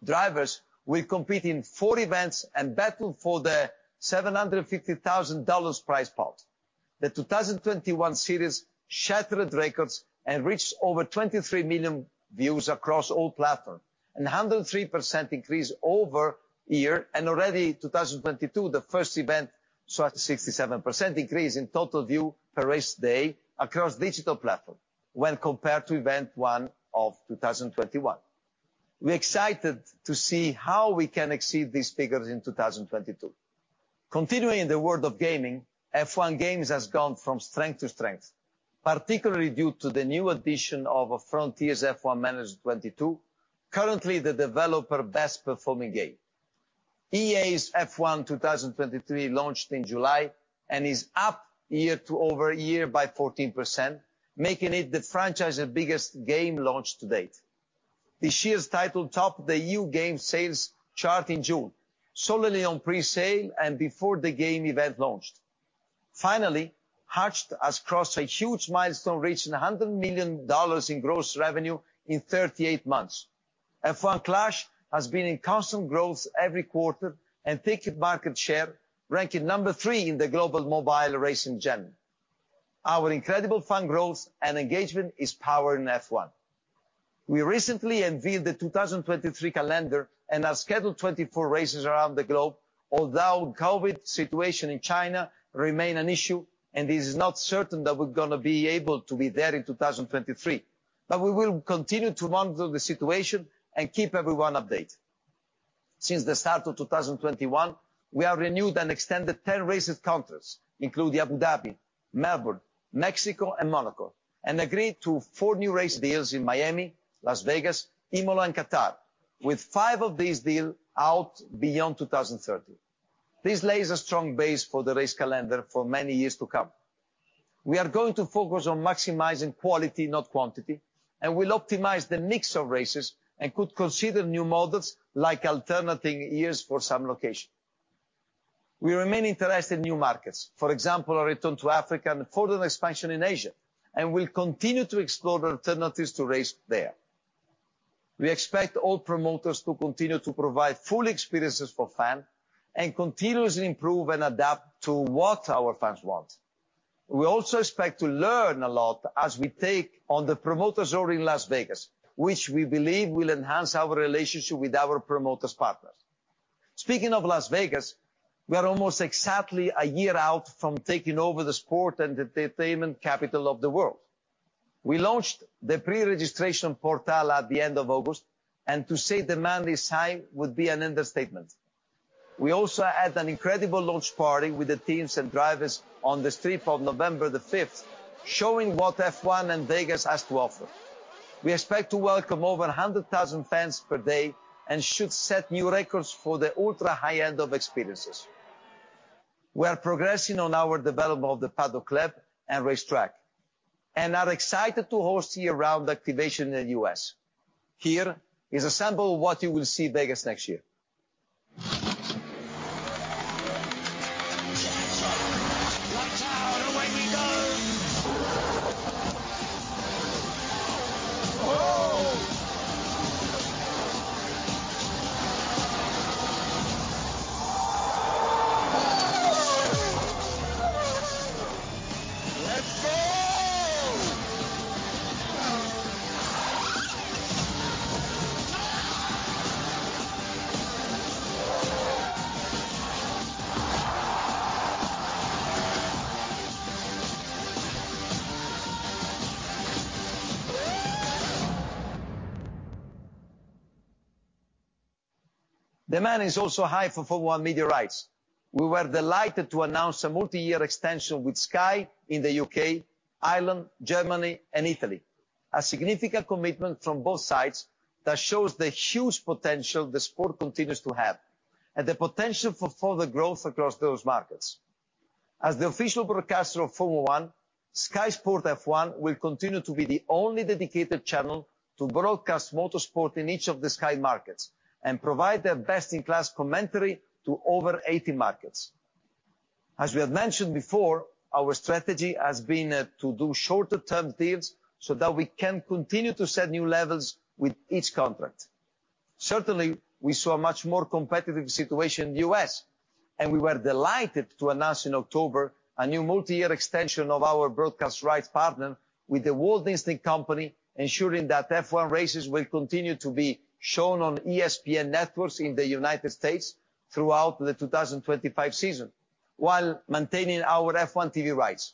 Drivers will compete in four events and battle for the $750,000 prize pot. The 2021 series shattered records and reached over 23 million views across all platforms, a 103% increase year-over-year. Already, 2022, the first event saw a 67% increase in total views per race day across digital platforms when compared to event one of 2021. We're excited to see how we can exceed these figures in 2022. Continuing in the world of gaming, F1 games has gone from strength to strength, particularly due to the new addition of Frontier Developments F1 Manager 2022, currently the developer's best performing game. EA's F1 2023 launched in July and is up year-over-year by 14%, making it the franchise's biggest game launch to date. This year's title topped the U.S. game sales chart in June, solely on presale and before the game event launched. Finally, Hutch has crossed a huge milestone, reaching $100 million in gross revenue in 38 months. F1 Clash has been in constant growth every quarter and taking market share, ranking No. 3 in the global mobile racing genre. Our incredible fan growth and engagement is powering F1. We recently unveiled the 2023 calendar, and have scheduled 24 races around the globe, although COVID situation in China remain an issue, and it is not certain that we're gonna be able to be there in 2023. We will continue to monitor the situation and keep everyone updated. Since the start of 2021, we have renewed and extended 10 race contracts, including Abu Dhabi, Melbourne, Mexico, and Monaco, and agreed to four new race deals in Miami, Las Vegas, Imola, and Qatar, with five of these deals out beyond 2030. This lays a strong base for the race calendar for many years to come. We are going to focus on maximizing quality, not quantity, and will optimize the mix of races and could consider new models like alternating years for some locations. We remain interested in new markets, for example, a return to Africa and further expansion in Asia, and we'll continue to explore the alternatives to race there. We expect all promoters to continue to provide full experiences for fans and continuously improve and adapt to what our fans want. We also expect to learn a lot as we take on the promoter's role in Las Vegas, which we believe will enhance our relationship with our promoter partners. Speaking of Las Vegas, we are almost exactly a year out from taking over the sport and entertainment capital of the world. We launched the pre-registration portal at the end of August, and to say demand is high would be an understatement. We also had an incredible launch party with the teams and drivers on the street of November the fifth, showing what F1 and Vegas has to offer. We expect to welcome over 100,000 fans per day and should set new records for the ultra-high end of experiences. We are progressing on our development of the Paddock Club and racetrack and are excited to host year-round activation in the U.S. Here is a sample of what you will see in Vegas next year. Watch out, away he goes. Oh. Let's go. Demand is also high for Formula 1 media rights. We were delighted to announce a multi-year extension with Sky in the U.K., Ireland, Germany, and Italy. A significant commitment from both sides that shows the huge potential the sport continues to have and the potential for further growth across those markets. As the official broadcaster of Formula 1, Sky Sports F1 will continue to be the only dedicated channel to broadcast motorsport in each of the Sky markets and provide their best-in-class commentary to over 80 markets. As we have mentioned before, our strategy has been to do shorter-term deals so that we can continue to set new levels with each contract. Certainly, we saw a much more competitive situation in the U.S., and we were delighted to announce in October a new multi-year extension of our broadcast rights partnership with The Walt Disney Company, ensuring that F1 races will continue to be shown on ESPN networks in the United States throughout the 2025 season, while maintaining our F1 TV rights.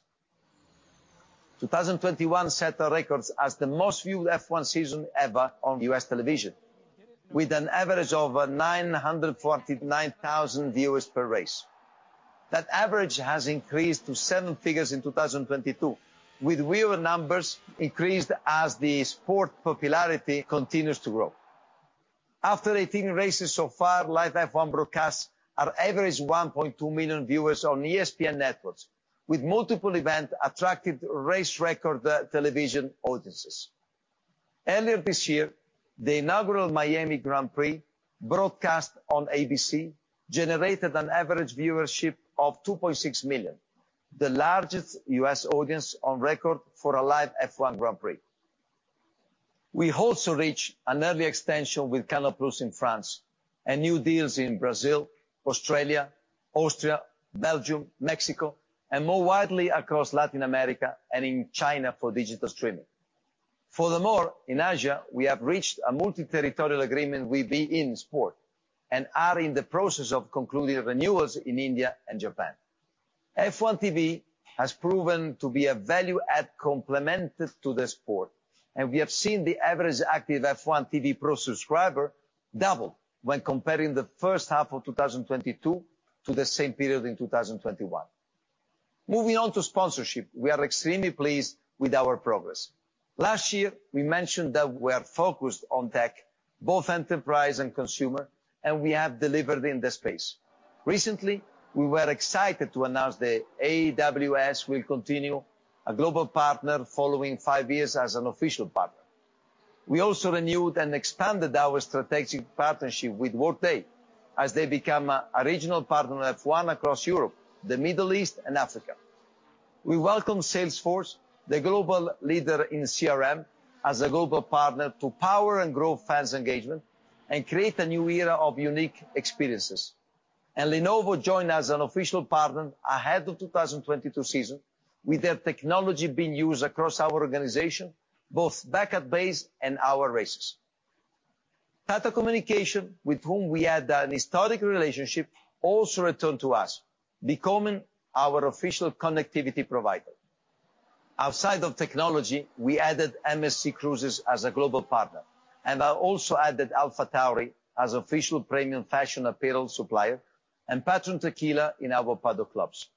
2021 set a record as the most viewed F1 season ever on U.S. television, with an average of over 949,000 viewers per race. That average has increased to seven figures in 2022, with viewer numbers increased as the sport popularity continues to grow. After 18 races so far, live F1 broadcasts are average 1.2 million viewers on ESPN networks, with multiple events attracting record television audiences. Earlier this year, the inaugural Miami Grand Prix broadcast on ABC generated an average viewership of 2.6 million, the largest U.S. audience on record for a live F1 Grand Prix. We also reached another extension with Canal+ in France and new deals in Brazil, Australia, Austria, Belgium, Mexico, and more widely across Latin America and in China for digital streaming. Furthermore, in Asia, we have reached a multi-territorial agreement with beIN Sports, and are in the process of concluding renewals in India and Japan. F1 TV has proven to be a value add complement to the sport, and we have seen the average active F1 TV Pro subscriber double when comparing the first half of 2022 to the same period in 2021. Moving on to sponsorship. We are extremely pleased with our progress. Last year, we mentioned that we are focused on tech, both enterprise and consumer, and we have delivered in this space. Recently, we were excited to announce that AWS will continue as a global partner following five years as an official partner. We also renewed and expanded our strategic partnership with Workday as they become a regional partner of F1 across Europe, the Middle East and Africa. We welcome Salesforce, the global leader in CRM, as a global partner to power and grow fan engagement and create a new era of unique experiences. Lenovo joined as an official partner ahead of 2022 season, with their technology being used across our organization, both back at base and our races. Tata Communications, with whom we had a historic relationship, also returned to us, becoming our official connectivity provider. Outside of technology, we added MSC Cruises as a global partner, and also added AlphaTauri as official premium fashion apparel supplier and Patrón Tequila in our Paddock Clubs.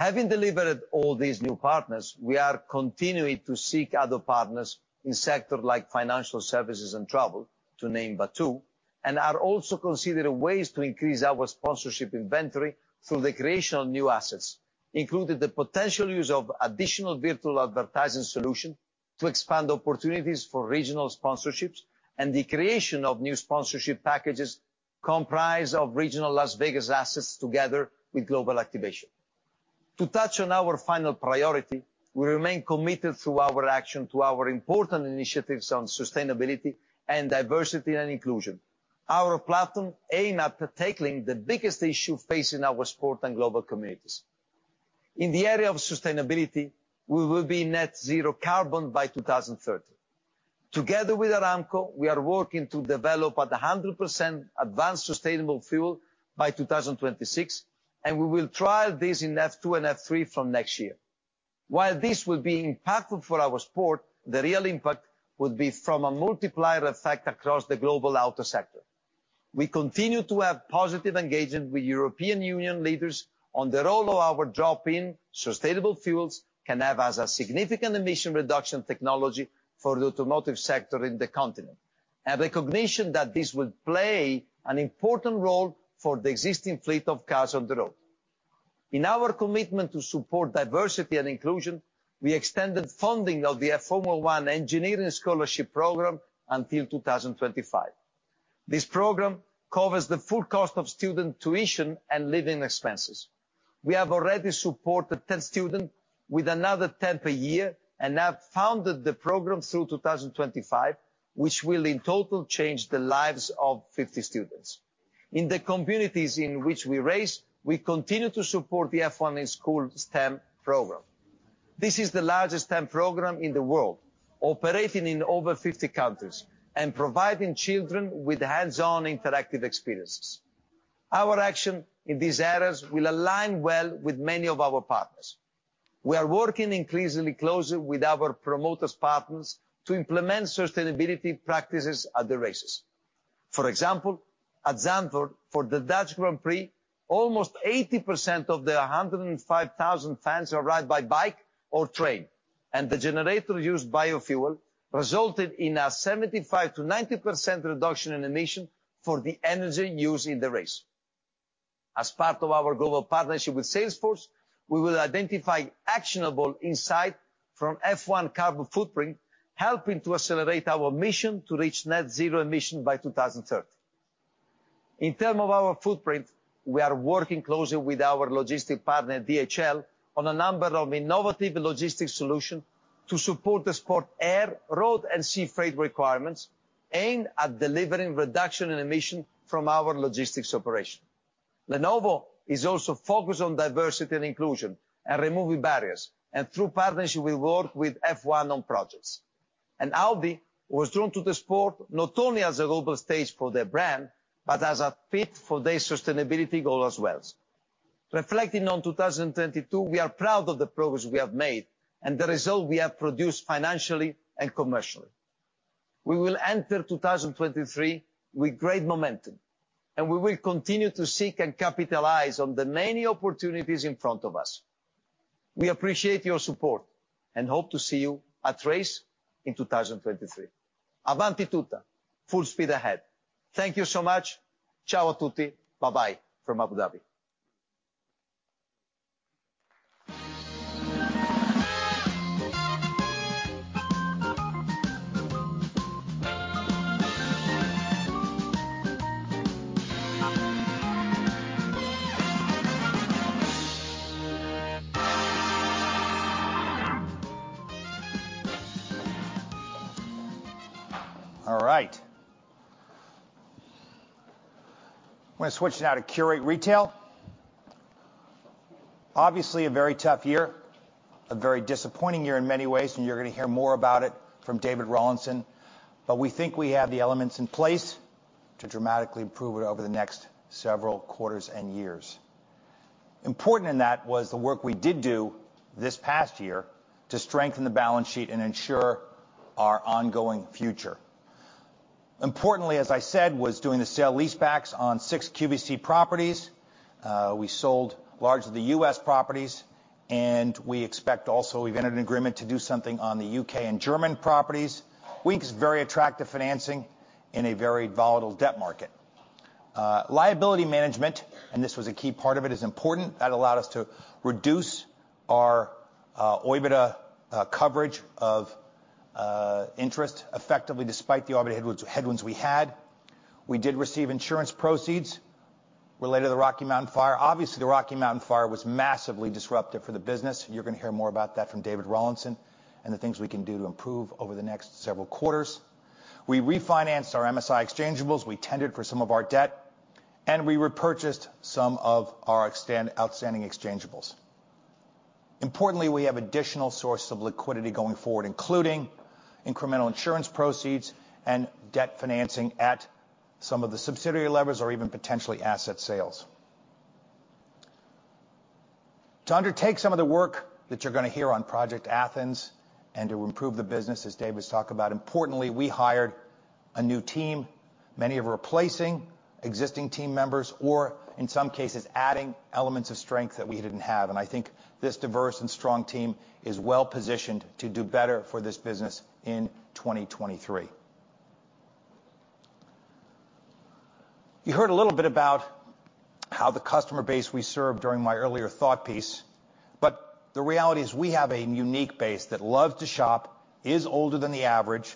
Having delivered all these new partners, we are continuing to seek other partners in sector like financial services and travel, to name but two, and are also considering ways to increase our sponsorship inventory through the creation of new assets, including the potential use of additional virtual advertising solution to expand opportunities for regional sponsorships and the creation of new sponsorship packages comprised of regional Las Vegas assets together with global activation. To touch on our final priority, we remain committed through our action to our important initiatives on sustainability and diversity and inclusion. Our platform aim at tackling the biggest issue facing our sport and global communities. In the area of sustainability, we will be net zero carbon by 2030. Together with Aramco, we are working to develop 100% advanced sustainable fuel by 2026, and we will trial this in F2 and F3 from next year. While this will be impactful for our sport, the real impact will be from a multiplier effect across the global auto sector. We continue to have positive engagement with European Union leaders on the role of our drop-in sustainable fuels can have as a significant emission reduction technology for the automotive sector in the continent, and recognition that this will play an important role for the existing fleet of cars on the road. In our commitment to support diversity and inclusion, we extended funding of the F1 in Schools Engineering Scholarship program until 2025. This program covers the full cost of student tuition and living expenses. We have already supported 10 students with another 10 per year, and have funded the program through 2025, which will in total change the lives of 50 students. In the communities in which we race, we continue to support the F1 in Schools STEM program. This is the largest STEM program in the world, operating in over 50 countries and providing children with hands-on interactive experiences. Our action in these areas will align well with many of our partners. We are working increasingly closely with our promoter partners to implement sustainability practices at the races. For example, at Zandvoort for the Dutch Grand Prix, almost 80% of the 105,000 fans arrive by bike or train, and the generator used biofuel resulted in a 75%-90% reduction in emissions for the energy used in the race. As part of our global partnership with Salesforce, we will identify actionable insights from F1 carbon footprint, helping to accelerate our mission to reach net zero emissions by 2030. In terms of our footprint, we are working closely with our logistics partner, DHL, on a number of innovative logistics solutions to support the sport's air, road, and sea freight requirements aimed at delivering reductions in emissions from our logistics operations. Lenovo is also focused on diversity and inclusion and removing barriers, and through partnership will work with F1 on projects. Audi was drawn to the sport not only as a global stage for their brand, but as a fit for their sustainability goal as well. Reflecting on 2022, we are proud of the progress we have made and the result we have produced financially and commercially. We will enter 2023 with great momentum, and we will continue to seek and capitalize on the many opportunities in front of us. We appreciate your support and hope to see you at Race in 2023. Avanti tutta. Full speed ahead. Thank you so much. Ciao a tutti. Bye bye from Abu Dhabi. All right. I'm gonna switch now to Qurate Retail. Obviously, a very tough year, a very disappointing year in many ways, and you're gonna hear more about it from David Rawlinson. We think we have the elements in place to dramatically improve it over the next several quarters and years. Important in that was the work we did do this past year to strengthen the balance sheet and ensure our ongoing future. Importantly, as I said, was doing the sale-leasebacks on six QVC properties. We sold all of the U.S. properties, and we expect also we've entered an agreement to do something on the UK and German properties. We used very attractive financing in a very volatile debt market. Liability management, and this was a key part of it, is important. That allowed us to reduce our OIBDA coverage of interest effectively, despite the OIBDA headwinds we had. We did receive insurance proceeds related to the Rocky Mount fire. Obviously, the Rocky Mount fire was massively disruptive for the business. You're gonna hear more about that from David Rawlinson, and the things we can do to improve over the next several quarters. We refinanced our MSI exchangeables, we tendered for some of our debt, and we repurchased some of our outstanding exchangeables. Importantly, we have additional source of liquidity going forward, including incremental insurance proceeds and debt financing at some of the subsidiary levels or even potentially asset sales. To undertake some of the work that you're gonna hear on Project Athens and to improve the business, as Dave was talking about, importantly, we hired a new team. Many are replacing existing team members, or in some cases, adding elements of strength that we didn't have. I think this diverse and strong team is well-positioned to do better for this business in 2023. You heard a little bit about how the customer base we serve during my earlier thought piece. The reality is we have a unique base that loves to shop, is older than the average.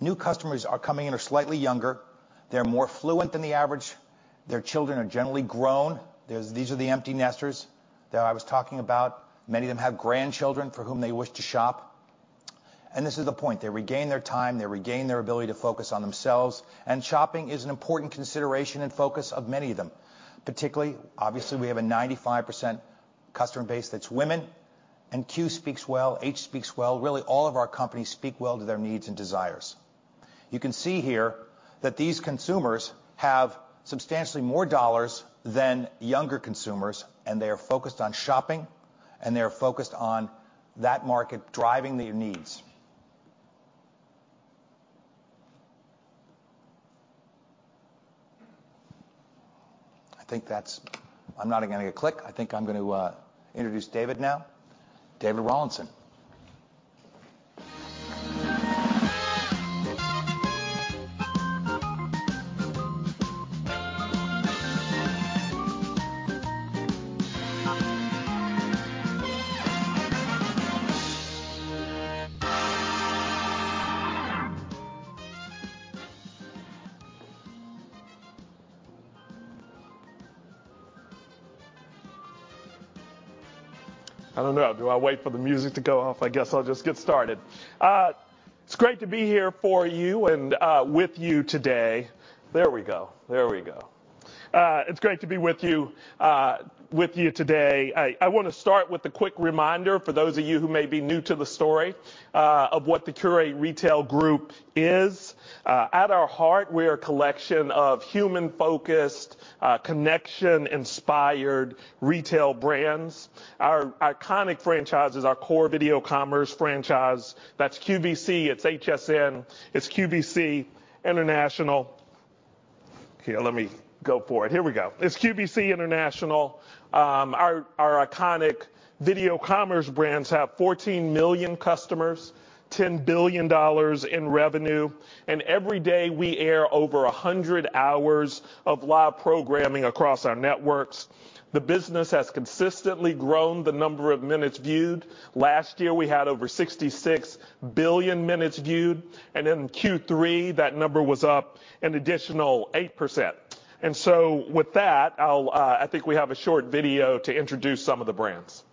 New customers are coming in, are slightly younger. They're more affluent than the average. Their children are generally grown. These are the empty nesters that I was talking about. Many of them have grandchildren for whom they wish to shop. This is the point, they regain their time, they regain their ability to focus on themselves, and shopping is an important consideration and focus of many of them. Particularly, obviously, we have a 95% customer base that's women, and Q speaks well, H speaks well. Really, all of our companies speak well to their needs and desires. You can see here that these consumers have substantially more dollars than younger consumers, and they are focused on shopping, and they are focused on that market driving their needs. I'm not gonna get a click. I think I'm gonna introduce David now. David Rawlinson. I don't know. Do I wait for the music to go off? I guess I'll just get started. It's great to be here for you and with you today. There we go. It's great to be with you today. I wanna start with a quick reminder for those of you who may be new to the story of what the Qurate Retail Group is. At our heart, we're a collection of human-focused, connection-inspired retail brands. Our iconic franchises, our core video commerce franchise, that's QVC, it's HSN, it's QVC International. Our iconic video commerce brands have 14 million customers, $10 billion in revenue, and every day we air over 100 hours of live programming across our networks. The business has consistently grown the number of minutes viewed. Last year, we had over 66 billion minutes viewed, and in Q3, that number was up an additional 8%. With that, I'll, I think we have a short video to introduce some of the brands.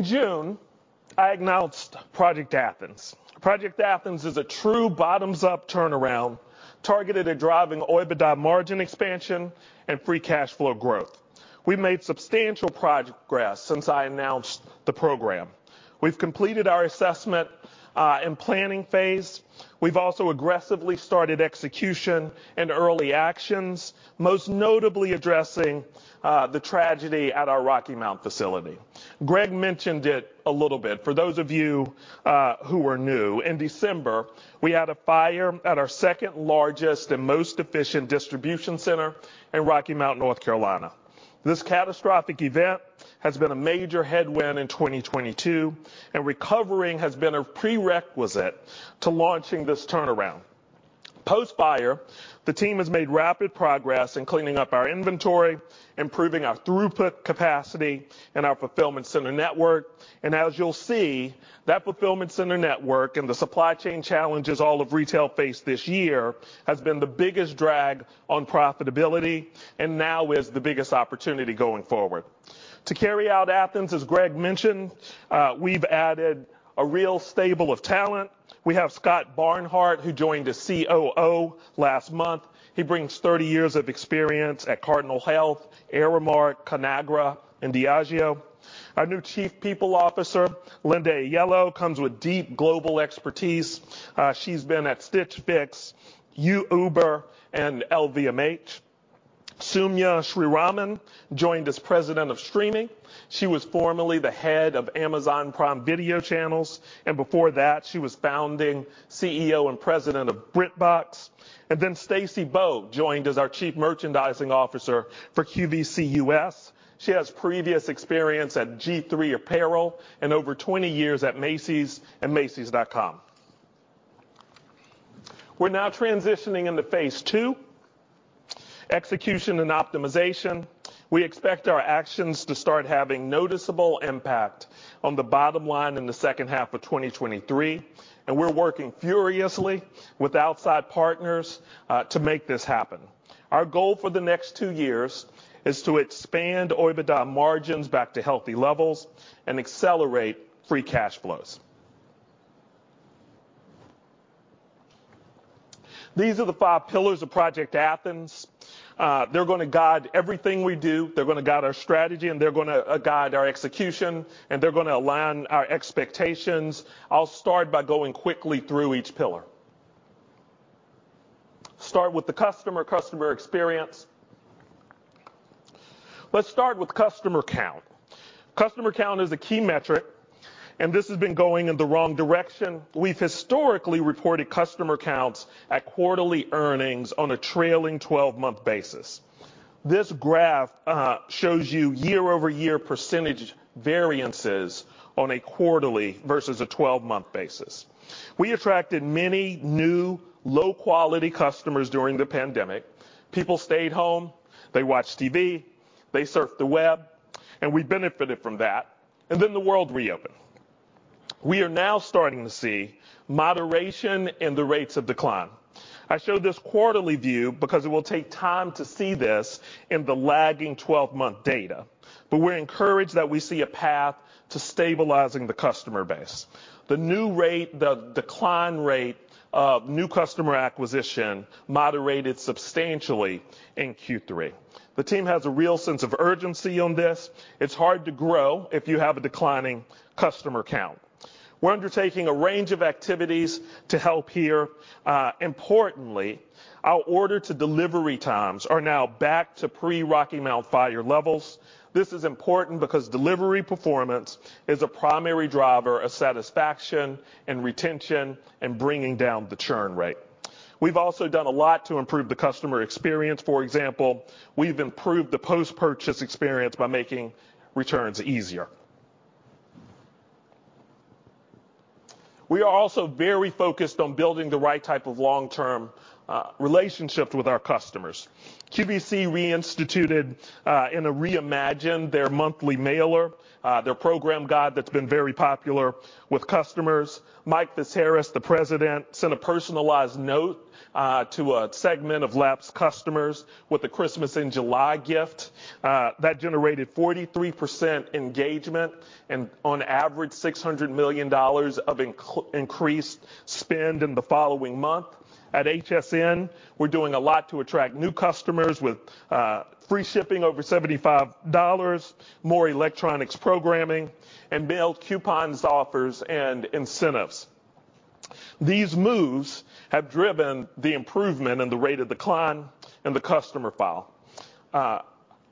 Yeah. In June, I announced Project Athens. Project Athens is a true bottoms-up turnaround targeted at driving OIBDA margin expansion and free cash flow growth. We've made substantial progress since I announced the program. We've completed our assessment and planning phase. We've also aggressively started execution and early actions, most notably addressing the tragedy at our Rocky Mount facility. Greg mentioned it a little bit. For those of you who are new, in December, we had a fire at our second-largest and most efficient distribution center in Rocky Mount, North Carolina. This catastrophic event has been a major headwind in 2022, and recovering has been a prerequisite to launching this turnaround. Post-fire, the team has made rapid progress in cleaning up our inventory, improving our throughput capacity in our fulfillment center network. As you'll see, that fulfillment center network and the supply chain challenges all of retail faced this year has been the biggest drag on profitability and now is the biggest opportunity going forward. To carry out Athens, as Greg mentioned, we've added a real stable of talent. We have Scott Barnhart, who joined as COO last month. He brings 30 years of experience at Cardinal Health, Aramark, Conagra, and Diageo. Our new Chief People Officer, Linda Aiello, comes with deep global expertise. She's been at Stitch Fix, Uber, and LVMH. Soumya Sriraman joined as President of Streaming. She was formerly the head of Amazon Prime Video Channels, and before that, she was founding CEO and president of BritBox. Then Stacy Bowe joined as our Chief Merchandising Officer for QVC US. She has previous experience at G-III Apparel Group and over 20 years at Macy's and macys.com. We're now transitioning into phase II, execution and optimization. We expect our actions to start having noticeable impact on the bottom line in the second half of 2023, and we're working furiously with outside partners to make this happen. Our goal for the next two years is to expand OIBDA margins back to healthy levels and accelerate free cash flows. These are the 5 pillars of Project Athens. They're gonna guide everything we do. They're gonna guide our strategy, and they're gonna guide our execution, and they're gonna align our expectations. I'll start by going quickly through each pillar. Start with the customer experience. Let's start with customer count. Customer count is a key metric, and this has been going in the wrong direction. We've historically reported customer counts at quarterly earnings on a trailing twelve-month basis. This graph shows you year-over-year percentage variances on a quarterly versus a twelve-month basis. We attracted many new low-quality customers during the pandemic. People stayed home. They watched TV. They surfed the web, and we benefited from that, and then the world reopened. We are now starting to see moderation in the rates of decline. I show this quarterly view because it will take time to see this in the lagging twelve-month data, but we're encouraged that we see a path to stabilizing the customer base. The decline rate of new customer acquisition moderated substantially in Q3. The team has a real sense of urgency on this. It's hard to grow if you have a declining customer count. We're undertaking a range of activities to help here. Importantly, our order-to-delivery times are now back to pre-Rocky Mount fire levels. This is important because delivery performance is a primary driver of satisfaction and retention and bringing down the churn rate. We've also done a lot to improve the customer experience. For example, we've improved the post-purchase experience by making returns easier. We are also very focused on building the right type of long-term relationships with our customers. QVC reinstituted and reimagined their monthly mailer, their program guide that's been very popular with customers. Mike George, the president, sent a personalized note to a segment of lapsed customers with a Christmas in July gift. That generated 43% engagement and on average $600 million of increased spend in the following month. At HSN, we're doing a lot to attract new customers with free shipping over $75, more electronics programming, and mailed coupons, offers, and incentives. These moves have driven the improvement in the rate of decline in the customer file,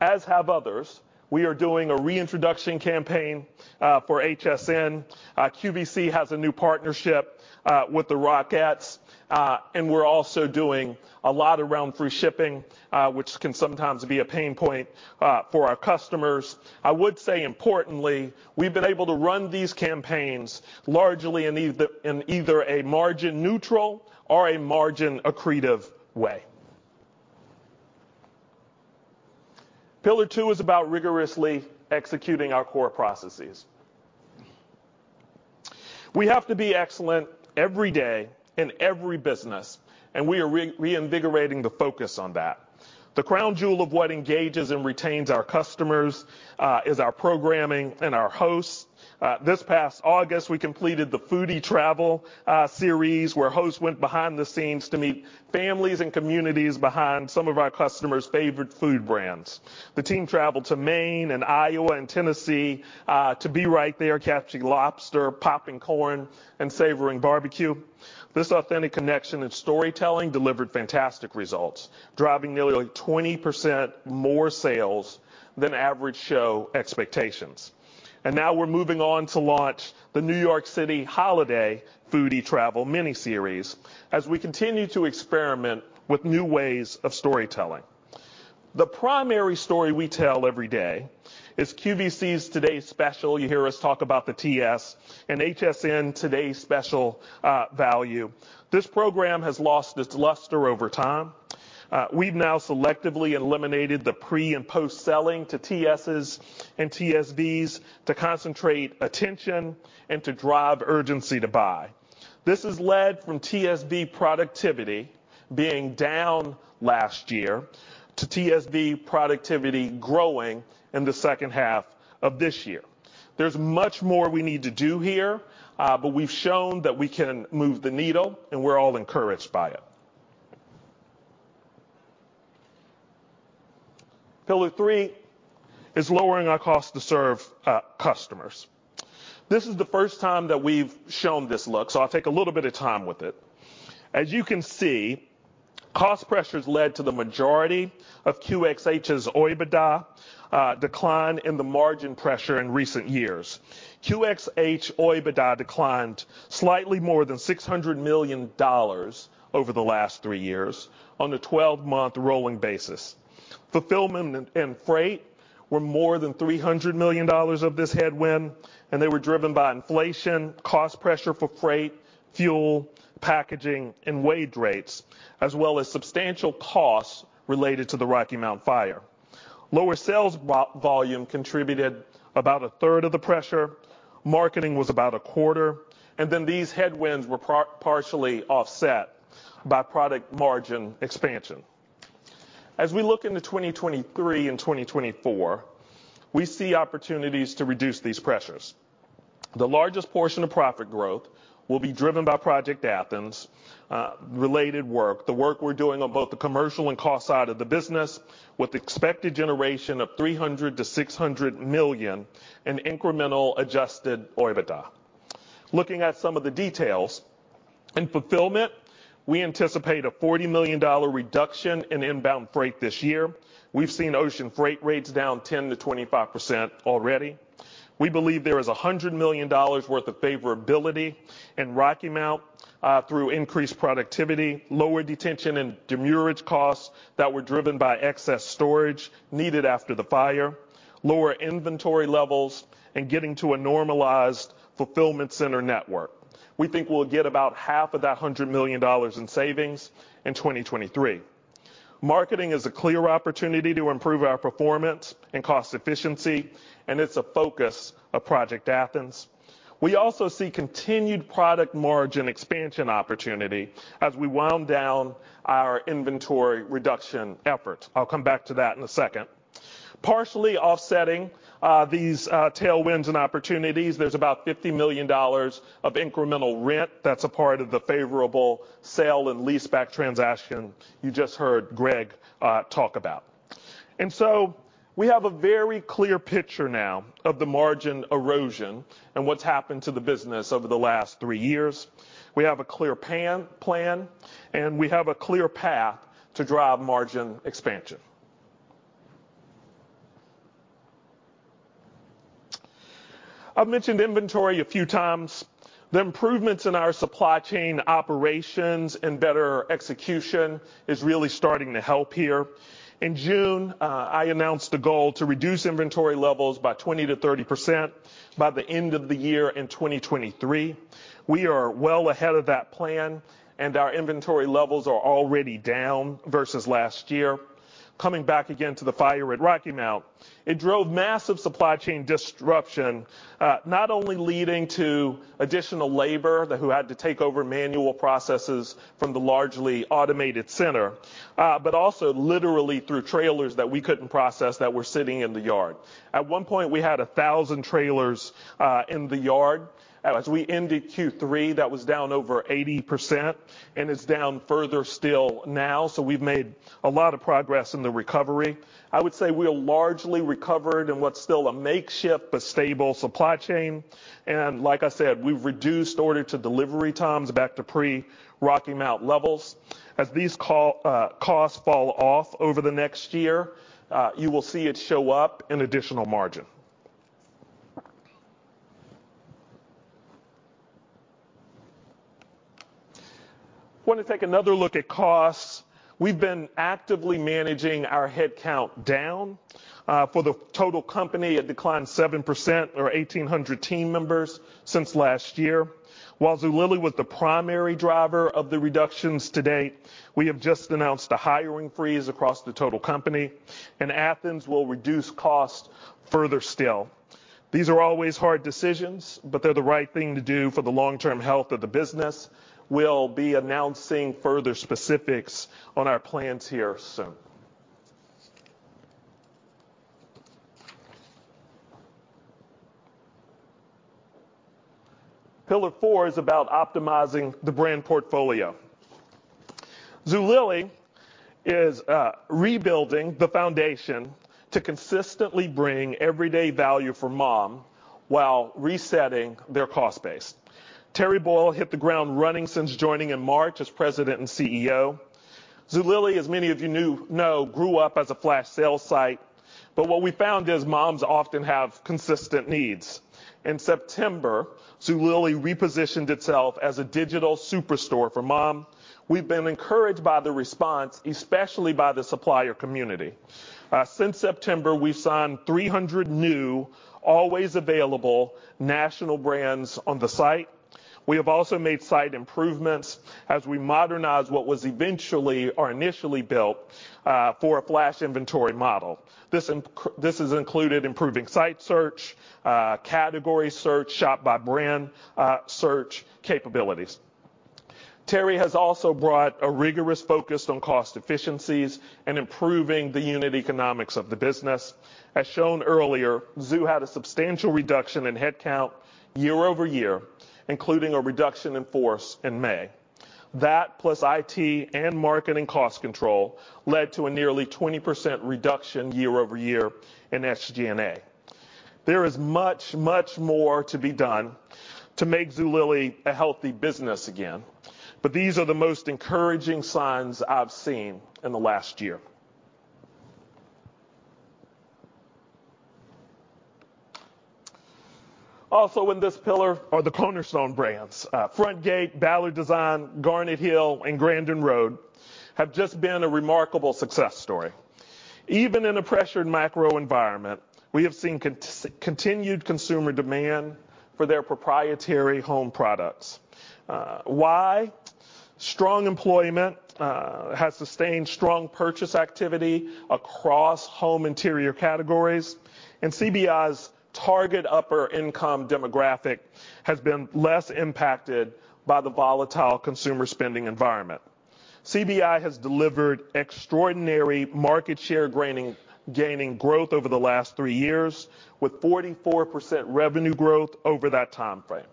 as have others. We are doing a reintroduction campaign for HSN. QVC has a new partnership with the Rockets. We're also doing a lot around free shipping, which can sometimes be a pain point for our customers. I would say importantly, we've been able to run these campaigns largely in either a margin neutral or a margin accretive way. Pillar two is about rigorously executing our core processes. We have to be excellent every day in every business, and we are reinvigorating the focus on that. The crown jewel of what engages and retains our customers is our programming and our hosts. This past August, we completed the Foodie Travel series, where hosts went behind the scenes to meet families and communities behind some of our customers' favorite food brands. The team traveled to Maine and Iowa and Tennessee to be right there catching lobster, popping corn, and savoring barbecue. This authentic connection and storytelling delivered fantastic results, driving nearly 20% more sales than average show expectations. Now we're moving on to launch the New York City Holiday Foodie Travel miniseries as we continue to experiment with new ways of storytelling. The primary story we tell every day is QVC's Today's Special. You hear us talk about the TSV and HSN Today's Special Value. This program has lost its luster over time. We've now selectively eliminated the pre and post selling to TSVs and TSPs to concentrate attention and to drive urgency to buy. This has led from TSV productivity being down last year to TSV productivity growing in the second half of this year. There's much more we need to do here, but we've shown that we can move the needle, and we're all encouraged by it. Pillar three is lowering our cost to serve customers. This is the first time that we've shown this look, so I'll take a little bit of time with it. As you can see, cost pressures led to the majority of QxH's OIBDA decline in the margin pressure in recent years. QxH OIBDA declined slightly more than $600 million over the last three years on a 12-month rolling basis. Fulfillment and freight were more than $300 million of this headwind, and they were driven by inflation, cost pressure for freight, fuel, packaging, and wage rates, as well as substantial costs related to the Rocky Mount fire. Lower sales volume contributed about a third of the pressure, marketing was about a quarter, and then these headwinds were partially offset by product margin expansion. As we look into 2023 and 2024, we see opportunities to reduce these pressures. The largest portion of profit growth will be driven by Project Athens related work, the work we're doing on both the commercial and cost side of the business, with expected generation of $300 million-$600 million in incremental adjusted OIBDA. Looking at some of the details. In fulfillment, we anticipate a $40 million reduction in inbound freight this year. We've seen ocean freight rates down 10%-25% already. We believe there is $100 million worth of favorability in Rocky Mount through increased productivity, lower detention and demurrage costs that were driven by excess storage needed after the fire, lower inventory levels, and getting to a normalized fulfillment center network. We think we'll get about half of that $100 million in savings in 2023. Marketing is a clear opportunity to improve our performance and cost efficiency, and it's a focus of Project Athens. We also see continued product margin expansion opportunity as we wound down our inventory reduction efforts. I'll come back to that in a second. Partially offsetting these tailwinds and opportunities, there's about $50 million of incremental rent that's a part of the favorable sale and leaseback transaction you just heard Greg talk about. We have a very clear picture now of the margin erosion and what's happened to the business over the last three years. We have a clear plan, and we have a clear path to drive margin expansion. I've mentioned inventory a few times. The improvements in our supply chain operations and better execution is really starting to help here. In June, I announced a goal to reduce inventory levels by 20%-30% by the end of the year in 2023. We are well ahead of that plan, and our inventory levels are already down versus last year. Coming back again to the fire at Rocky Mount, it drove massive supply chain disruption, not only leading to additional labor who had to take over manual processes from the largely automated center, but also literally through trailers that we couldn't process that were sitting in the yard. At one point, we had 1,000 trailers in the yard. As we ended Q3, that was down over 80%, and it's down further still now, so we've made a lot of progress in the recovery. I would say we are largely recovered in what's still a makeshift but stable supply chain. Like I said, we've reduced order-to-delivery times back to pre-Rocky Mount levels. As these costs fall off over the next year, you will see it show up in additional margin. I want to take another look at costs. We've been actively managing our headcount down. For the total company, it declined 7% or 1,800 team members since last year. While Zulily was the primary driver of the reductions to date, we have just announced a hiring freeze across the total company, and Athens will reduce costs further still. These are always hard decisions, but they're the right thing to do for the long-term health of the business. We'll be announcing further specifics on our plans here soon. Pillar four is about optimizing the brand portfolio. Zulily is rebuilding the foundation to consistently bring everyday value for mom while resetting their cost base. Terry Boyle hit the ground running since joining in March as President and CEO. Zulily, as many of you know, grew up as a flash sale site. But what we found is moms often have consistent needs. In September, Zulily repositioned itself as a digital superstore for mom. We've been encouraged by the response, especially by the supplier community. Since September, we've signed 300 new, always available national brands on the site. We have also made site improvements as we modernize what was eventually or initially built for a flash inventory model. This has included improving site search, category search, shop by brand, search capabilities. Terry has also brought a rigorous focus on cost efficiencies and improving the unit economics of the business. As shown earlier, Zu had a substantial reduction in headcount year-over-year, including a reduction in force in May. That plus IT and marketing cost control led to a nearly 20% reduction year-over-year in SG&A. There is much, much more to be done to make Zulily a healthy business again, but these are the most encouraging signs I've seen in the last year. Also in this pillar are the Cornerstone brands. Frontgate, Ballard Designs, Garnet Hill, and Grandin Road have just been a remarkable success story. Even in a pressured macro environment, we have seen continued consumer demand for their proprietary home products. Why? Strong employment has sustained strong purchase activity across home interior categories, and CBI's target upper income demographic has been less impacted by the volatile consumer spending environment. CBI has delivered extraordinary market share gaining growth over the last three years with 44% revenue growth over that timeframe.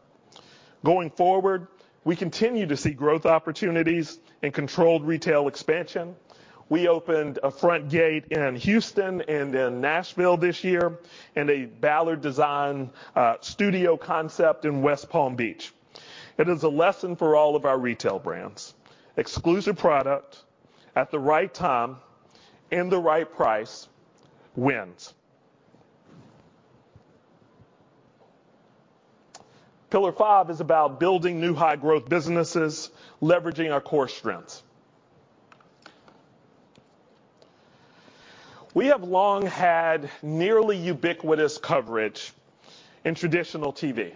Going forward, we continue to see growth opportunities and controlled retail expansion. We opened a Frontgate in Houston and in Nashville this year, and a Ballard Designs studio concept in West Palm Beach. It is a lesson for all of our retail brands. Exclusive product at the right time and the right price wins. Pillar five is about building new high-growth businesses, leveraging our core strengths. We have long had nearly ubiquitous coverage in traditional TV,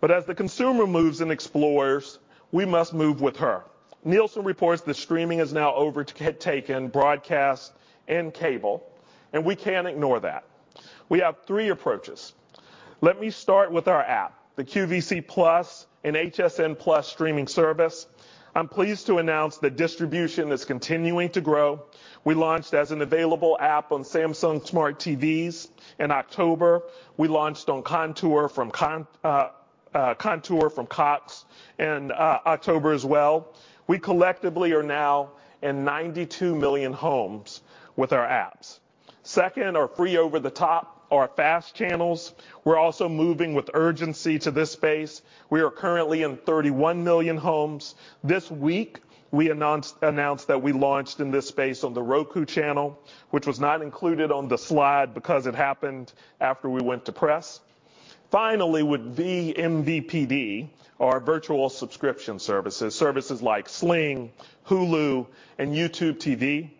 but as the consumer moves and explores, we must move with her. Nielsen reports that streaming has now overtaken broadcast and cable, and we can't ignore that. We have three approaches. Let me start with our app, the QVC+ and HSN+ streaming service. I'm pleased to announce that distribution is continuing to grow. We launched as an available app on Samsung Smart TVs in October. We launched on Contour from Cox in October as well. We collectively are now in 92 million homes with our apps. Second, our free over-the-top or FAST channels. We're also moving with urgency to this space. We are currently in 31 million homes. This week, we announced that we launched in this space on the Roku Channel, which was not included on the slide because it happened after we went to press. Finally, with vMVPD, our virtual subscription services like Sling, Hulu, and YouTube TV,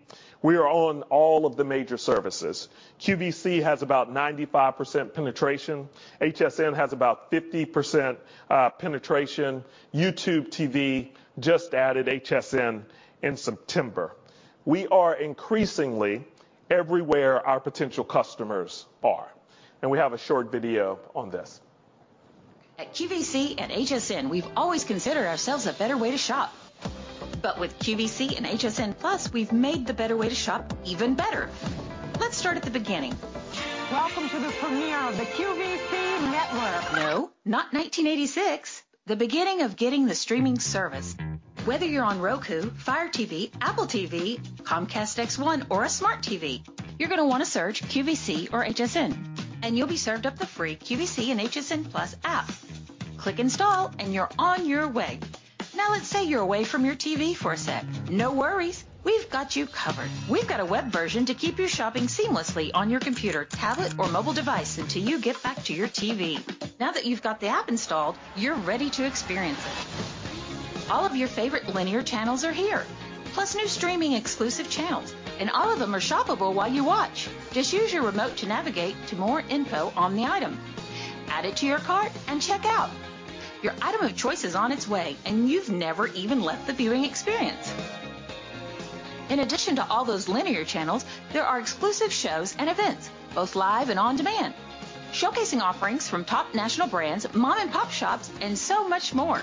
we are on all of the major services. QVC has about 95% penetration. HSN has about 50% penetration. YouTube TV just added HSN in September. We are increasingly everywhere our potential customers are, and we have a short video on this. At QVC and HSN, we've always considered ourselves a better way to shop. With QVC and HSN+, we've made the better way to shop even better. Let's start at the beginning. Welcome to the premiere of the QVC network. No, not 1986. The beginning of getting the streaming service. Whether you're on Roku, Fire TV, Apple TV, Comcast Xfinity X1, or a smart TV, you're gonna wanna search QVC or HSN, and you'll be served up the free QVC and HSN+ app. Click Install and you're on your way. Now let's say you're away from your TV for a sec. No worries. We've got you covered. We've got a web version to keep you shopping seamlessly on your computer, tablet, or mobile device until you get back to your TV. Now that you've got the app installed, you're ready to experience it. All of your favorite linear channels are here, plus new streaming exclusive channels, and all of them are shoppable while you watch. Just use your remote to navigate to more info on the item, add it to your cart, and check out. Your item of choice is on its way, and you've never even left the viewing experience. In addition to all those linear channels, there are exclusive shows and events, both live and on demand, showcasing offerings from top national brands, mom-and-pop shops, and so much more.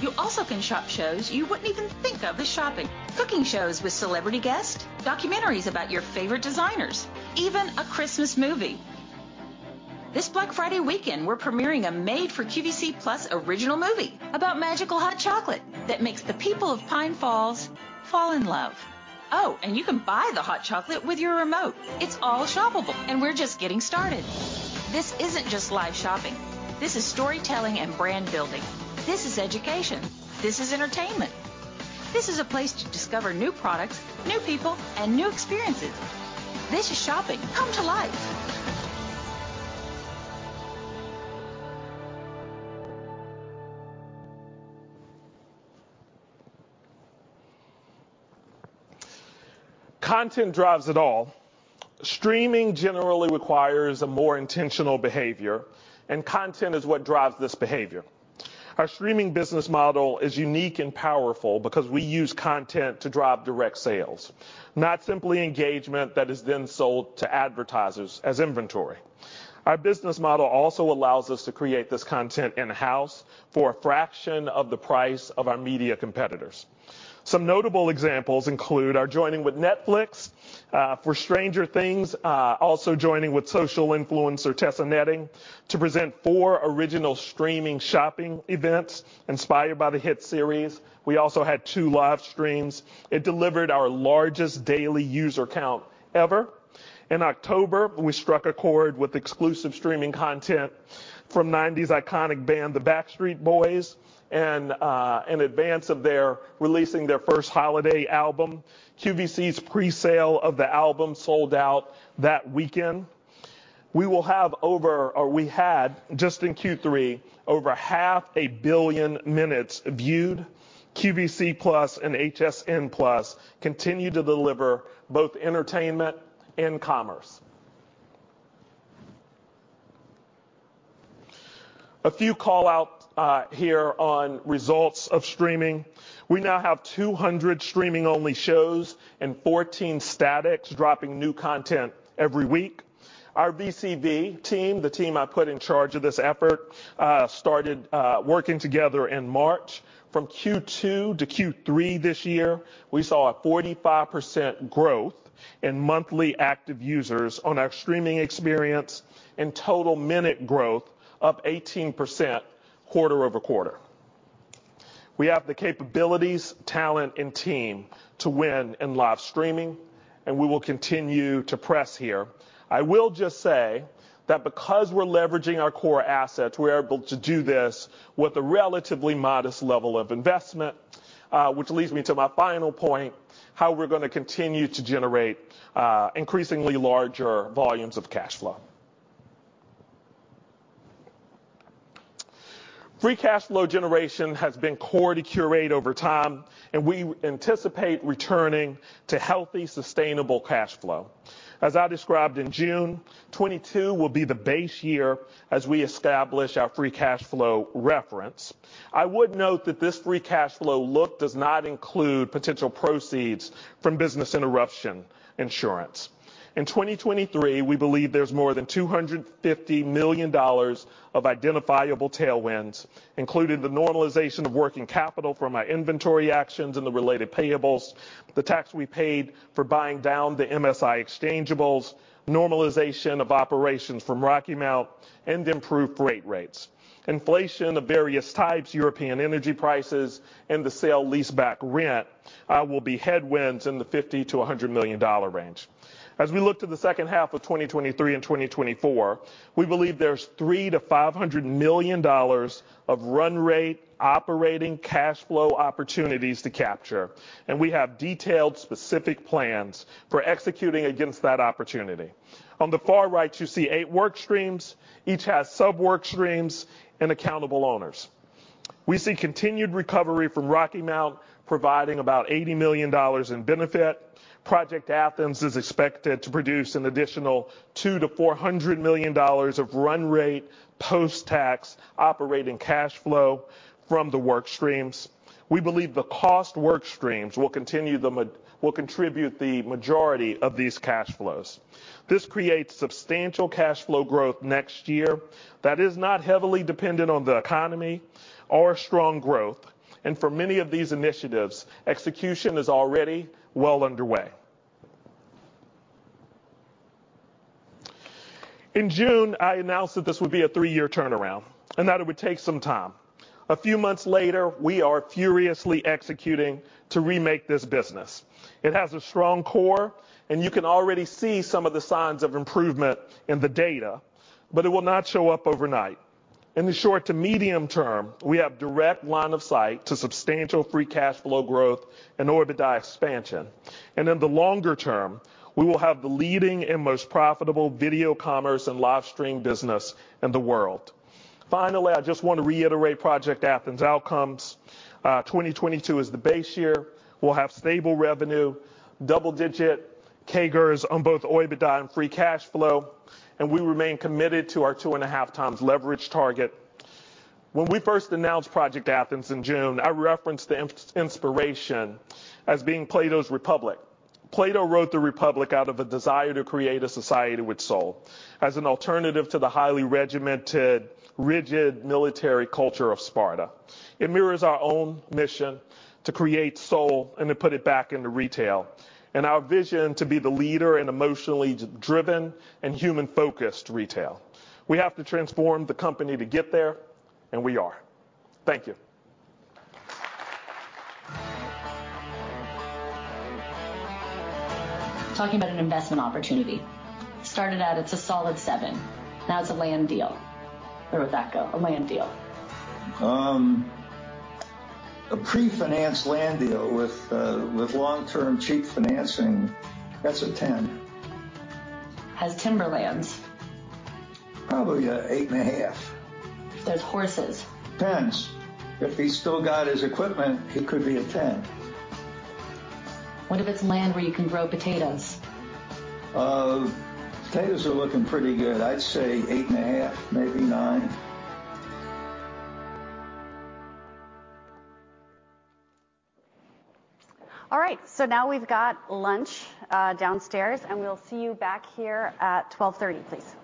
You also can shop shows you wouldn't even think of as shopping. Cooking shows with celebrity guests, documentaries about your favorite designers, even a Christmas movie. This Black Friday weekend, we're premiering a made for QVC+ original movie about magical hot chocolate that makes the people of Pine Falls fall in love. Oh, and you can buy the hot chocolate with your remote. It's all shoppable, and we're just getting started. This isn't just live shopping. This is storytelling and brand building. This is education. This is entertainment. This is a place to discover new products, new people, and new experiences. This is shopping come to life. Content drives it all. Streaming generally requires a more intentional behavior, and content is what drives this behavior. Our streaming business model is unique and powerful because we use content to drive direct sales, not simply engagement that is then sold to advertisers as inventory. Our business model also allows us to create this content in-house for a fraction of the price of our media competitors. Some notable examples include our joining with Netflix for Stranger Things. Also joining with social influencer Tessa Netting to present four original streaming shopping events inspired by the hit series. We also had two live streams. It delivered our largest daily user count ever. In October, we struck a chord with exclusive streaming content from nineties iconic band, the Backstreet Boys and in advance of their releasing their first holiday album. QVC's presale of the album sold out that weekend. We had just in Q3 over 500 million minutes viewed. QVC+ and HSN+ continue to deliver both entertainment and commerce. A few call outs here on results of streaming. We now have 200 streaming only shows and 14 statics dropping new content every week. Our vCommerce team, the team I put in charge of this effort, started working together in March. From Q2 to Q3 this year, we saw a 45% growth in monthly active users on our streaming experience and total minute growth up 18% quarter-over-quarter. We have the capabilities, talent, and team to win in live streaming, and we will continue to press here. I will just say that because we're leveraging our core assets, we're able to do this with a relatively modest level of investment. Which leads me to my final point, how we're gonna continue to generate increasingly larger volumes of cash flow. Free cash flow generation has been core to Qurate over time, and we anticipate returning to healthy, sustainable cash flow. As I described in June, 2022 will be the base year as we establish our free cash flow reference. I would note that this free cash flow outlook does not include potential proceeds from business interruption insurance. In 2023, we believe there's more than $250 million of identifiable tailwinds, including the normalization of working capital from our inventory actions and the related payables, the tax we paid for buying down the MSI exchangeables, normalization of operations from Rocky Mount, and improved freight rates. Inflation of various types, European energy prices, and the sale leaseback rent will be headwinds in the $50-$100 million range. As we look to the second half of 2023 and 2024, we believe there's $300-$500 million of run rate operating cash flow opportunities to capture, and we have detailed specific plans for executing against that opportunity. On the far right, you see eight work streams. Each has sub work streams and accountable owners. We see continued recovery from Rocky Mount, providing about $80 million in benefit. Project Athens is expected to produce an additional $200-$400 million of run rate post-tax operating cash flow from the work streams. We believe the cost work streams will contribute the majority of these cash flows. This creates substantial cash flow growth next year that is not heavily dependent on the economy or strong growth. For many of these initiatives, execution is already well underway. In June, I announced that this would be a three-year turnaround and that it would take some time. A few months later, we are furiously executing to remake this business. It has a strong core, and you can already see some of the signs of improvement in the data, but it will not show up overnight. In the short to medium term, we have direct line of sight to substantial free cash flow growth and OIBDA expansion. In the longer term, we will have the leading and most profitable video commerce and live stream business in the world. Finally, I just want to reiterate Project Athens outcomes. 2022 is the base year. We'll have stable revenue, double-digit CAGRs on both OIBDA and free cash flow, and we remain committed to our 2.5x leverage target. When we first announced Project Athens in June, I referenced the inspiration as being The Republic. Plato wrote The Republic out of a desire to create a society with soul as an alternative to the highly regimented, rigid military culture of Sparta. It mirrors our own mission to create soul and to put it back into retail, and our vision to be the leader in emotionally driven and human-focused retail. We have to transform the company to get there, and we are. Thank you. All right, now we've got lunch downstairs, and we'll see you back here at 12:30 P.M., please.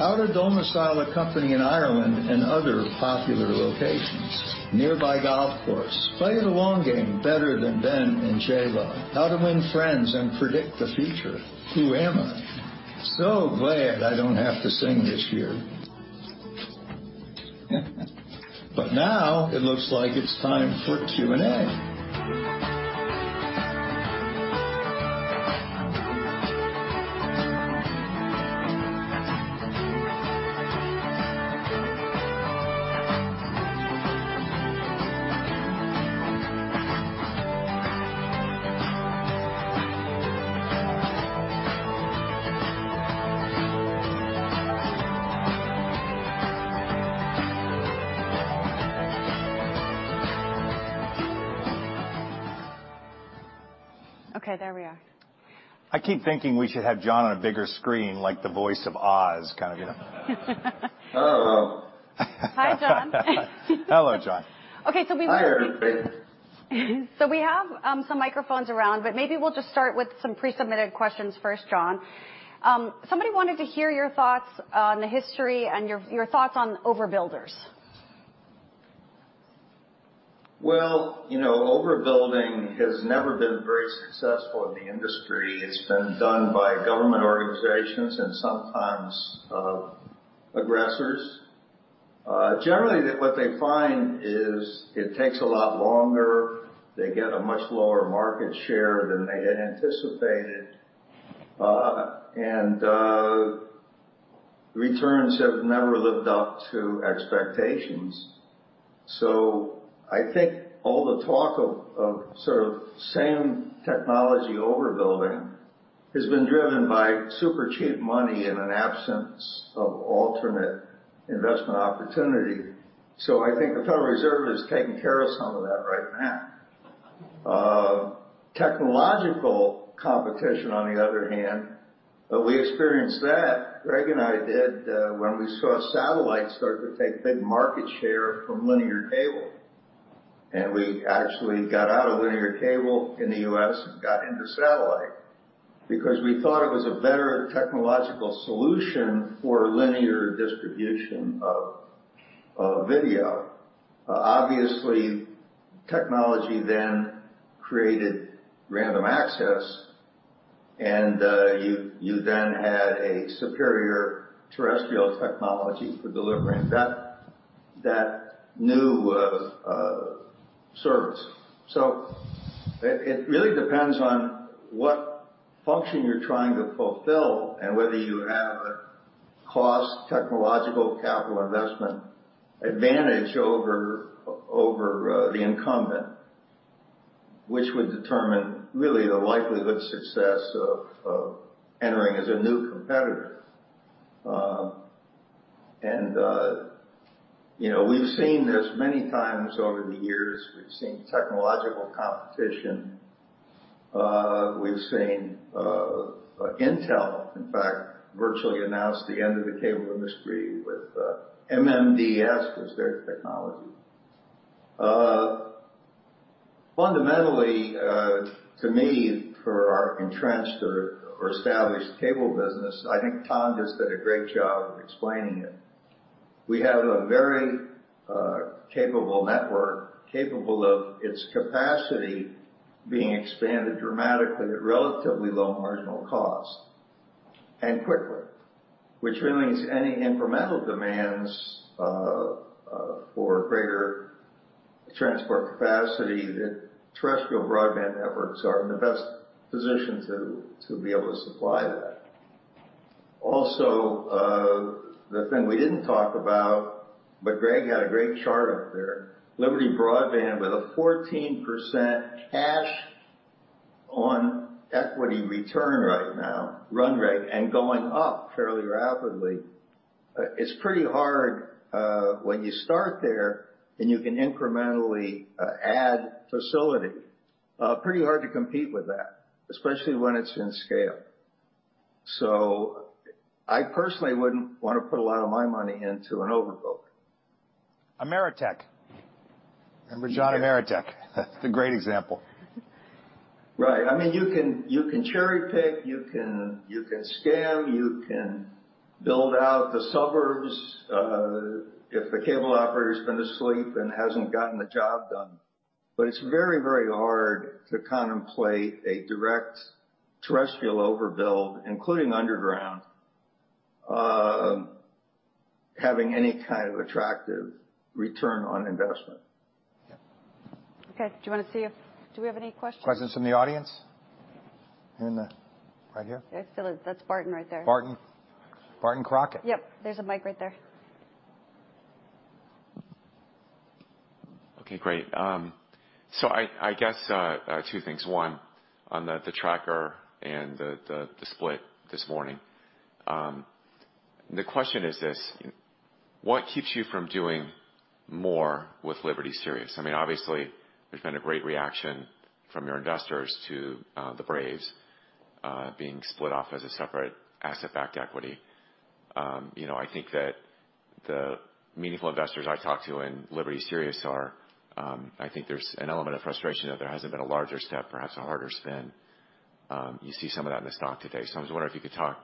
Now it looks like it's time for Q&A. Okay, there we are. I keep thinking we should have John on a bigger screen, like the voice of Oz, kind of, you know. Hello. Hi, John. Hello, John. Okay. Hi, everybody. We have some microphones around, but maybe we'll just start with some pre-submitted questions first, John. Somebody wanted to hear your thoughts on the history and your thoughts on overbuilders. Well, you know, overbuilding has never been very successful in the industry. It's been done by government organizations and sometimes aggressors. Generally, what they find is it takes a lot longer. They get a much lower market share than they had anticipated. Returns have never lived up to expectations. I think all the talk of sort of same technology overbuilding has been driven by super cheap money in an absence of alternate investment opportunity. I think the Federal Reserve is taking care of some of that right now. Technological competition, on the other hand, we experienced that, Greg and I did, when we saw satellite start to take big market share from linear cable. We actually got out of linear cable in the U.S. and got into satellite because we thought it was a better technological solution for linear distribution of video. Obviously, technology then created random access, and you then had a superior terrestrial technology for delivering that new service. It really depends on what function you're trying to fulfill and whether you have a cost technological capital investment advantage over the incumbent, which would determine really the likelihood of success of entering as a new competitor. You know, we've seen this many times over the years. We've seen technological competition. We've seen Intel, in fact, virtually announce the end of the cable industry with MMDS, which was their technology. Fundamentally, to me, for our entrenched or established cable business, I think Tom just did a great job of explaining it. We have a very capable network, capable of its capacity being expanded dramatically at relatively low marginal cost and quickly, which means any incremental demands for greater transport capacity, the terrestrial broadband networks are in the best position to be able to supply that. Also, the thing we didn't talk about, but Greg had a great chart up there. Liberty Broadband with a 14% cash on equity return right now, run rate, and going up fairly rapidly. It's pretty hard when you start there, then you can incrementally add facility. Pretty hard to compete with that, especially when it's in scale. I personally wouldn't wanna put a lot of my money into an overbuild. Ameritech. Remember John Ameritech? That's a great example. Right. I mean, you can cherry-pick, you can scam, you can build out the suburbs, if the cable operator's been asleep and hasn't gotten the job done. It's very, very hard to contemplate a direct terrestrial overbuild, including underground, having any kind of attractive return on investment. Do we have any questions? Questions from the audience? Right here. There still is. That's Barton right there. Barton Crockett. Yep. There's a mic right there. Okay, great. I guess two things. One, on the tracker and the split this morning. The question is this: What keeps you from doing more with Liberty Sirius? I mean, obviously, there's been a great reaction from your investors to the Braves being split off as a separate asset-backed equity. You know, I think that the meaningful investors I talk to in Liberty Sirius are, there's an element of frustration that there hasn't been a larger step, perhaps a harder spin. You see some of that in the stock today. I was wondering if you could talk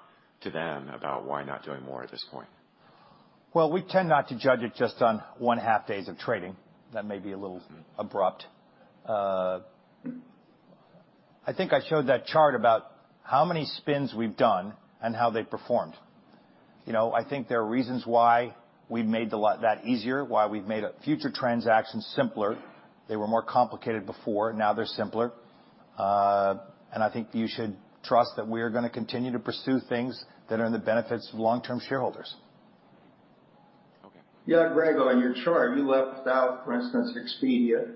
to them about why not doing more at this point. Well, we tend not to judge it just on 1.5 days of trading. That may be a little abrupt. I think I showed that chart about how many spins we've done and how they performed. You know, I think there are reasons why we made that easier, why we've made future transactions simpler. They were more complicated before, now they're simpler. I think you should trust that we're gonna continue to pursue things that are in the benefits of long-term shareholders. Yeah, Greg, on your chart, you left out, for instance, Expedia,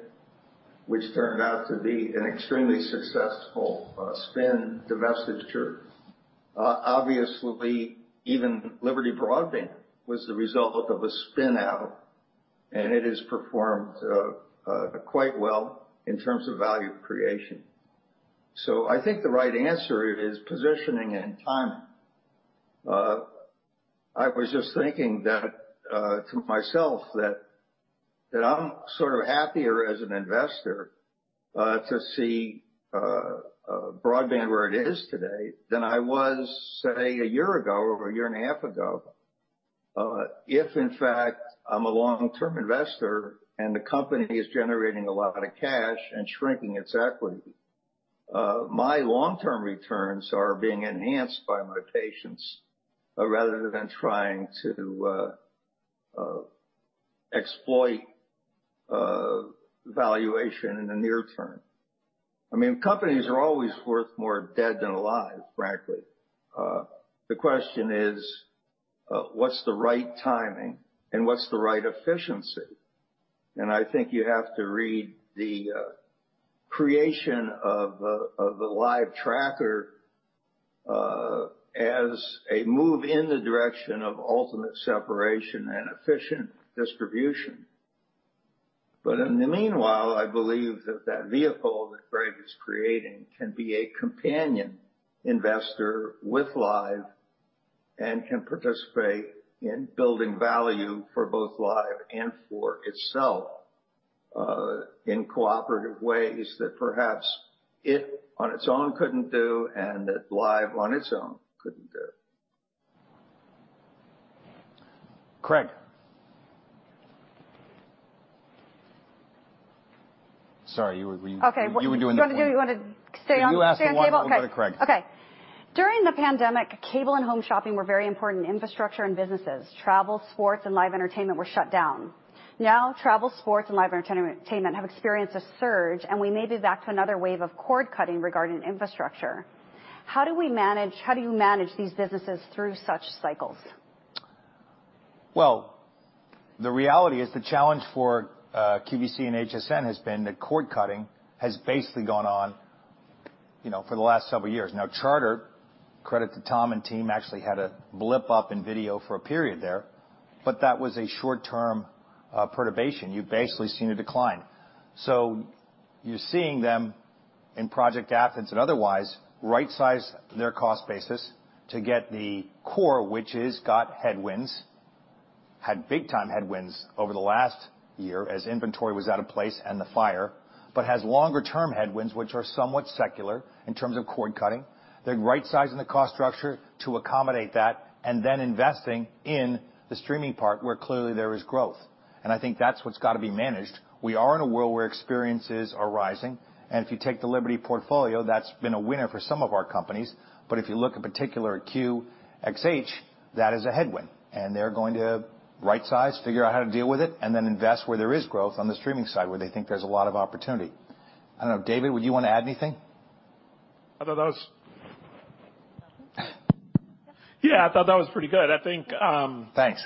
which turned out to be an extremely successful spin divestiture. Obviously, even Liberty Broadband was the result of a spin out, and it has performed quite well in terms of value creation. I think the right answer is positioning and timing. I was just thinking that to myself that I'm sort of happier as an investor to see Broadband where it is today than I was, say, a year ago or a year and a half ago. If in fact, I'm a long-term investor and the company is generating a lot of cash and shrinking its equity, my long-term returns are being enhanced by my patience rather than trying to exploit valuation in the near term. I mean, companies are always worth more dead than alive, frankly. The question is, what's the right timing and what's the right efficiency? I think you have to read the creation of the Live tracker as a move in the direction of ultimate separation and efficient distribution. In the meanwhile, I believe that that vehicle that Greg is creating can be a companion investor with Live and can participate in building value for both Live and for itself, in cooperative ways that perhaps it, on its own couldn't do and that Live on its own couldn't do. Correct. Sorry, you were doing the thing. Okay. You wanna stay on the table? You ask the one, we'll go to Craig. Okay. During the pandemic, cable and home shopping were very important infrastructure and businesses. Travel, sports, and live entertainment were shut down. Now, travel, sports, and live entertainment have experienced a surge, and we may be back to another wave of cord-cutting regarding infrastructure. How do you manage these businesses through such cycles? Well, the reality is the challenge for QVC and HSN has been that cord-cutting has basically gone on, you know, for the last several years. Now, Charter, credit to Tom and team, actually had a blip up in video for a period there, but that was a short-term perturbation. You've basically seen a decline. You're seeing them in Project Athens and otherwise right-size their cost basis to get the core, which has got headwinds. Had big time headwinds over the last year as inventory was out of place and the fire, but has longer term headwinds which are somewhat secular in terms of cord cutting. They're rightsizing the cost structure to accommodate that and then investing in the streaming part where clearly there is growth. I think that's what's gotta be managed. We are in a world where experiences are rising, and if you take the Liberty portfolio, that's been a winner for some of our companies. If you look in particular at QxH, that is a headwind, and they're going to right size, figure out how to deal with it, and then invest where there is growth on the streaming side, where they think there's a lot of opportunity. I don't know. David, would you wanna add anything? Yeah, I thought that was pretty good. I think, Thanks.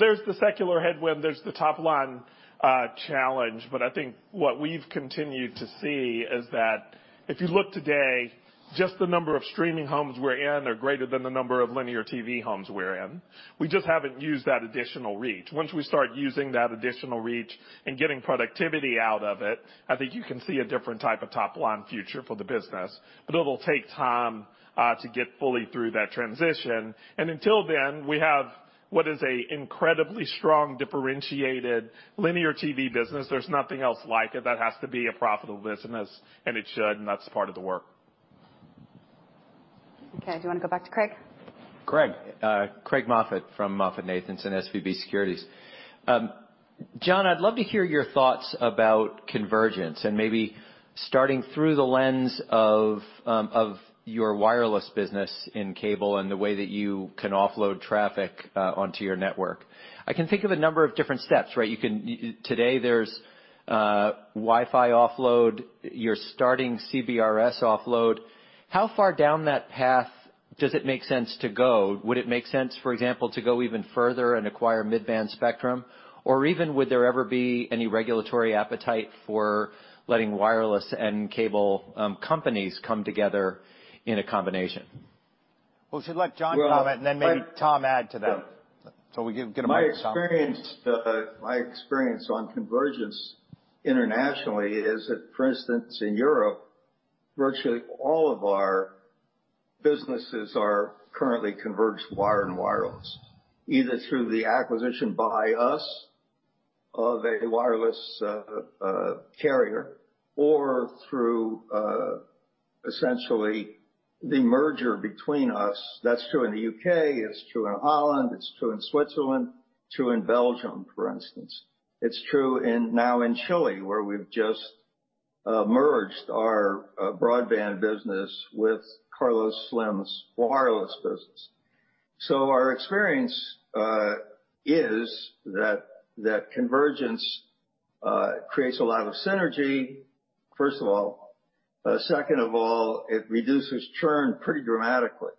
There's the secular headwind, there's the top line challenge, but I think what we've continued to see is that if you look today, just the number of streaming homes we're in are greater than the number of linear TV homes we're in. We just haven't used that additional reach. Once we start using that additional reach and getting productivity out of it, I think you can see a different type of top-line future for the business. It'll take time to get fully through that transition. Until then, we have what is a incredibly strong, differentiated linear TV business. There's nothing else like it that has to be a profitable business, and it should, and that's part of the work. Okay. Do you wanna go back to Craig? Craig. Craig Moffett from MoffettNathanson, SVB Securities. John, I'd love to hear your thoughts about convergence and maybe starting through the lens of your wireless business in cable and the way that you can offload traffic, onto your network. I can think of a number of different steps, right? Today, there's Wi-Fi offload. You're starting CBRS offload. How far down that path does it make sense to go? Would it make sense, for example, to go even further and acquire mid-band spectrum? Or even, would there ever be any regulatory appetite for letting wireless and cable, companies come together in a combination? We should let John comment and then maybe Tom add to that. We get a mic to Tom. My experience on convergence internationally is that, for instance, in Europe, virtually all of our businesses are currently converged wire and wireless, either through the acquisition by us of a wireless carrier or through essentially the merger between us. That's true in the U.K., it's true in Ireland, it's true in Switzerland, it's true in Belgium, for instance. It's true now in Chile, where we've just merged our broadband business with Carlos Slim's wireless business. Our experience is that convergence creates a lot of synergy, first of all. Second of all, it reduces churn pretty dramatically.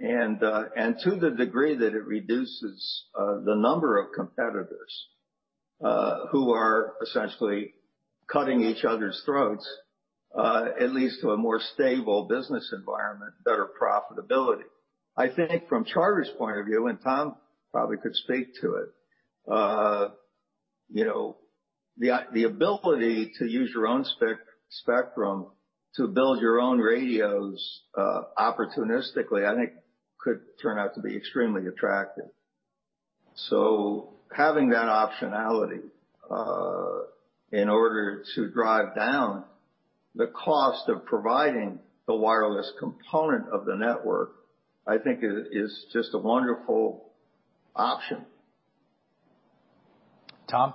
To the degree that it reduces the number of competitors who are essentially cutting each other's throats, it leads to a more stable business environment, better profitability. I think from Charter's point of view, and Tom probably could speak to it, you know, the ability to use your own spectrum to build your own radios, opportunistically, I think could turn out to be extremely attractive. Having that optionality, in order to drive down the cost of providing the wireless component of the network, I think is just a wonderful option. Tom?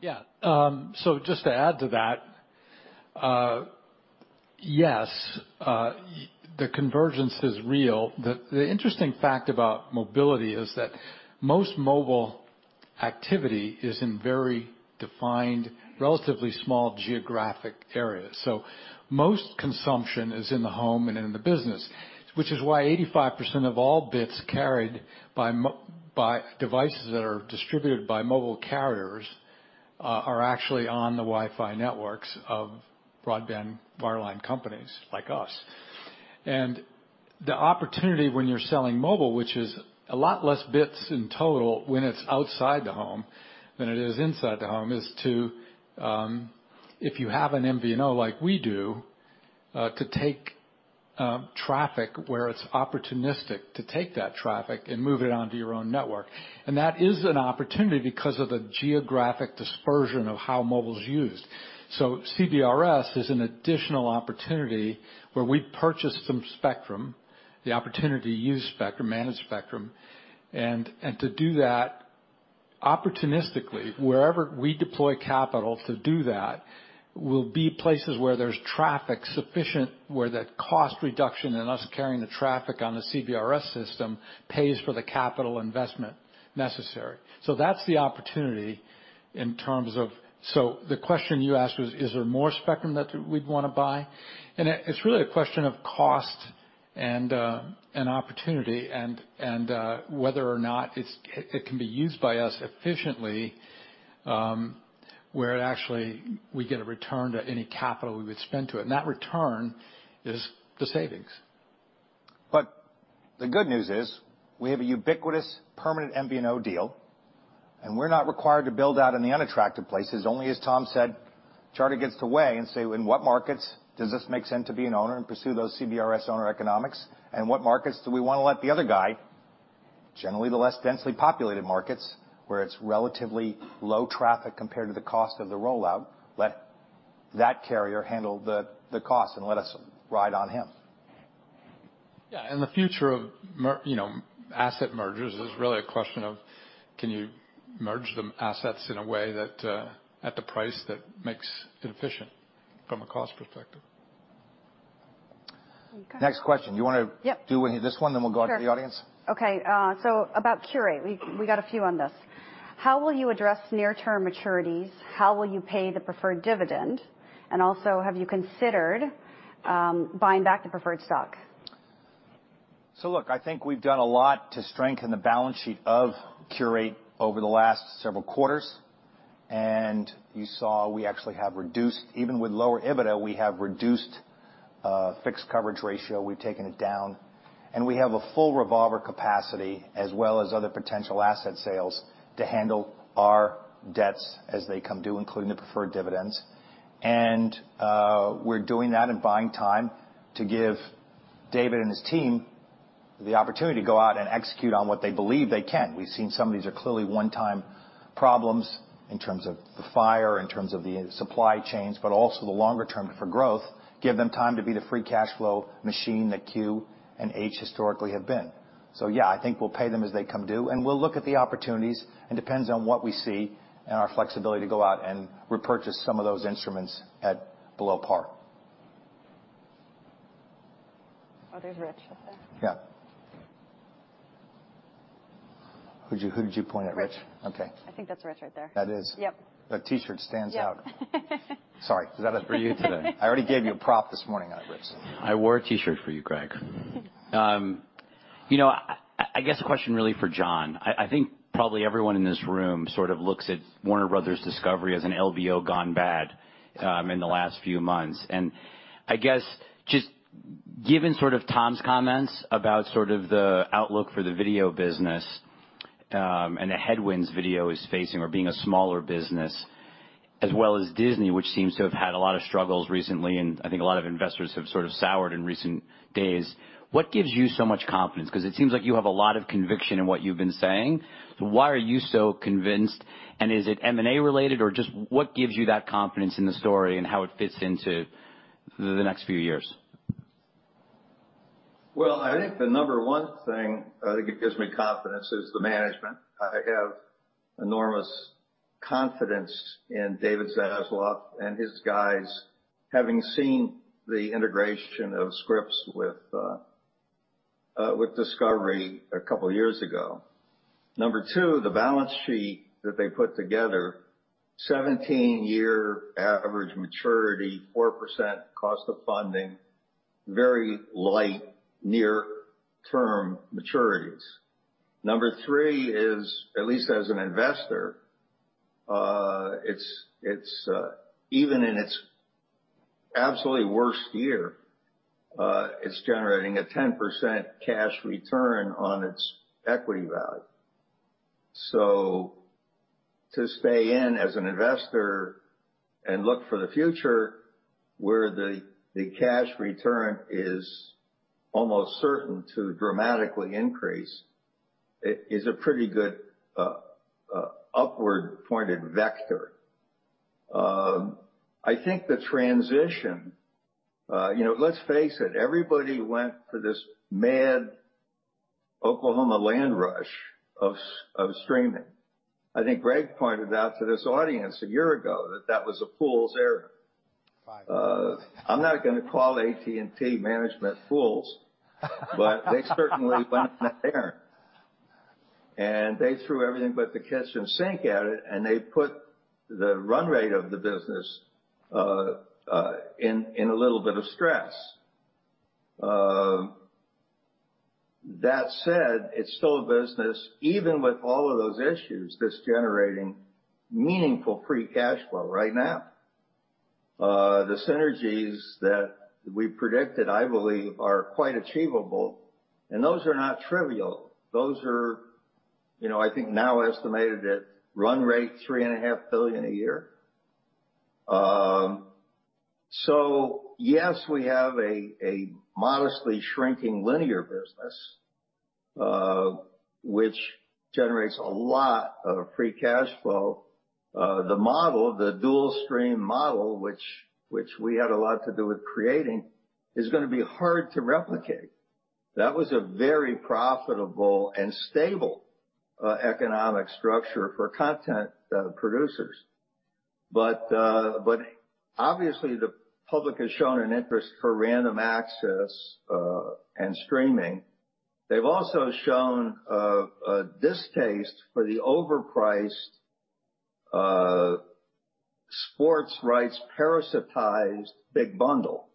Yeah. So just to add to that, yes, the convergence is real. The interesting fact about mobility is that most mobile activity is in very defined, relatively small geographic areas. So most consumption is in the home and in the business, which is why 85% of all bits carried by devices that are distributed by mobile carriers are actually on the Wi-Fi networks of broadband wireline companies like us. The opportunity when you're selling mobile, which is a lot less bits in total when it's outside the home than it is inside the home, is to, if you have an MVNO like we do, to take traffic where it's opportunistic, to take that traffic and move it onto your own network. That is an opportunity because of the geographic dispersion of how mobile's used. CBRS is an additional opportunity where we purchase some spectrum, the opportunity to use spectrum, manage spectrum. To do that opportunistically, wherever we deploy capital to do that, will be places where there's traffic sufficient where that cost reduction and us carrying the traffic on the CBRS system pays for the capital investment necessary. That's the opportunity in terms of the question you asked was, is there more spectrum that we'd wanna buy? It's really a question of cost and opportunity and whether or not it can be used by us efficiently, where actually we get a return to any capital we would spend to it. That return is the savings. The good news is, we have a ubiquitous permanent MVNO deal. We're not required to build out in the unattractive places. Only, as Tom said, Charter gets to weigh and say, in what markets does this make sense to be an owner and pursue those CBRS owner economics? What markets do we wanna let the other guy, generally the less densely populated markets, where it's relatively low traffic compared to the cost of the rollout, let that carrier handle the cost and let us ride on him. The future of asset mergers is really a question of, can you merge the assets in a way that, at the price that makes it efficient from a cost perspective? Okay. Next question. Yep. Do this one, then we'll go out to the audience. Sure. Okay, so about Qurate. We got a few on this. How will you address near-term maturities? How will you pay the preferred dividend? Also, have you considered buying back the preferred stock? Look, I think we've done a lot to strengthen the balance sheet of Qurate over the last several quarters. You saw we actually have reduced even with lower EBITDA, we have reduced fixed coverage ratio. We've taken it down, and we have a full revolver capacity as well as other potential asset sales to handle our debts as they come due, including the preferred dividends. We're doing that and buying time to give David and his team the opportunity to go out and execute on what they believe they can. We've seen some of these are clearly one-time problems in terms of the fire, in terms of the supply chains, but also the longer term for growth, give them time to be the free cash flow machine that Q and H historically have been. Yeah, I think we'll pay them as they come due. We'll look at the opportunities, and it depends on what we see and our flexibility to go out and repurchase some of those instruments at below par. Oh, there's Rich right there. Yeah. Who'd you point at, Rich? Rich. Okay. I think that's Rich right there. That is. Yep. That T-shirt stands out. Yep. Sorry, did that for you today. I already gave you a prop this morning on it, Rich. I wore a T-shirt for you, Greg. You know, I guess a question really for John. I think probably everyone in this room sort of looks at Warner Bros. Discovery as an LBO gone bad, in the last few months. I guess just given sort of Tom's comments about sort of the outlook for the video business, and the headwinds video is facing or being a smaller business, as well as Disney, which seems to have had a lot of struggles recently, and I think a lot of investors have sort of soured in recent days, what gives you so much confidence? 'Cause it seems like you have a lot of conviction in what you've been saying. Why are you so convinced, and is it M&A related, or just what gives you that confidence in the story and how it fits into the next few years? Well, I think the number one thing that I think it gives me confidence is the management. I have enormous confidence in David Zaslav and his guys, having seen the integration of Scripps with Discovery a couple years ago. Number two, the balance sheet that they put together, 17-year average maturity, 4% cost of funding, very light near-term maturities. Number three is, at least as an investor, it's even in its absolutely worst year, it's generating a 10% cash return on its equity value. So to stay in as an investor and look for the future where the cash return is almost certain to dramatically increase is a pretty good upward pointed vector. I think the transition, you know, let's face it, everybody went for this mad Oklahoma land rush of streaming. I think Greg pointed out to this audience a year ago that was a fool's errand. Five years ago. I'm not gonna call AT&T management fools. They certainly went on an errand. They threw everything but the kitchen sink at it, and they put the run rate of the business in a little bit of stress. That said, it's still a business, even with all of those issues, that's generating meaningful free cash flow right now. The synergies that we predicted, I believe, are quite achievable, and those are not trivial. Those are, you know, I think now estimated at run rate $3.5 billion a year. Yes, we have a modestly shrinking linear business, which generates a lot of free cash flow. The model, the dual stream model, which we had a lot to do with creating, is gonna be hard to replicate. That was a very profitable and stable economic structure for content producers. Obviously, the public has shown an interest for random access and streaming. They've also shown a distaste for the overpriced sports rights parasitized big bundle.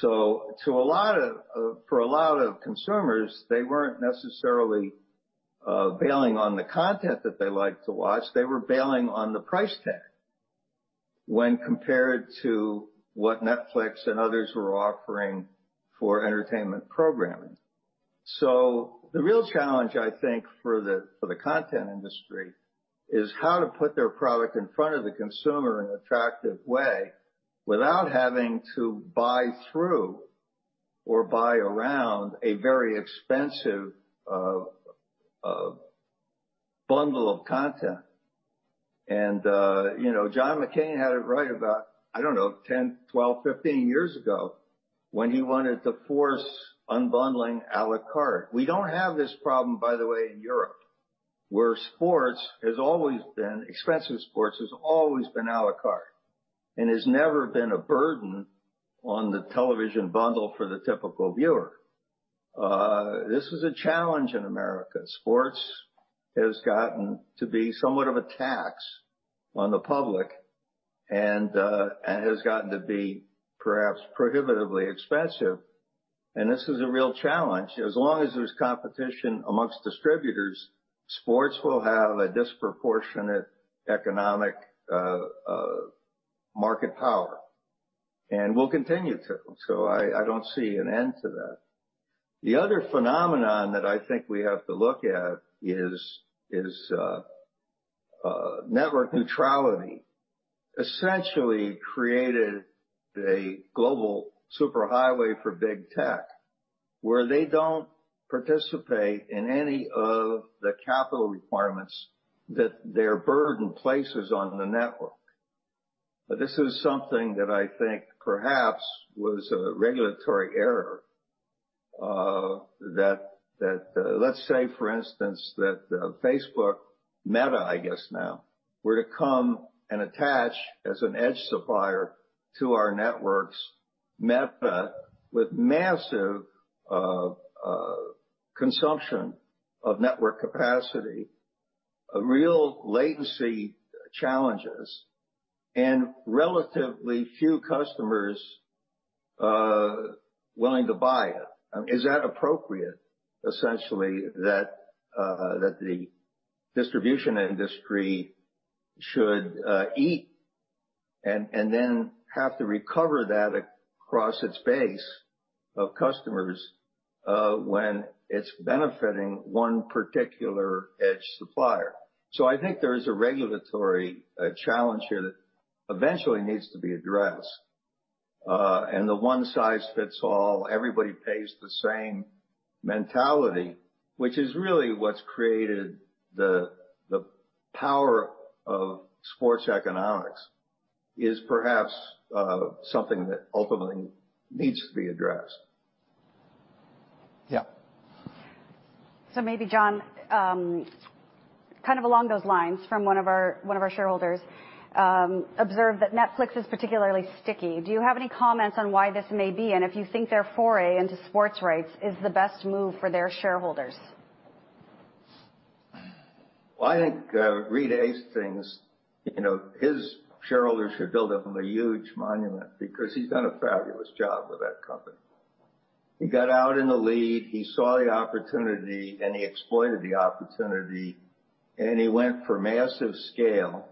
For a lot of consumers, they weren't necessarily bailing on the content that they liked to watch. They were bailing on the price tag when compared to what Netflix and others were offering for entertainment programming. The real challenge, I think, for the content industry is how to put their product in front of the consumer in an attractive way without having to buy through or buy around a very expensive bundle of content. You know, John McCain had it right about, I don't know, 10, 12, 15 years ago, when he wanted to force unbundling à la carte. We don't have this problem, by the way, in Europe, where sports has always been expensive sports has always been à la carte and has never been a burden on the television bundle for the typical viewer. This is a challenge in America. Sports has gotten to be somewhat of a tax on the public and has gotten to be perhaps prohibitively expensive. This is a real challenge. As long as there's competition amongst distributors, sports will have a disproportionate economic market power, and will continue to. I don't see an end to that. The other phenomenon that I think we have to look at is network neutrality essentially created a global superhighway for big tech, where they don't participate in any of the capital requirements that their burden places on the network. This is something that I think perhaps was a regulatory error. Let's say, for instance, that Facebook, Meta, I guess now, were to come and attach as an edge supplier to our networks, Meta with massive consumption of network capacity, a real latency challenges, and relatively few customers willing to buy it. Is that appropriate, essentially, that the distribution industry should eat and then have to recover that across its base of customers, when it's benefiting one particular edge supplier? I think there is a regulatory challenge here that eventually needs to be addressed. The one size fits all, everybody pays the same mentality, which is really what's created the power of sports economics, is perhaps something that ultimately needs to be addressed. Yeah. Maybe, John, kind of along those lines from one of our shareholders, observed that Netflix is particularly sticky. Do you have any comments on why this may be, and if you think their foray into sports rights is the best move for their shareholders? Well, I think, Reed Hastings, you know, his shareholders should build him a huge monument because he's done a fabulous job with that company. He got out in the lead, he saw the opportunity, and he exploited the opportunity, and he went for massive scale.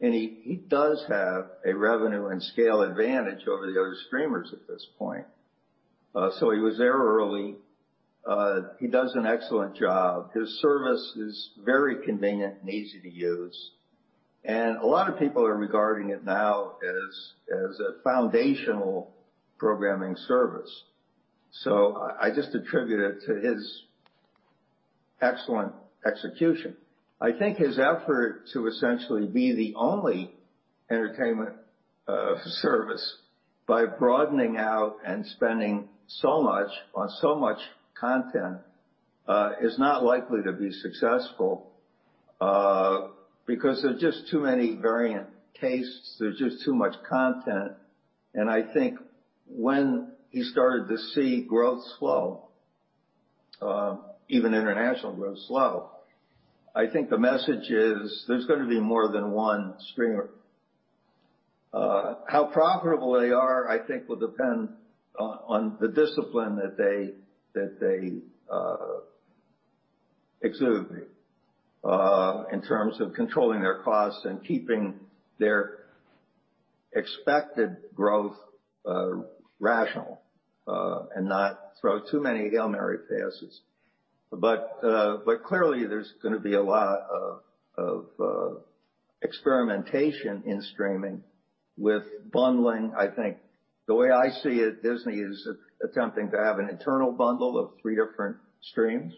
He does have a revenue and scale advantage over the other streamers at this point. He was there early. He does an excellent job. His service is very convenient and easy to use, and a lot of people are regarding it now as a foundational programming service. I just attribute it to his excellent execution. I think his effort to essentially be the only entertainment service by broadening out and spending so much on so much content is not likely to be successful because there are just too many variant tastes. There's just too much content. I think when he started to see growth slow, even international growth slow, I think the message is there's gonna be more than one streamer. How profitable they are, I think will depend on the discipline that they exude in terms of controlling their costs and keeping their expected growth rational, and not throw too many Hail Mary passes. Clearly, there's gonna be a lot of experimentation in streaming with bundling, I think. The way I see it, Disney is attempting to have an internal bundle of three different streams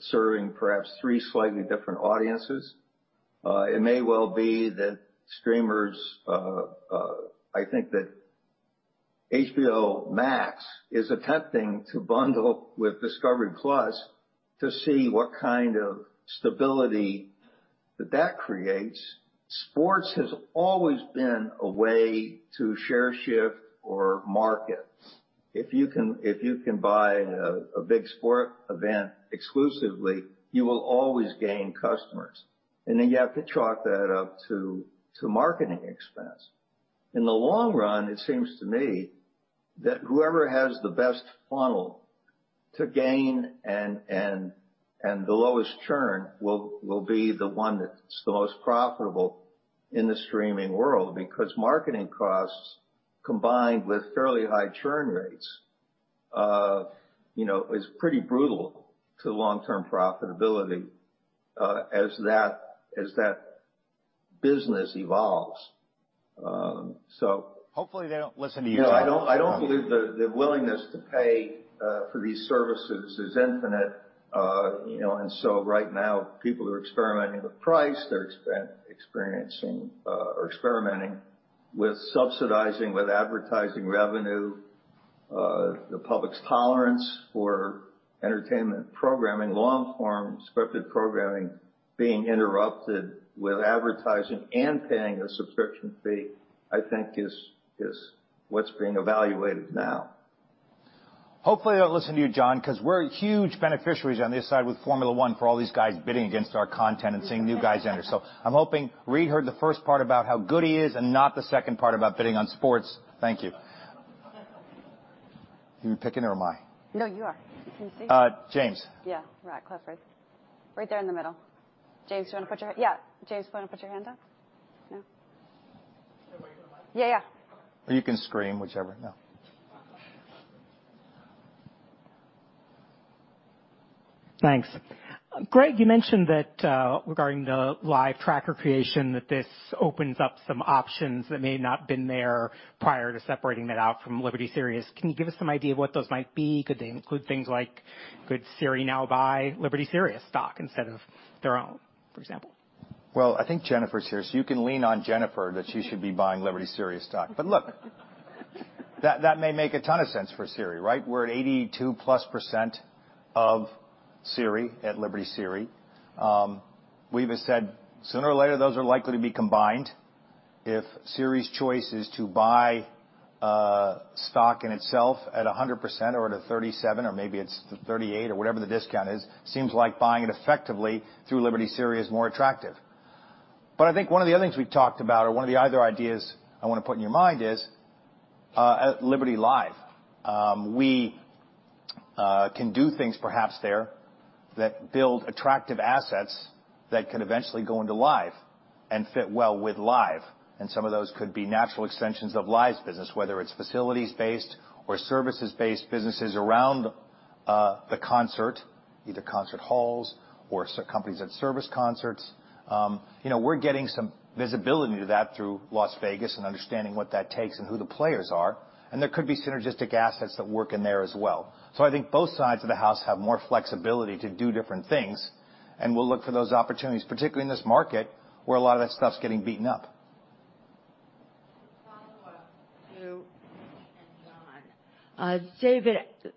serving perhaps three slightly different audiences. It may well be that streamers, I think that HBO Max is attempting to bundle with Discovery+ to see what kind of stability that creates. Sports has always been a way to share, shift, or market. If you can buy a big sports event exclusively, you will always gain customers. You have to chalk that up to marketing expense. In the long run, it seems to me that whoever has the best funnel to gain and the lowest churn will be the one that's the most profitable in the streaming world because marketing costs combined with fairly high churn rates is pretty brutal to long-term profitability as that business evolves. Hopefully, they don't listen to you, John. You know, I don't believe the willingness to pay for these services is infinite. You know, right now, people are experimenting with price. They're experiencing or experimenting with subsidizing with advertising revenue. The public's tolerance for entertainment programming, long-form scripted programming being interrupted with advertising and paying a subscription fee, I think is what's being evaluated now. Hopefully, they don't listen to you, John, 'cause we're huge beneficiaries on this side with Formula 1 for all these guys bidding against our content and seeing new guys enter. I'm hoping Reed heard the first part about how good he is and not the second part about bidding on sports. Thank you. You picking or am I? No, you are. Can you see? James. Yeah. Right. Close. Right there in the middle. Yeah. James, wanna put your hand up? No. Yeah, yeah. You can scream, whichever. No. Thanks. Greg, you mentioned that regarding the Live tracker creation, that this opens up some options that may not have been there prior to separating that out from Liberty SiriusXM. Can you give us some idea of what those might be? Could they include things like could SiriusXM now buy Liberty SiriusXM stock instead of their own, for example? I think Jennifer's here, so you can lean on Jennifer that she should be buying Liberty SiriusXM stock. That may make a ton of sense for SiriusXM, right? We're at 82%+ of SiriusXM at Liberty SiriusXM. We've said sooner or later, those are likely to be combined. If SiriusXM's choice is to buy stock in itself at 100% or at a 37% or maybe it's 38% or whatever the discount is, seems like buying it effectively through Liberty SiriusXM is more attractive. I think one of the other things we talked about or one of the other ideas I wanna put in your mind is at Liberty Live. We can do things perhaps there that build attractive assets that could eventually go into Live and fit well with Live, and some of those could be natural extensions of Live's business, whether it's facilities-based or services-based businesses around the concert, either concert halls or service companies that service concerts. You know, we're getting some visibility to that through Las Vegas and understanding what that takes and who the players are, and there could be synergistic assets that work in there as well. I think both sides of the house have more flexibility to do different things, and we'll look for those opportunities, particularly in this market, where a lot of that stuff's getting beaten up. Final one to Andy and Doug. David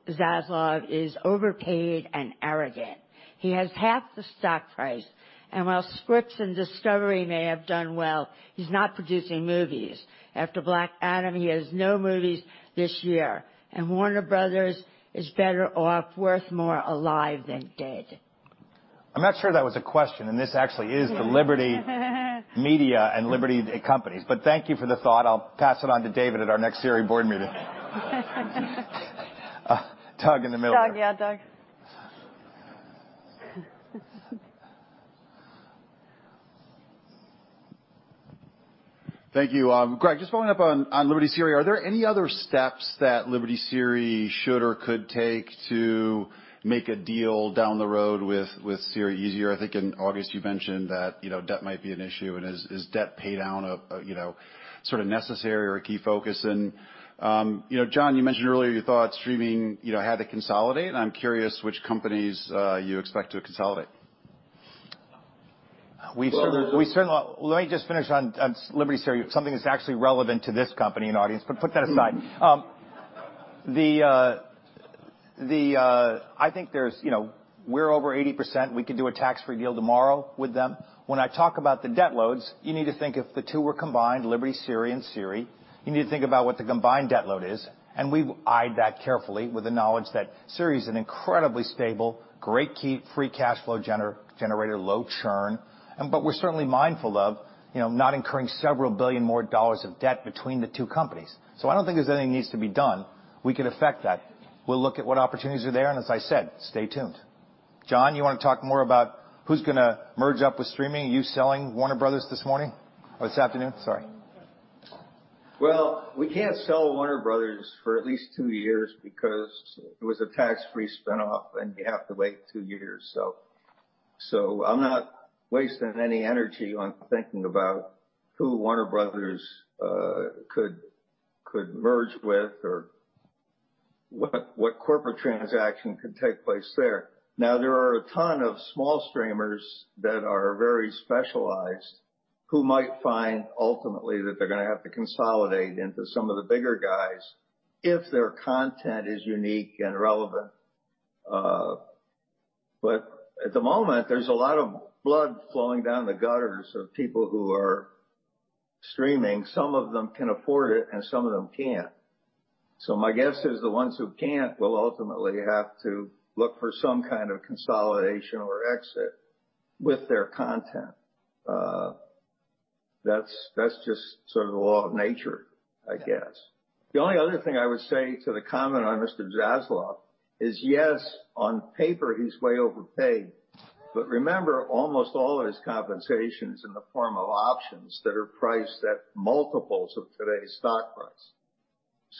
Zaslav is overpaid and arrogant. He has half the stock price, and while Scripps and Discovery may have done well, he's not producing movies. After Black Adam, he has no movies this year, and Warner Bros. is better off worth more alive than dead. I'm not sure that was a question, and this actually is the Liberty Media and Liberty companies. Thank you for the thought. I'll pass it on to David at our next Sirius board meeting. Doug in the middle there. Doug, yeah. Doug. Thank you. Greg, just following up on Liberty SiriusXM, are there any other steps that Liberty SiriusXM should or could take to make a deal down the road with SiriusXM easier? I think in August, you mentioned that, you know, debt might be an issue. Is debt paydown a you know sort of necessary or a key focus? You know, John, you mentioned earlier you thought streaming, you know, had to consolidate, and I'm curious which companies you expect to consolidate. We certainly. Let me just finish on Liberty SiriusXM, something that's actually relevant to this company and audience. Put that aside. I think there's, you know, we're over 80%. We could do a tax-free deal tomorrow with them. When I talk about the debt loads, you need to think if the two were combined, Liberty SiriusXM and SiriusXM, you need to think about what the combined debt load is, and we've eyed that carefully with the knowledge that SiriusXM is an incredibly stable, great free cash flow generator, low churn. We're certainly mindful of, you know, not incurring several billion dollars more dollars of debt between the two companies. I don't think there's anything needs to be done. We could affect that. We'll look at what opportunities are there, and as I said, stay tuned. John, you wanna talk more about who's gonna merge up with streaming? Are you selling Warner Bros. this morning or this afternoon? Sorry. Well, we can't sell Warner Bros. for at least two years because it was a tax-free spinoff, and you have to wait two years. I'm not wasting any energy on thinking about who Warner Bros. could merge with or what corporate transaction could take place there. Now, there are a ton of small streamers that are very specialized who might find ultimately that they're gonna have to consolidate into some of the bigger guys if their content is unique and relevant. At the moment, there's a lot of blood flowing down the gutters of people who are streaming. Some of them can afford it, and some of them can't. My guess is the ones who can't will ultimately have to look for some kind of consolidation or exit with their content. That's just sort of the law of nature, I guess. The only other thing I would say to the comment on Mr. Zaslav is, yes, on paper, he's way overpaid. Remember, almost all of his compensation's in the form of options that are priced at multiples of today's stock price.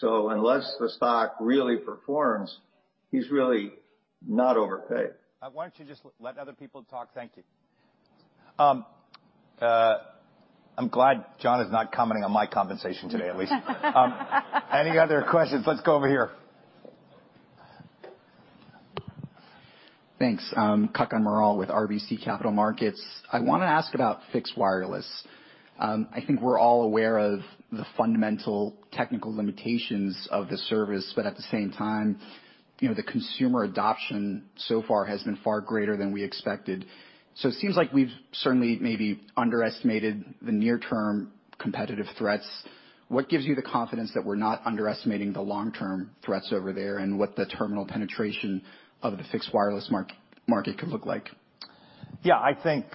Unless the stock really performs, he's really not overpaid. Why don't you just let other people talk? Thank you. I'm glad John is not commenting on my compensation today, at least. Any other questions? Let's go over here. Thanks. Kutgun Maral with RBC Capital Markets. I wanna ask about fixed wireless. I think we're all aware of the fundamental technical limitations of the service, but at the same time, you know, the consumer adoption so far has been far greater than we expected. It seems like we've certainly maybe underestimated the near-term competitive threats. What gives you the confidence that we're not underestimating the long-term threats over there, and what the terminal penetration of the fixed wireless market could look like? Yeah. I think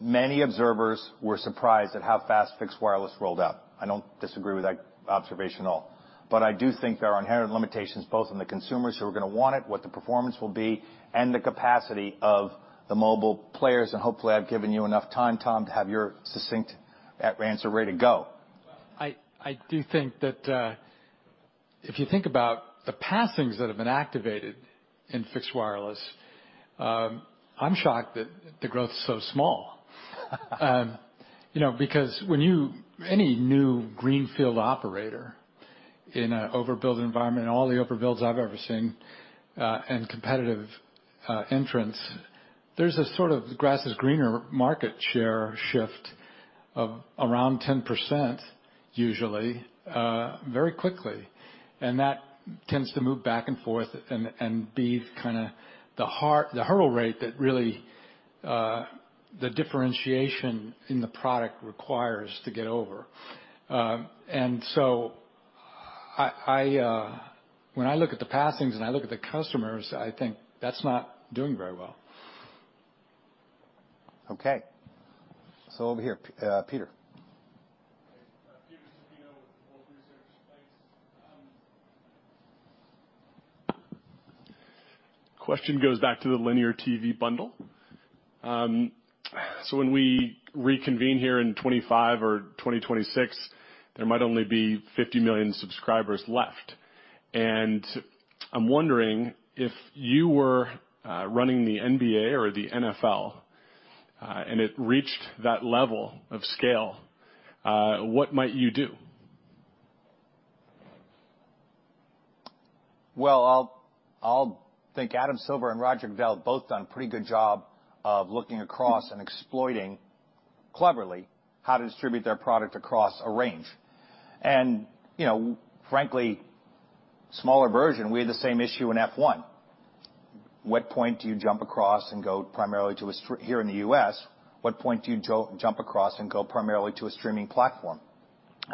many observers were surprised at how fast fixed wireless rolled out. I don't disagree with that observation at all. I do think there are inherent limitations, both on the consumers who are gonna want it, what the performance will be, and the capacity of the mobile players. Hopefully, I've given you enough time, Tom, to have your succinct answer ready to go. I do think that, if you think about the passings that have been activated in fixed wireless, I'm shocked that the growth's so small. Because any new greenfield operator in an overbuilt environment, all the overbuilds I've ever seen, and competitive entrants, there's a sort of grass is greener market share shift of around 10% usually, very quickly. That tends to move back and forth and be kinda the hurdle rate that really, the differentiation in the product requires to get over. When I look at the passings and I look at the customers, I think that's not doing very well. Okay. Over here, Peter. Peter Supino with Wolfe Research. Thanks. Question goes back to the linear TV bundle. So when we reconvene here in 2025 or 2026, there might only be 50 million subscribers left. I'm wondering if you were running the NBA or the NFL, and it reached that level of scale, what might you do? Well, I'll think Adam Silver and Roger Goodell both done a pretty good job of looking across and exploiting cleverly how to distribute their product across a range. You know, frankly, smaller version, we had the same issue in F1. What point do you jump across and go primarily to a streaming platform here in the U.S.?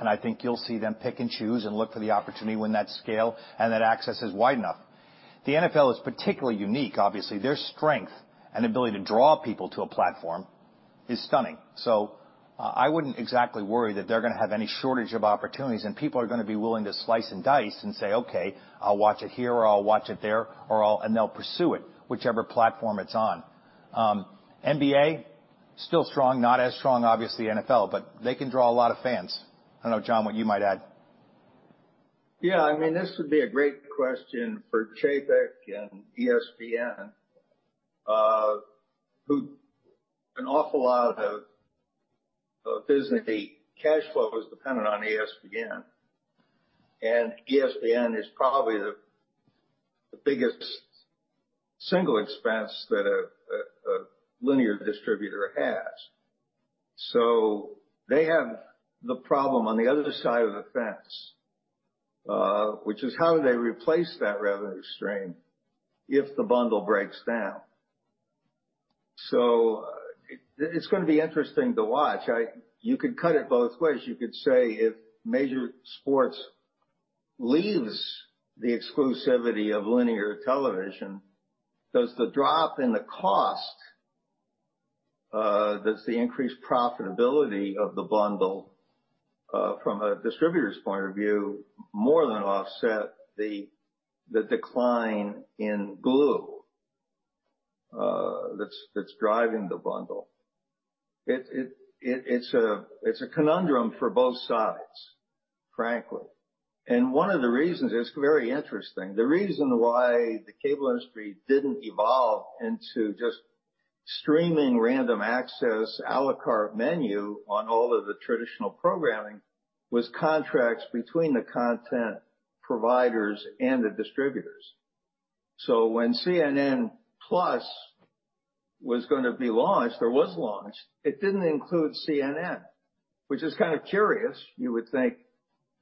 I think you'll see them pick and choose and look for the opportunity when that scale and that access is wide enough. The NFL is particularly unique. Obviously, their strength and ability to draw people to a platform is stunning. So I wouldn't exactly worry that they're gonna have any shortage of opportunities, and people are gonna be willing to slice and dice and say, okay, I'll watch it here or I'll watch it there or I'll watch it. They'll pursue it, whichever platform it's on. NBA still strong. Not as strong, obviously, NFL, but they can draw a lot of fans. I don't know, John, what you might add. Yeah. I mean, this would be a great question for Chapek and ESPN, who an awful lot of Disney cash flow is dependent on ESPN. ESPN is probably the biggest single expense that a linear distributor has. They have the problem on the other side of the fence, which is, how do they replace that revenue stream if the bundle breaks down? It is gonna be interesting to watch. You could cut it both ways. You could say, if major sports leaves the exclusivity of linear television, does the drop in the cost, does the increased profitability of the bundle, from a distributor's point of view, more than offset the decline in glue that's driving the bundle? It's a conundrum for both sides, frankly. One of the reasons is very interesting. The reason why the cable industry didn't evolve into just streaming random access, à la carte menu on all of the traditional programming was contracts between the content providers and the distributors. When CNN+ was gonna be launched or was launched, it didn't include CNN, which is kind of curious. You would think,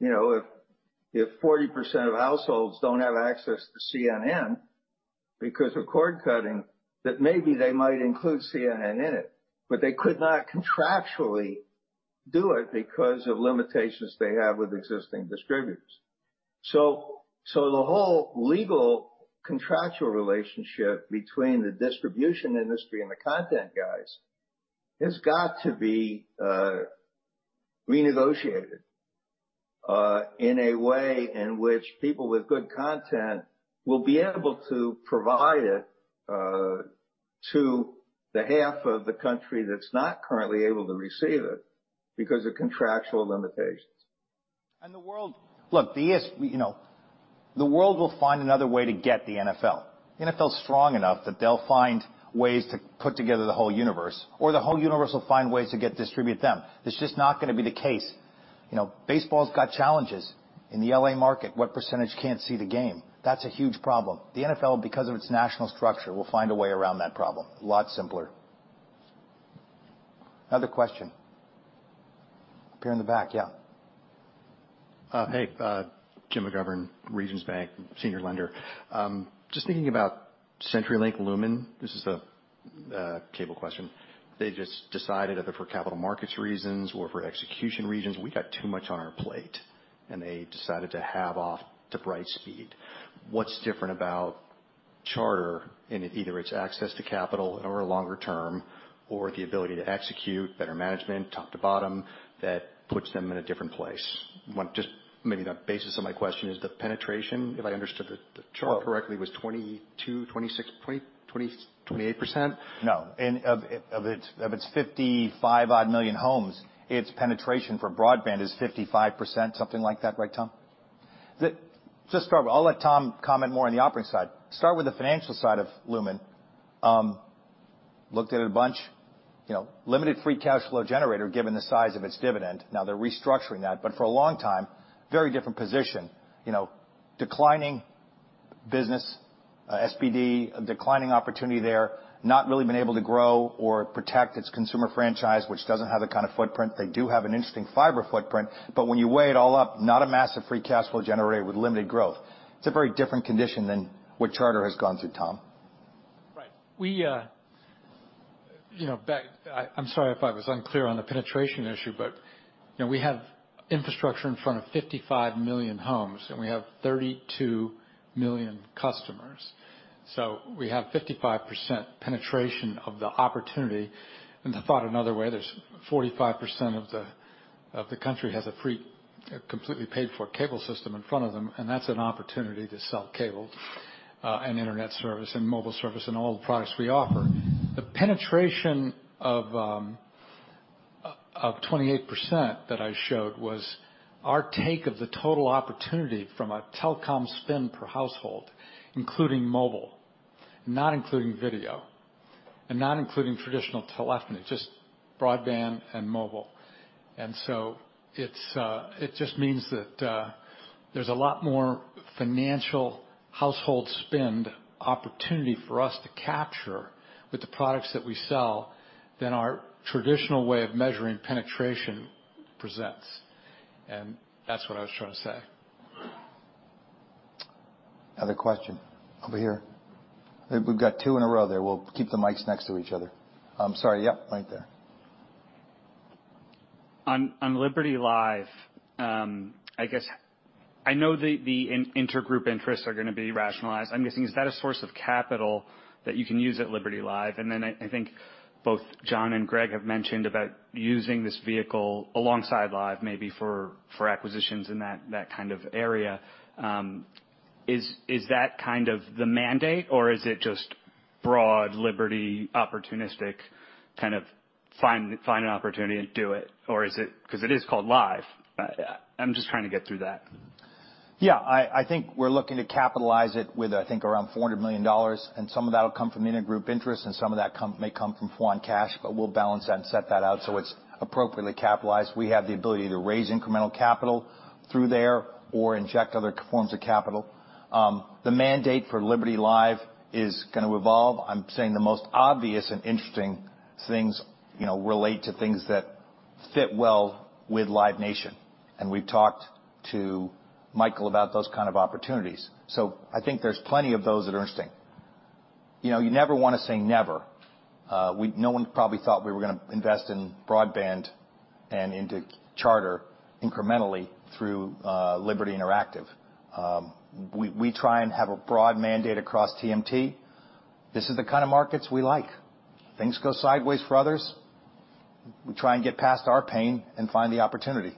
you know, if 40% of households don't have access to CNN because of cord cutting, that maybe they might include CNN in it. They could not contractually do it because of limitations they have with existing distributors. The whole legal contractual relationship between the distribution industry and the content guys has got to be renegotiated in a way in which people with good content will be able to provide it to the half of the country that's not currently able to receive it because of contractual limitations. The world will find another way to get the NFL. NFL's strong enough that they'll find ways to put together the whole universe, or the whole universe will find ways to get and distribute them. It's just not gonna be the case. You know, baseball's got challenges. In the L.A. market, what percentage can't see the game? That's a huge problem. The NFL, because of its national structure, will find a way around that problem. A lot simpler. Other question. Up here in the back, yeah. Jim McGovern, Regions Bank Senior Lender. Just thinking about CenturyLink, Lumen. This is a cable question. They just decided either for capital markets reasons or for execution reasons, we've got too much on our plate, and they decided to carve off to Brightspeed. What's different about Charter in either its access to capital or longer-term, or the ability to execute better management, top to bottom, that puts them in a different place? Just maybe the basis of my question is the penetration, if I understood the chart correctly, was 22%-26%, 20%-28%. No. Of its 55-odd million homes, its penetration for broadband is 55%, something like that. Right, Tom? I'll let Tom comment more on the operating side. Start with the financial side of Lumen. Looked at it a bunch. You know, limited free cash flow generator given the size of its dividend. Now they're restructuring that, but for a long time, very different position. You know, declining business, SPD, a declining opportunity there. Not really been able to grow or protect its consumer franchise, which doesn't have the kind of footprint. They do have an interesting fiber footprint, but when you weigh it all up, not a massive free cash flow generator with limited growth. It's a very different condition than what Charter has gone through, Tom. Right. We, you know, I'm sorry if I was unclear on the penetration issue, but, you know, we have infrastructure in front of 55 million homes, and we have 32 million customers. We have 55% penetration of the opportunity. Put another way, there's 45% of the country has a free, completely paid for cable system in front of them, and that's an opportunity to sell cable, and internet service and mobile service and all the products we offer. The penetration of 28% that I showed was our take of the total opportunity from a telecom spend per household, including mobile, not including video, and not including traditional telephony, just broadband and mobile. It just means that there's a lot more financial household spend opportunity for us to capture with the products that we sell than our traditional way of measuring penetration presents. That's what I was trying to say. Other question over here. We've got two in a row there. We'll keep the mics next to each other. I'm sorry. Yep, right there. On Liberty Live, I guess I know the intergroup interests are gonna be rationalized. I'm guessing, is that a source of capital that you can use at Liberty Live? Then I think both John and Greg have mentioned about using this vehicle alongside Live maybe for acquisitions in that kind of area. Is that kind of the mandate, or is it just broad Liberty opportunistic kind of find an opportunity and do it? Or is it because it is called Live. I'm just trying to get through that. Yeah. I think we're looking to capitalize it with, I think, around $400 million, and some of that will come from intergroup interest and some of that may come from foreign cash, but we'll balance that and set that out so it's appropriately capitalized. We have the ability to raise incremental capital through there or inject other forms of capital. The mandate for Liberty Live is gonna evolve. I'm saying the most obvious and interesting things, you know, relate to things that fit well with Live Nation, and we've talked to Michael about those kind of opportunities. I think there's plenty of those that are interesting. You know, you never wanna say never. No one probably thought we were gonna invest in broadband and into Charter incrementally through Liberty Interactive. We try and have a broad mandate across TMT. This is the kind of markets we like. Things go sideways for others, we try and get past our pain and find the opportunity.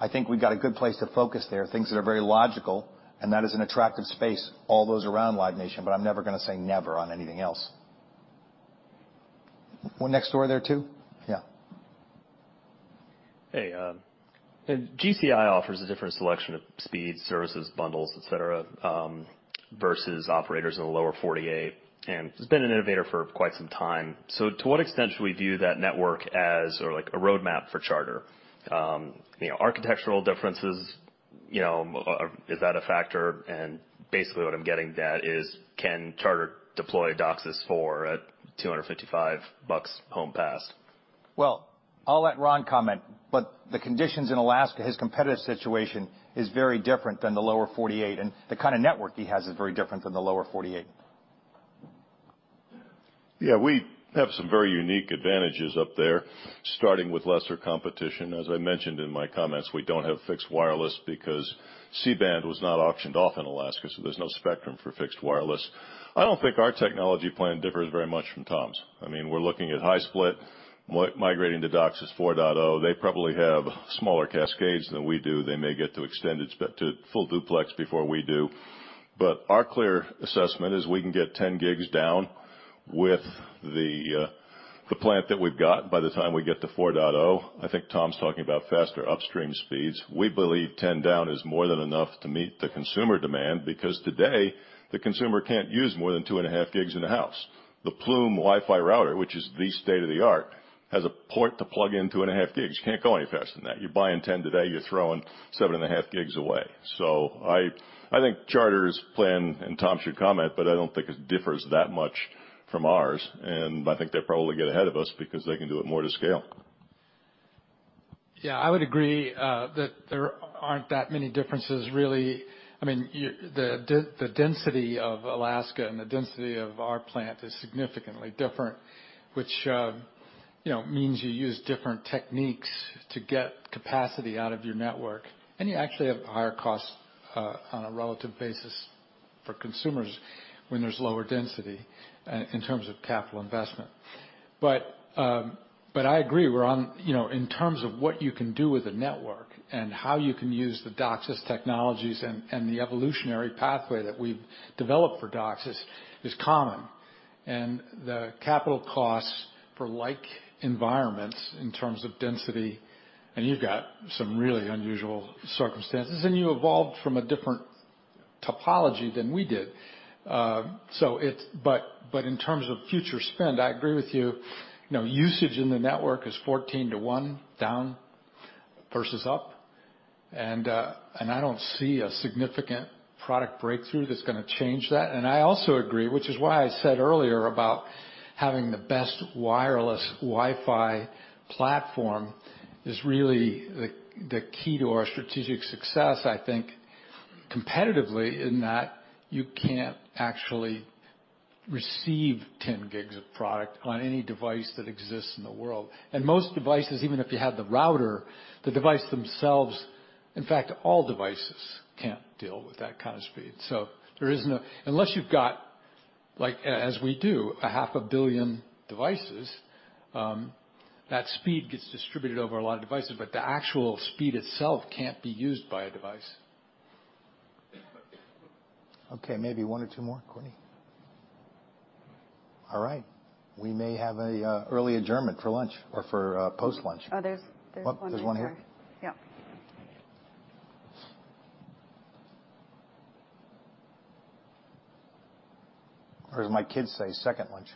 I think we've got a good place to focus there, things that are very logical, and that is an attractive space, all those around Live Nation, but I'm never gonna say never on anything else. One next door there, too. Yeah. Hey. GCI offers a different selection of speed, services, bundles, et cetera, versus operators in the lower forty-eight, and it's been an innovator for quite some time. To what extent should we view that network as or like a roadmap for Charter? You know, architectural differences, you know, is that a factor? Basically, what I'm getting at is, can Charter deploy DOCSIS for a $255 home pass? Well, I'll let Ron comment, but the conditions in Alaska, his competitive situation is very different than the lower 48, and the kind of network he has is very different than the lower 48. Yeah, we have some very unique advantages up there, starting with lesser competition. As I mentioned in my comments, we don't have fixed wireless because C-band was not auctioned off in Alaska, so there's no spectrum for fixed wireless. I don't think our technology plan differs very much from Tom's. I mean, we're looking at high split, migrating to DOCSIS 4.0. They probably have smaller cascades than we do. They may get to full duplex before we do. Our clear assessment is we can get 10 gigs down with the plant that we've got by the time we get to 4.0. I think Tom's talking about faster upstream speeds. We believe 10 down is more than enough to meet the consumer demand because today the consumer can't use more than 2.5 gigs in a house. The Plume Wi-Fi router, which is the state-of-the-art, has a port to plug in 2.5 gigs. You can't go any faster than that. You're buying 10 today, you're throwing 7.5 gigs away. I think Charter's plan, and Tom should comment, but I don't think it differs that much from ours, and I think they probably get ahead of us because they can do it more to scale. Yeah, I would agree that there aren't that many differences really. I mean, the density of Alaska and the density of our plant is significantly different, which, you know, means you use different techniques to get capacity out of your network, and you actually have higher costs on a relative basis for consumers when there's lower density in terms of capital investment. I agree, we're on, you know, in terms of what you can do with a network and how you can use the DOCSIS technologies and the evolutionary pathway that we've developed for DOCSIS is common. The capital costs for like environments in terms of density, and you've got some really unusual circumstances, and you evolved from a different topology than we did. In terms of future spend, I agree with you know, usage in the network is 14-to-onedown versus up, and I don't see a significant product breakthrough that's gonna change that. I also agree, which is why I said earlier about having the best wireless Wi-Fi platform is really the key to our strategic success, I think, competitively in that you can't actually receive 10 gigs of product on any device that exists in the world. Most devices, even if you had the router, the device themselves, in fact, all devices can't deal with that kind of speed. There is no unless you've got, like as we do, 500 million devices, that speed gets distributed over a lot of devices, but the actual speed itself can't be used by a device. Okay, maybe one or two more, Courtney. All right. We may have an early adjournment for lunch or for post-lunch. Oh, there's one more. Oh, there's one here. Yeah. as my kids say, second lunch.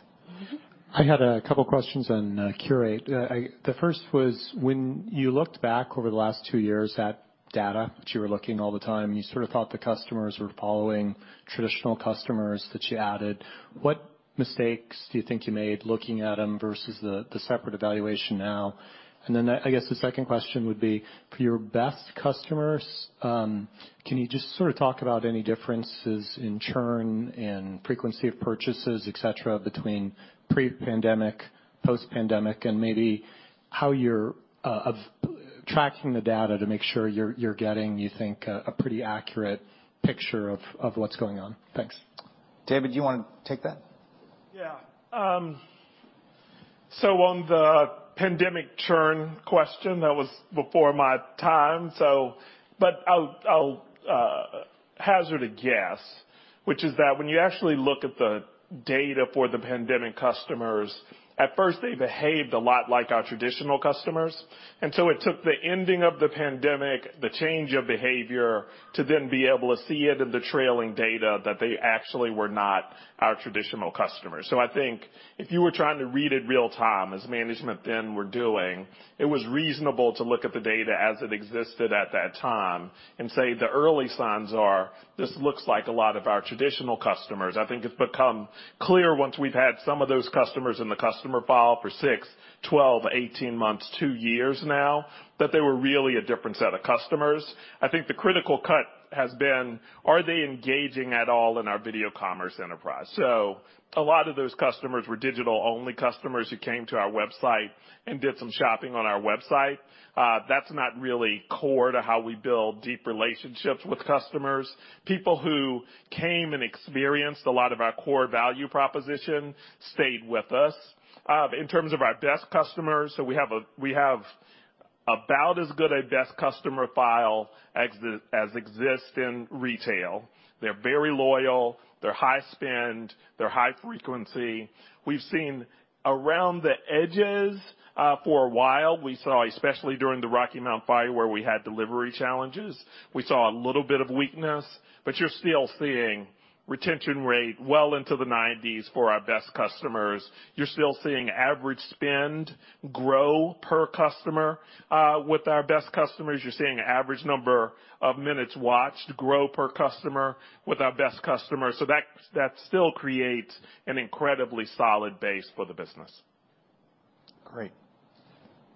I had a couple questions on Qurate. The first was, when you looked back over the last two years at data that you were looking all the time, and you sort of thought the customers were following traditional customers that you added, what mistakes do you think you made looking at them versus the separate evaluation now? Then I guess the second question would be, for your best customers, can you just sort of talk about any differences in churn and frequency of purchases, et cetera, between pre-pandemic, post-pandemic, and maybe how you're tracking the data to make sure you're getting, you think, a pretty accurate picture of what's going on? Thanks. David, do you wanna take that? Yeah. On the pandemic churn question, that was before my time. I'll hazard a guess, which is that when you actually look at the data for the pandemic customers, at first, they behaved a lot like our traditional customers. It took the ending of the pandemic, the change of behavior to then be able to see it in the trailing data that they actually were not our traditional customers. I think if you were trying to read it real time, as management then were doing, it was reasonable to look at the data as it existed at that time and say the early signs are this looks like a lot of our traditional customers. I think it's become clear once we've had some of those customers in the customer file for six, 12, 18 months, two years now, that they were really a different set of customers. I think the critical cut has been, are they engaging at all in our video commerce enterprise? A lot of those customers were digital-only customers who came to our website and did some shopping on our website. That's not really core to how we build deep relationships with customers. People who came and experienced a lot of our core value proposition stayed with us. In terms of our best customers, we have about as good a best customer file as exists in retail. They're very loyal, they're high spend, they're high frequency. We've seen around the edges for a while. We saw, especially during the Rocky Mount fire, where we had delivery challenges, we saw a little bit of weakness, but you're still seeing retention rate well into the 90s for our best customers. You're still seeing average spend grow per customer with our best customers. You're seeing average number of minutes watched grow per customer with our best customers. That still creates an incredibly solid base for the business. Great.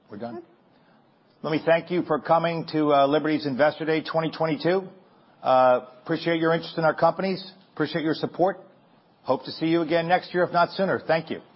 We're done? Mm-hmm. Let me thank you for coming to Liberty's Investor Day 2022. Appreciate your interest in our companies. Appreciate your support. Hope to see you again next year, if not sooner. Thank you.